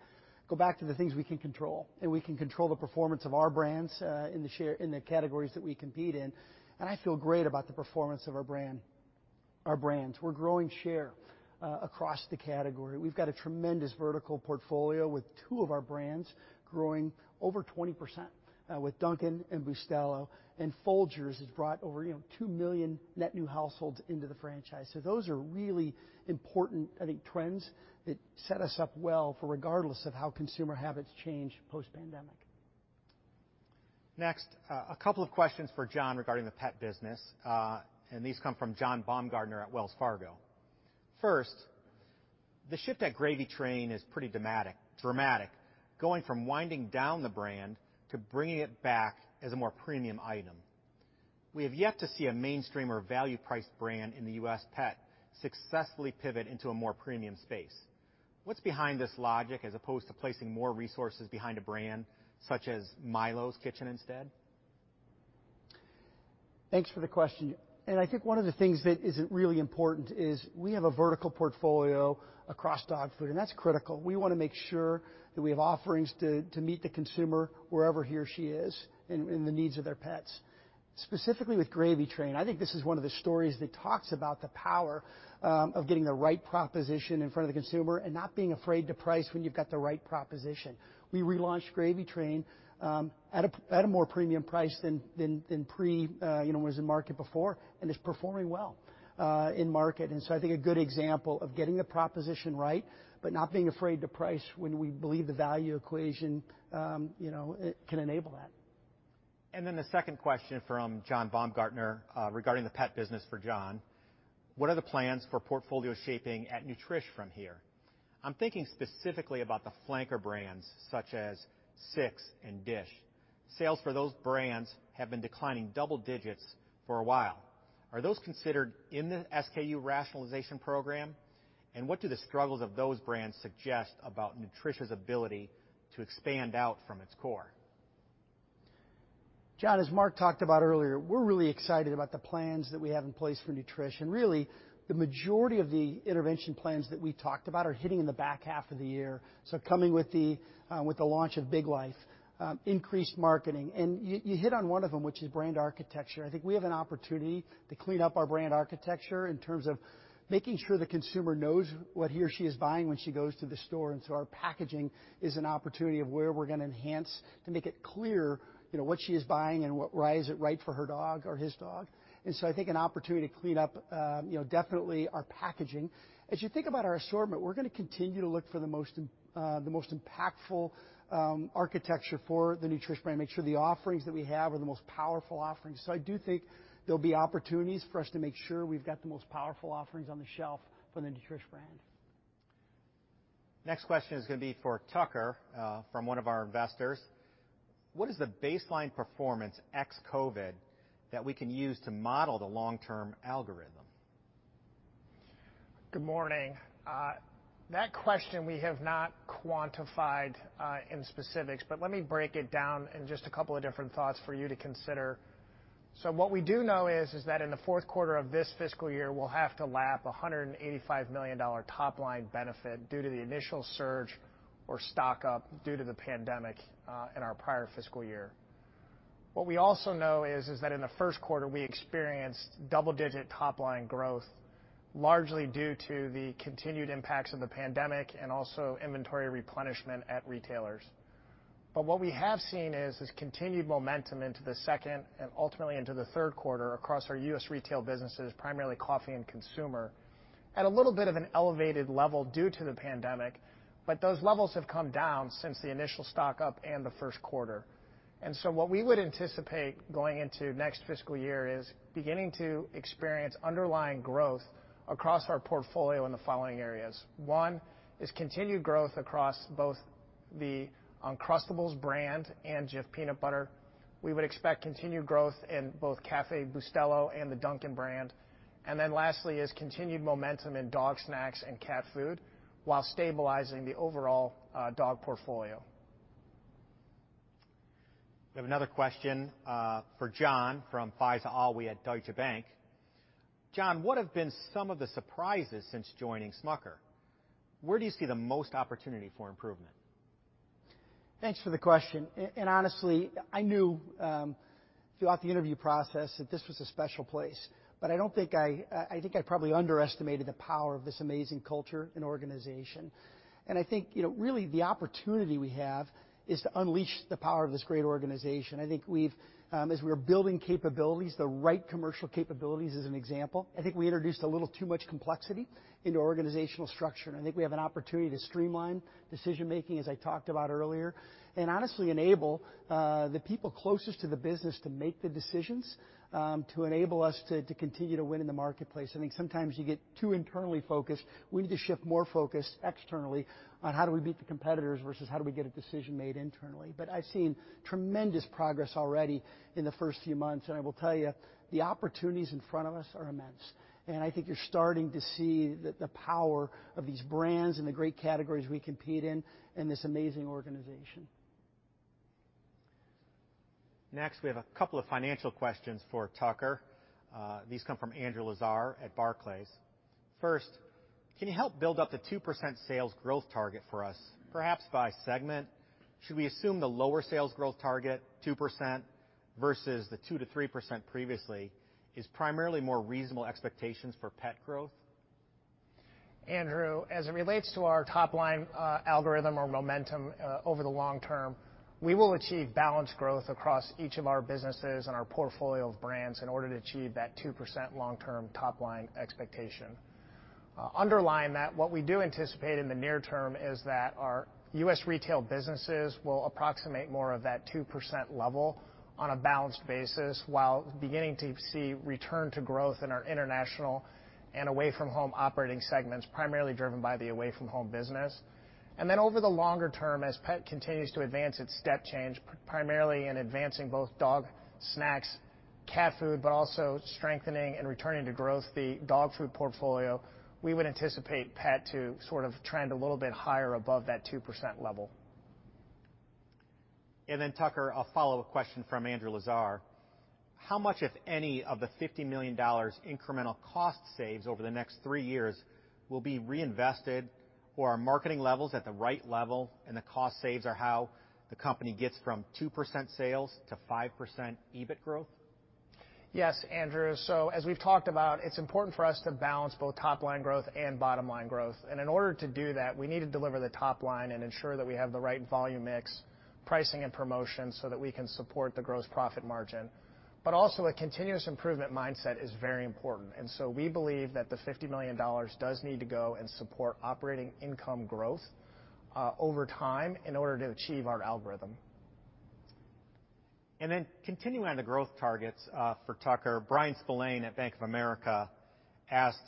S7: Go back to the things we can control. And we can control the performance of our brands in the categories that we compete in. And I feel great about the performance of our brands. We're growing share across the category. We've got a tremendous vertical portfolio with two of our brands growing over 20% with Dunkin' and Bustelo. And Folgers has brought over 2 million net new households into the franchise. So those are really important, I think, trends that set us up well regardless of how consumer habits change post-pandemic.
S10: Next, a couple of questions for John regarding the pet business. And these come from John Baumgartner at Wells Fargo. First, the shift at Gravy Train is pretty dramatic. Going from winding down the brand to bringing it back as a more premium item. We have yet to see a mainstream or value-priced brand in the U.S. pet successfully pivot into a more premium space. What's behind this logic as opposed to placing more resources behind a brand such as Milo's Kitchen instead?
S2: Thanks for the question. And I think one of the things that is really important is we have a vertical portfolio across dog food. And that's critical. We want to make sure that we have offerings to meet the consumer wherever he or she is and the needs of their pets. Specifically with Gravy Train, I think this is one of the stories that talks about the power of getting the right proposition in front of the consumer and not being afraid to price when you've got the right proposition. We relaunched Gravy Train at a more premium price than it was in market before. And it's performing well in market. And so I think a good example of getting the proposition right but not being afraid to price when we believe the value equation can enable that.
S10: And then the second question from John Baumgartner regarding the pet business for John. What are the plans for portfolio shaping at Nutrish from here? I'm thinking specifically about the flanker brands such as Six and Dish. Sales for those brands have been declining double digits for a while. Are those considered in the SKU rationalization program and what do the struggles of those brands suggest about Nutrish's ability to expand out from its core?
S7: John, as Mark talked about earlier, we're really excited about the plans that we have in place for Nutrish, and really, the majority of the intervention plans that we talked about are hitting in the back half of the year, so coming with the launch of Big Life, increased marketing, and you hit on one of them, which is brand architecture. I think we have an opportunity to clean up our brand architecture in terms of making sure the consumer knows what he or she is buying when she goes to the store. And so our packaging is an opportunity of where we're going to enhance to make it clear what she is buying and what size is right for her dog or his dog. And so I think an opportunity to clean up definitely our packaging. As you think about our assortment, we're going to continue to look for the most impactful architecture for the Nutrish brand and make sure the offerings that we have are the most powerful offerings. So I do think there'll be opportunities for us to make sure we've got the most powerful offerings on the shelf for the Nutrish brand.
S10: Next question is going to be for Tucker from one of our investors. What is the baseline performance ex-COVID that we can use to model the long-term algorithm?
S9: Good morning. That question we have not quantified in specifics. But let me break it down in just a couple of different thoughts for you to consider. So what we do know is that in the fourth quarter of this fiscal year, we'll have to lap a $185 million top-line benefit due to the initial surge or stock up due to the pandemic in our prior fiscal year. What we also know is that in the first quarter, we experienced double-digit top-line growth largely due to the continued impacts of the pandemic and also inventory replenishment at retailers. But what we have seen is this continued momentum into the second and ultimately into the third quarter across our U.S. retail businesses, primarily coffee and consumer, at a little bit of an elevated level due to the pandemic. But those levels have come down since the initial stock up and the first quarter. And so what we would anticipate going into next fiscal year is beginning to experience underlying growth across our portfolio in the following areas. One is continued growth across both the Uncrustables brand and Jif Peanut Butter. We would expect continued growth in both Café Bustelo and the Dunkin' brand. And then lastly is continued momentum in dog snacks and cat food while stabilizing the overall dog portfolio.
S10: We have another question for John from Faiza Awi at Deutsche Bank. John, what have been some of the surprises since joining Smucker? Where do you see the most opportunity for improvement?
S7: Thanks for the question. And honestly, I knew throughout the interview process that this was a special place. But I think I probably underestimated the power of this amazing culture and organization. And I think really the opportunity we have is to unleash the power of this great organization. I think as we're building capabilities, the right commercial capabilities is an example. I think we introduced a little too much complexity into organizational structure, and I think we have an opportunity to streamline decision-making, as I talked about earlier, and honestly enable the people closest to the business to make the decisions to enable us to continue to win in the marketplace. I think sometimes you get too internally focused. We need to shift more focus externally on how do we beat the competitors versus how do we get a decision made internally, but I've seen tremendous progress already in the first few months, and I will tell you, the opportunities in front of us are immense, and I think you're starting to see the power of these brands and the great categories we compete in and this amazing organization.
S10: Next, we have a couple of financial questions for Tucker. These come from Andrew Lazar at Barclays. First, can you help build up the 2% sales growth target for us? Perhaps by segment, should we assume the lower sales growth target, 2%, versus the 2%-3% previously is primarily more reasonable expectations for pet growth?
S9: Andrew, as it relates to our top-line algorithm or momentum over the long term, we will achieve balanced growth across each of our businesses and our portfolio of brands in order to achieve that 2% long-term top-line expectation. Underlying that, what we do anticipate in the near term is that our U.S. retail businesses will approximate more of that 2% level on a balanced basis while beginning to see return to growth in our international and away-from-home operating segments, primarily driven by the away-from-home business. And then over the longer term, as Pet continues to advance its step change, primarily in advancing both dog snacks, cat food, but also strengthening and returning to growth the dog food portfolio, we would anticipate Pet to sort of trend a little bit higher above that 2% level.
S10: And then Tucker, a follow-up question from Andrew Lazar. How much, if any, of the $50 million incremental cost savings over the next three years will be reinvested? Or are marketing levels at the right level and the cost savings are how the company gets from 2% sales to 5% EBIT growth?
S9: Yes, Andrew. So as we've talked about, it's important for us to balance both top-line growth and bottom-line growth. And in order to do that, we need to deliver the top line and ensure that we have the right volume mix, pricing, and promotion so that we can support the gross profit margin. But also, a continuous improvement mindset is very important. And so we believe that the $50 million does need to go and support operating income growth over time in order to achieve our algorithm.
S10: And then continuing on the growth targets for Tucker, Bryan Spillane at Bank of America asked,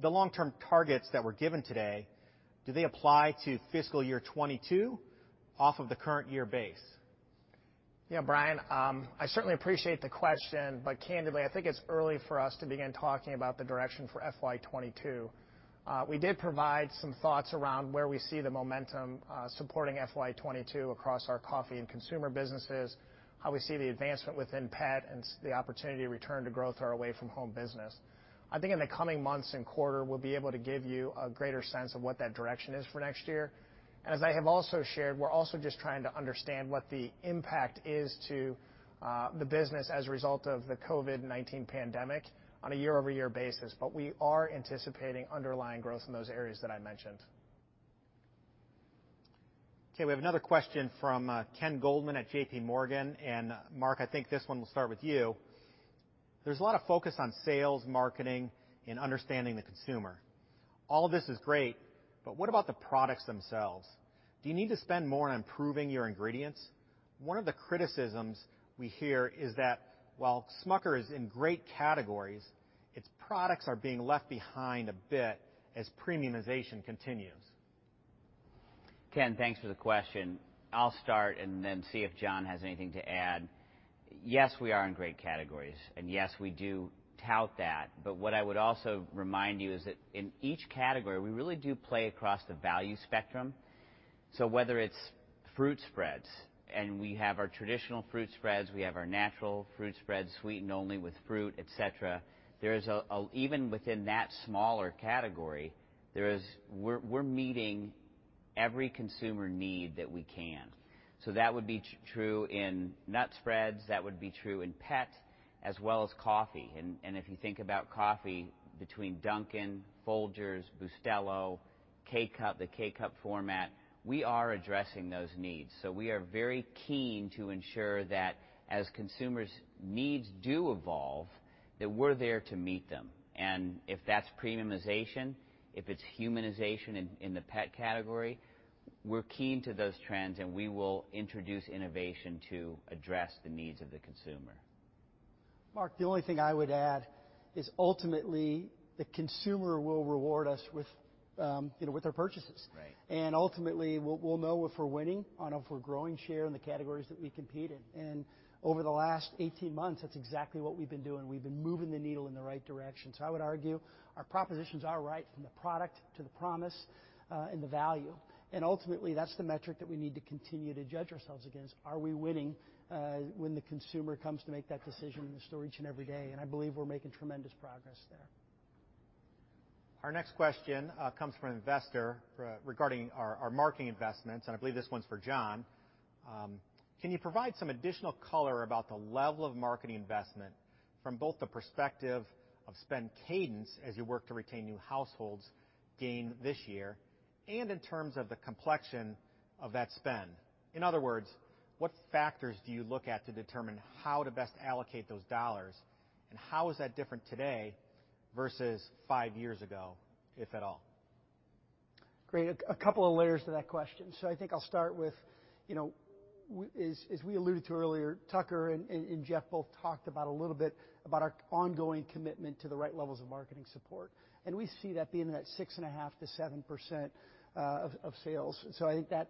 S10: the long-term targets that were given today, do they apply to fiscal year 2022 off of the current year base?
S9: Yeah, Bryan, I certainly appreciate the question. But candidly, I think it's early for us to begin talking about the direction for FY 2022. We did provide some thoughts around where we see the momentum supporting FY 2022 across our coffee and consumer businesses, how we see the advancement within pet, and the opportunity to return to growth our away-from-home business. I think in the coming months and quarter, we'll be able to give you a greater sense of what that direction is for next year. And as I have also shared, we're also just trying to understand what the impact is to the business as a result of the COVID-19 pandemic on a year-over-year basis. But we are anticipating underlying growth in those areas that I mentioned.
S10: Okay, we have another question from Ken Goldman at J.P. Morgan. And Mark, I think this one will start with you. There's a lot of focus on sales, marketing, and understanding the consumer. All of this is great. But what about the products themselves? Do you need to spend more on improving your ingredients? One of the criticisms we hear is that while Smucker is in great categories, its products are being left behind a bit as premiumization continues.
S2: Ken, thanks for the question. I'll start and then see if John has anything to add. Yes, we are in great categories. And yes, we do tout that. But what I would also remind you is that in each category, we really do play across the value spectrum. So whether it's fruit spreads, and we have our traditional fruit spreads, we have our natural fruit spreads sweetened only with fruit, et cetera, even within that smaller category, we're meeting every consumer need that we can. So that would be true in nut spreads. That would be true in pet, as well as coffee. And if you think about coffee between Dunkin', Folgers, Bustelo, K-Cup, the K-Cup format, we are addressing those needs. So we are very keen to ensure that as consumers' needs do evolve, that we're there to meet them. And if that's premiumization, if it's humanization in the pet category, we're keen to those trends. And we will introduce innovation to address the needs of the consumer.
S7: Mark, the only thing I would add is ultimately the consumer will reward us with their purchases. And ultimately, we'll know if we're winning on a growing share in the categories that we compete. And over the last 18 months, that's exactly what we've been doing. We've been moving the needle in the right direction. So I would argue our propositions are right from the product to the promise and the value. Ultimately, that's the metric that we need to continue to judge ourselves against. Are we winning when the consumer comes to make that decision in the store and every day? I believe we're making tremendous progress there.
S10: Our next question comes from an investor regarding our marketing investments. I believe this one's for John. Can you provide some additional color about the level of marketing investment from both the perspective of spend cadence as you work to retain new households gained this year and in terms of the complexion of that spend? In other words, what factors do you look at to determine how to best allocate those dollars? How is that different today versus five years ago, if at all?
S7: Great. A couple of layers to that question. So I think I'll start with, as we alluded to earlier, Tucker and Geoff both talked about a little bit about our ongoing commitment to the right levels of marketing support. And we see that being that 6.5%-7% of sales. So I think that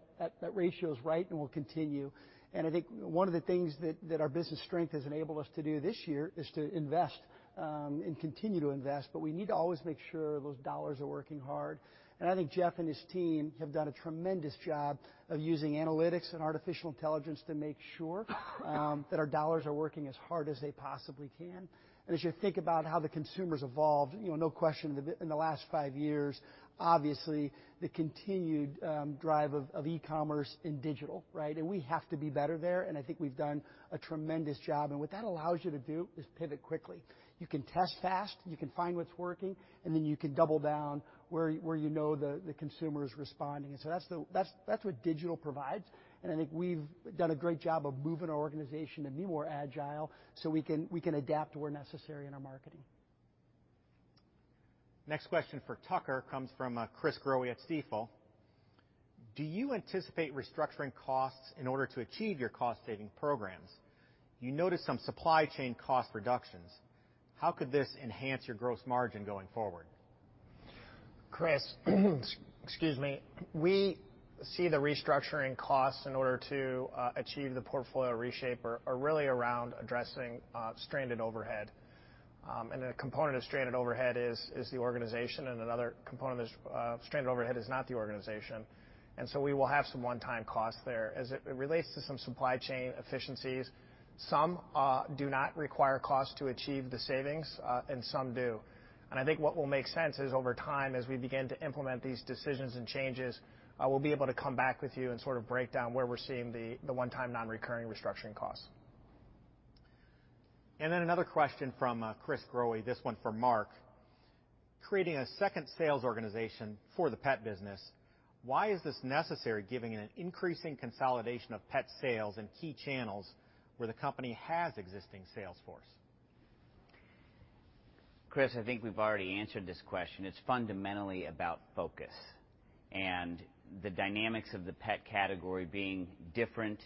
S7: ratio is right and will continue. And I think one of the things that our business strength has enabled us to do this year is to invest and continue to invest. But we need to always make sure those dollars are working hard. And I think Geoff and his team have done a tremendous job of using analytics and artificial intelligence to make sure that our dollars are working as hard as they possibly can. And as you think about how the consumers evolved, no question in the last five years, obviously the continued drive of e-commerce and digital. And we have to be better there. And I think we've done a tremendous job. And what that allows you to do is pivot quickly. You can test fast. You can find what's working. And then you can double down where you know the consumer is responding. And so that's what digital provides. And I think we've done a great job of moving our organization to be more agile so we can adapt where necessary in our marketing.
S10: Next question for Tucker comes from Chris Growe at Stifel. Do you anticipate restructuring costs in order to achieve your cost-saving programs? You noticed some supply chain cost reductions. How could this enhance your gross margin going forward?
S9: Chris, excuse me. We see the restructuring costs in order to achieve the portfolio reshape are really around addressing stranded overhead. And a component of stranded overhead is the organization. And another component of stranded overhead is not the organization. And so we will have some one-time costs there. As it relates to some supply chain efficiencies, some do not require costs to achieve the savings, and some do. And I think what will make sense is over time, as we begin to implement these decisions and changes, we'll be able to come back with you and sort of break down where we're seeing the one-time non-recurring restructuring costs.
S10: And then another question from Chris Growe, this one for Mark. Creating a second sales organization for the pet business, why is this necessary, given an increasing consolidation of pet sales and key channels where the company has existing sales force?
S2: Chris, I think we've already answered this question. It's fundamentally about focus and the dynamics of the pet category being different.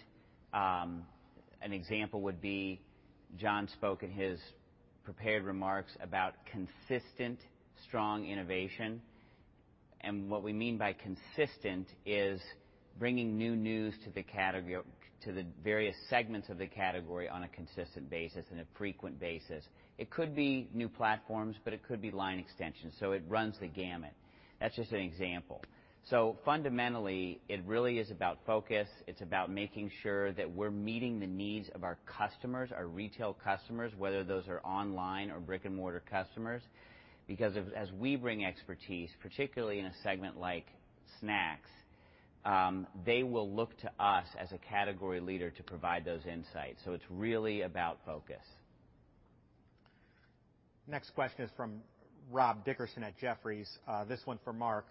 S2: An example would be John spoke in his prepared remarks about consistent, strong innovation. And what we mean by consistent is bringing new news to the various segments of the category on a consistent basis and a frequent basis. It could be new platforms, but it could be line extensions. So it runs the gamut. That's just an example. So fundamentally, it really is about focus. It's about making sure that we're meeting the needs of our customers, our retail customers, whether those are online or brick-and-mortar customers. Because as we bring expertise, particularly in a segment like snacks, they will look to us as a category leader to provide those insights. So it's really about focus.
S10: Next question is from Rob Dickerson at Jefferies. This one for Mark.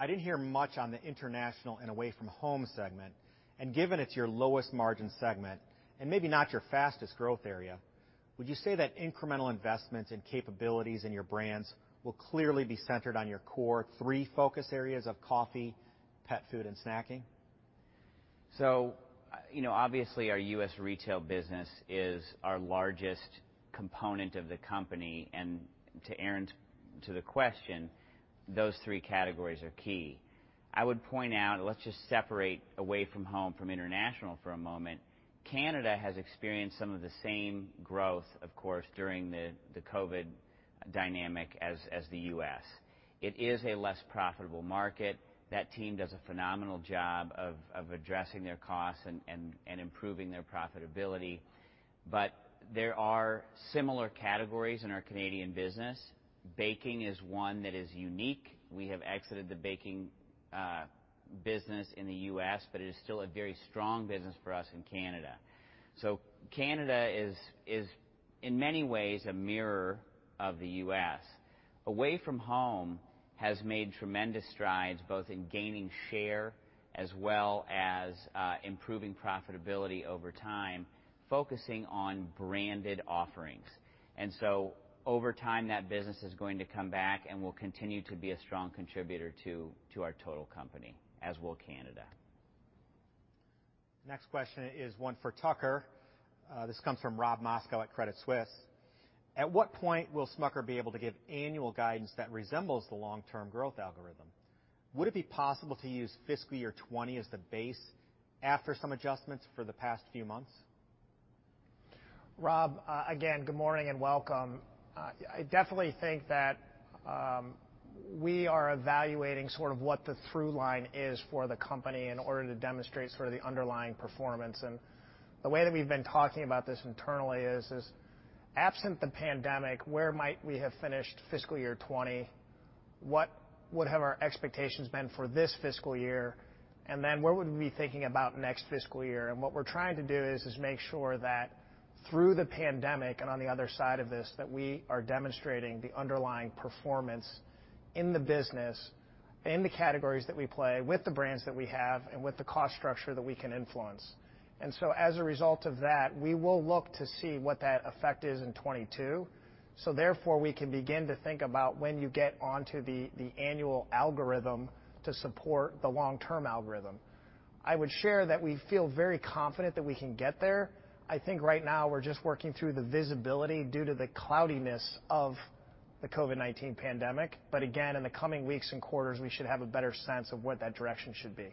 S10: I didn't hear much on the international and away-from-home segment. And given it's your lowest margin segment and maybe not your fastest growth area, would you say that incremental investments and capabilities in your brands will clearly be centered on your core three focus areas of coffee, pet food, and snacking?
S2: So obviously, our U.S. retail business is our largest component of the company. And to answer Aaron's question, those three categories are key. I would point out, let's just separate away-from-home from international for a moment. Canada has experienced some of the same growth, of course, during the COVID dynamic as the U.S. It is a less profitable market. That team does a phenomenal job of addressing their costs and improving their profitability. But there are similar categories in our Canadian business. Baking is one that is unique. We have exited the baking business in the U.S., but it is still a very strong business for us in Canada. So Canada is, in many ways, a mirror of the U.S. Away-from-home has made tremendous strides both in gaining share as well as improving profitability over time, focusing on branded offerings. And so over time, that business is going to come back and will continue to be a strong contributor to our total company, as will Canada.
S10: Next question is one for Tucker. This comes from Rob Moskow at Credit Suisse. At what point will Smucker be able to give annual guidance that resembles the long-term growth algorithm? Would it be possible to use fiscal year 2020 as the base after some adjustments for the past few months?
S9: Rob, again, good morning and welcome. I definitely think that we are evaluating sort of what the through line is for the company in order to demonstrate sort of the underlying performance. And the way that we've been talking about this internally is, absent the pandemic, where might we have finished Fiscal Year 2020? What would have our expectations been for this fiscal year? And then what would we be thinking about next fiscal year? And what we're trying to do is make sure that through the pandemic and on the other side of this, that we are demonstrating the underlying performance in the business, in the categories that we play, with the brands that we have, and with the cost structure that we can influence. And so as a result of that, we will look to see what that effect is in 2022. So therefore, we can begin to think about when you get onto the annual algorithm to support the long-term algorithm. I would share that we feel very confident that we can get there. I think right now we're just working through the visibility due to the cloudiness of the COVID-19 pandemic. But again, in the coming weeks and quarters, we should have a better sense of what that direction should be.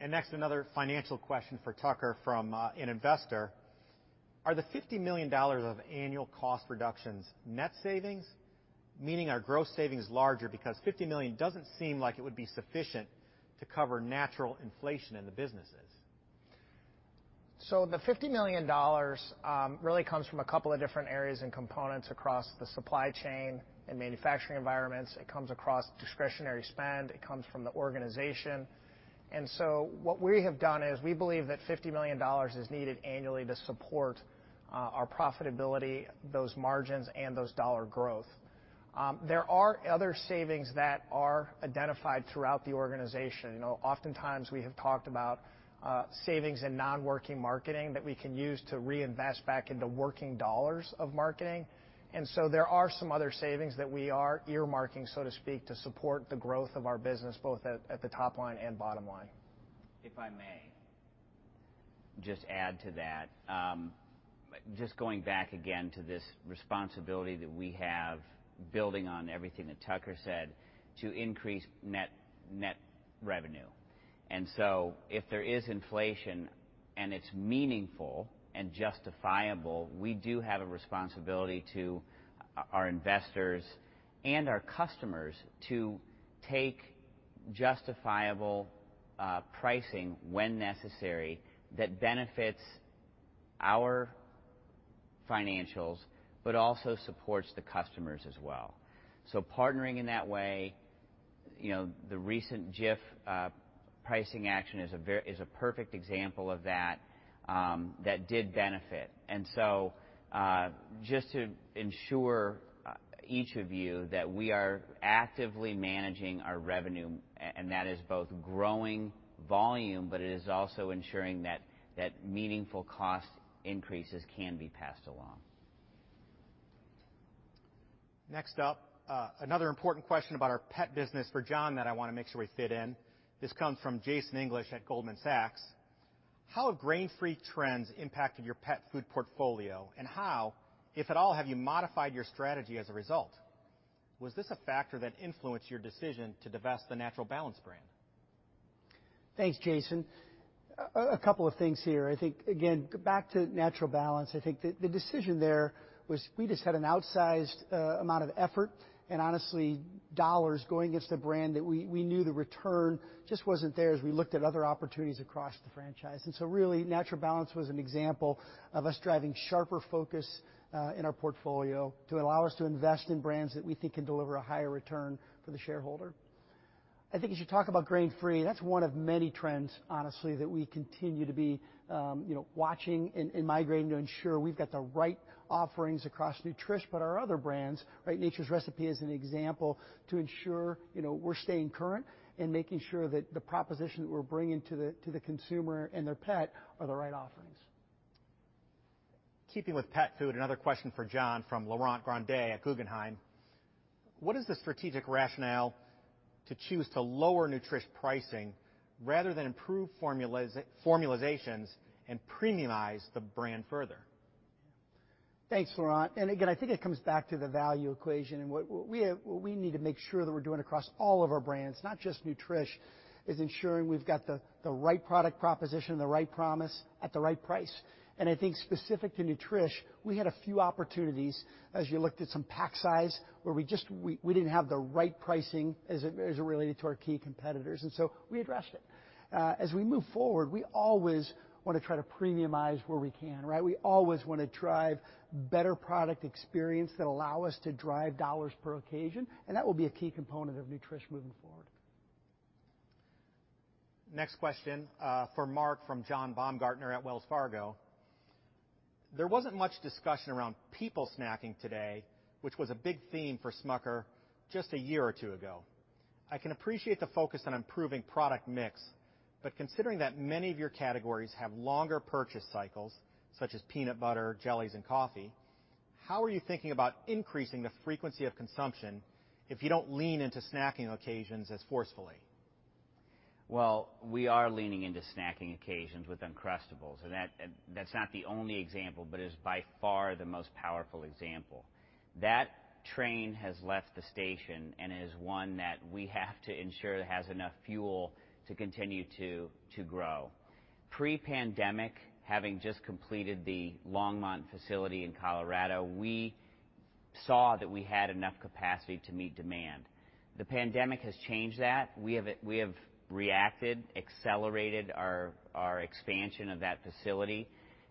S10: And next, another financial question for Tucker from an investor. Are the $50 million of annual cost reductions net savings, meaning our gross savings larger? Because $50 million doesn't seem like it would be sufficient to cover natural inflation in the businesses.
S9: So the $50 million really comes from a couple of different areas and components across the supply chain and manufacturing environments. It comes across discretionary spend. It comes from the organization. What we have done is we believe that $50 million is needed annually to support our profitability, those margins, and those dollar growth. There are other savings that are identified throughout the organization. Oftentimes, we have talked about savings in non-working marketing that we can use to reinvest back into working dollars of marketing. There are some other savings that we are earmarking, so to speak, to support the growth of our business, both at the top line and bottom line.
S2: If I may, just add to that, just going back again to this responsibility that we have, building on everything that Tucker said, to increase net revenue. If there is inflation and it's meaningful and justifiable, we do have a responsibility to our investors and our customers to take justifiable pricing when necessary that benefits our financials, but also supports the customers as well. Partnering in that way, the recent Jif pricing action is a perfect example of that, that did benefit. Just to ensure each of you that we are actively managing our revenue, and that is both growing volume, but it is also ensuring that meaningful cost increases can be passed along.
S10: Next up, another important question about our pet business for John that I want to make sure we fit in. This comes from Jason English at Goldman Sachs. How have grain-free trends impacted your pet food portfolio? And how, if at all, have you modified your strategy as a result? Was this a factor that influenced your decision to divest the Natural Balance brand?
S2: Thanks, Jason. A couple of things here. I think, again, back to Natural Balance, I think the decision there was we just had an outsized amount of effort and honestly dollars going against a brand that we knew the return just wasn't there as we looked at other opportunities across the franchise, and so really, Natural Balance was an example of us driving sharper focus in our portfolio to allow us to invest in brands that we think can deliver a higher return for the shareholder. I think as you talk about grain-free, that's one of many trends, honestly, that we continue to be watching and migrating to ensure we've got the right offerings across Nutrish, but our other brands, Nature's Recipe as an example, to ensure we're staying current and making sure that the proposition that we're bringing to the consumer and their pet are the right offerings.
S10: Keeping with pet food, another question for John from Laurent Grandet at Guggenheim. What is the strategic rationale to choose to lower Nutrish pricing rather than improve formulations and premiumize the brand further?
S7: Thanks, Laurent. And again, I think it comes back to the value equation. And what we need to make sure that we're doing across all of our brands, not just Nutrish, is ensuring we've got the right product proposition, the right promise at the right price. I think specific to Nutrish, we had a few opportunities as you looked at some pack size where we didn't have the right pricing as it related to our key competitors. So we addressed it. As we move forward, we always want to try to premiumize where we can. We always want to drive better product experience that allow us to drive dollars per occasion. That will be a key component of Nutrish moving forward.
S10: Next question for Mark from John Baumgartner at Wells Fargo. There wasn't much discussion around people snacking today, which was a big theme for Smucker just a year or two ago. I can appreciate the focus on improving product mix, but considering that many of your categories have longer purchase cycles, such as peanut butter, jellies, and coffee, how are you thinking about increasing the frequency of consumption if you don't lean into snacking occasions as forcefully?
S2: Well, we are leaning into snacking occasions with Uncrustables. And that's not the only example, but it is by far the most powerful example. That train has left the station and is one that we have to ensure has enough fuel to continue to grow. Pre-pandemic, having just completed the Longmont facility in Colorado, we saw that we had enough capacity to meet demand. The pandemic has changed that. We have reacted, accelerated our expansion of that facility.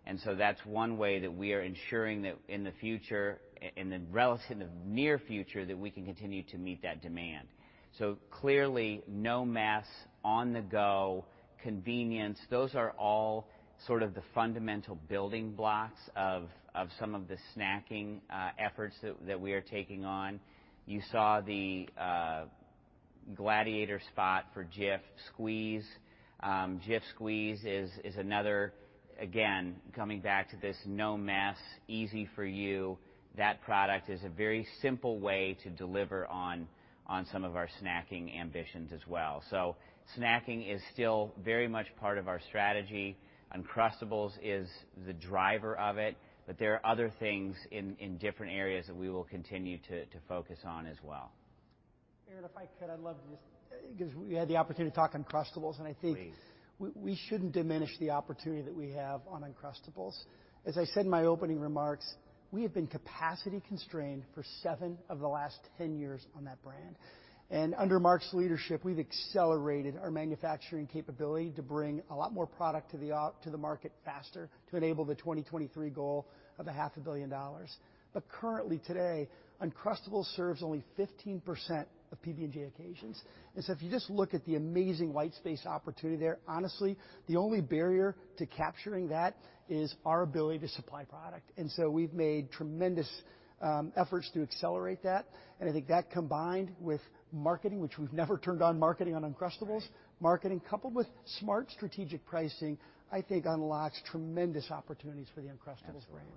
S2: And so that's one way that we are ensuring that in the future, in the near future, that we can continue to meet that demand. So clearly, no mess, on the go, convenience, those are all sort of the fundamental building blocks of some of the snacking efforts that we are taking on. You saw the gladiator spot for Jif Squeeze. Jif Squeeze is another, again, coming back to this no mess, easy for you. That product is a very simple way to deliver on some of our snacking ambitions as well. So snacking is still very much part of our strategy. Uncrustables is the driver of it. But there are other things in different areas that we will continue to focus on as well.
S7: Aaron, if I could, I'd love to just because we had the opportunity to talk Uncrustables, and I think we shouldn't diminish the opportunity that we have on Uncrustables. As I said in my opening remarks, we have been capacity constrained for seven of the last 10 years on that brand. And under Mark's leadership, we've accelerated our manufacturing capability to bring a lot more product to the market faster to enable the 2023 goal of $500 million. But currently, today, Uncrustables serves only 15% of PB&J occasions. And so if you just look at the amazing white space opportunity there, honestly, the only barrier to capturing that is our ability to supply product. And so we've made tremendous efforts to accelerate that. And I think that combined with marketing, which we've never turned on marketing on Uncrustables, marketing coupled with smart strategic pricing, I think unlocks tremendous opportunities for the Uncrustables brand.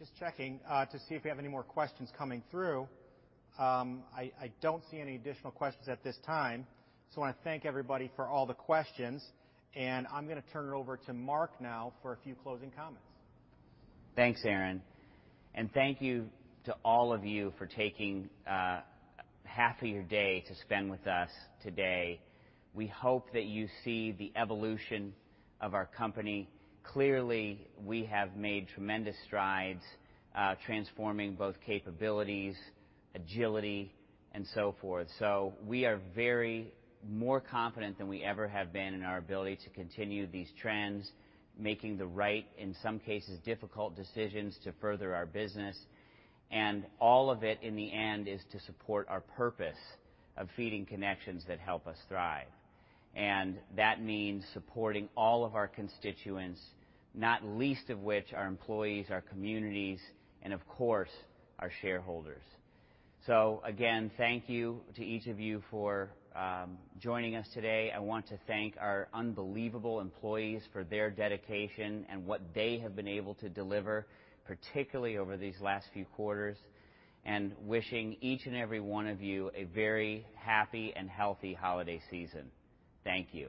S10: I'm just checking to see if we have any more questions coming through. I don't see any additional questions at this time. So I want to thank everybody for all the questions. And I'm going to turn it over to Mark now for a few closing comments.
S2: Thanks, Aaron. And thank you to all of you for taking half of your day to spend with us today. We hope that you see the evolution of our company. Clearly, we have made tremendous strides transforming both capabilities, agility, and so forth. So we are very more confident than we ever have been in our ability to continue these trends, making the right, in some cases, difficult decisions to further our business. And all of it, in the end, is to support our purpose of Feeding Connections That Help Us Thrive. And that means supporting all of our constituents, not least of which are employees, our communities, and of course, our shareholders. So again, thank you to each of you for joining us today. I want to thank our unbelievable employees for their dedication and what they have been able to deliver, particularly over these last few quarters. And wishing each and every one of you a very happy and healthy holiday season. Thank you.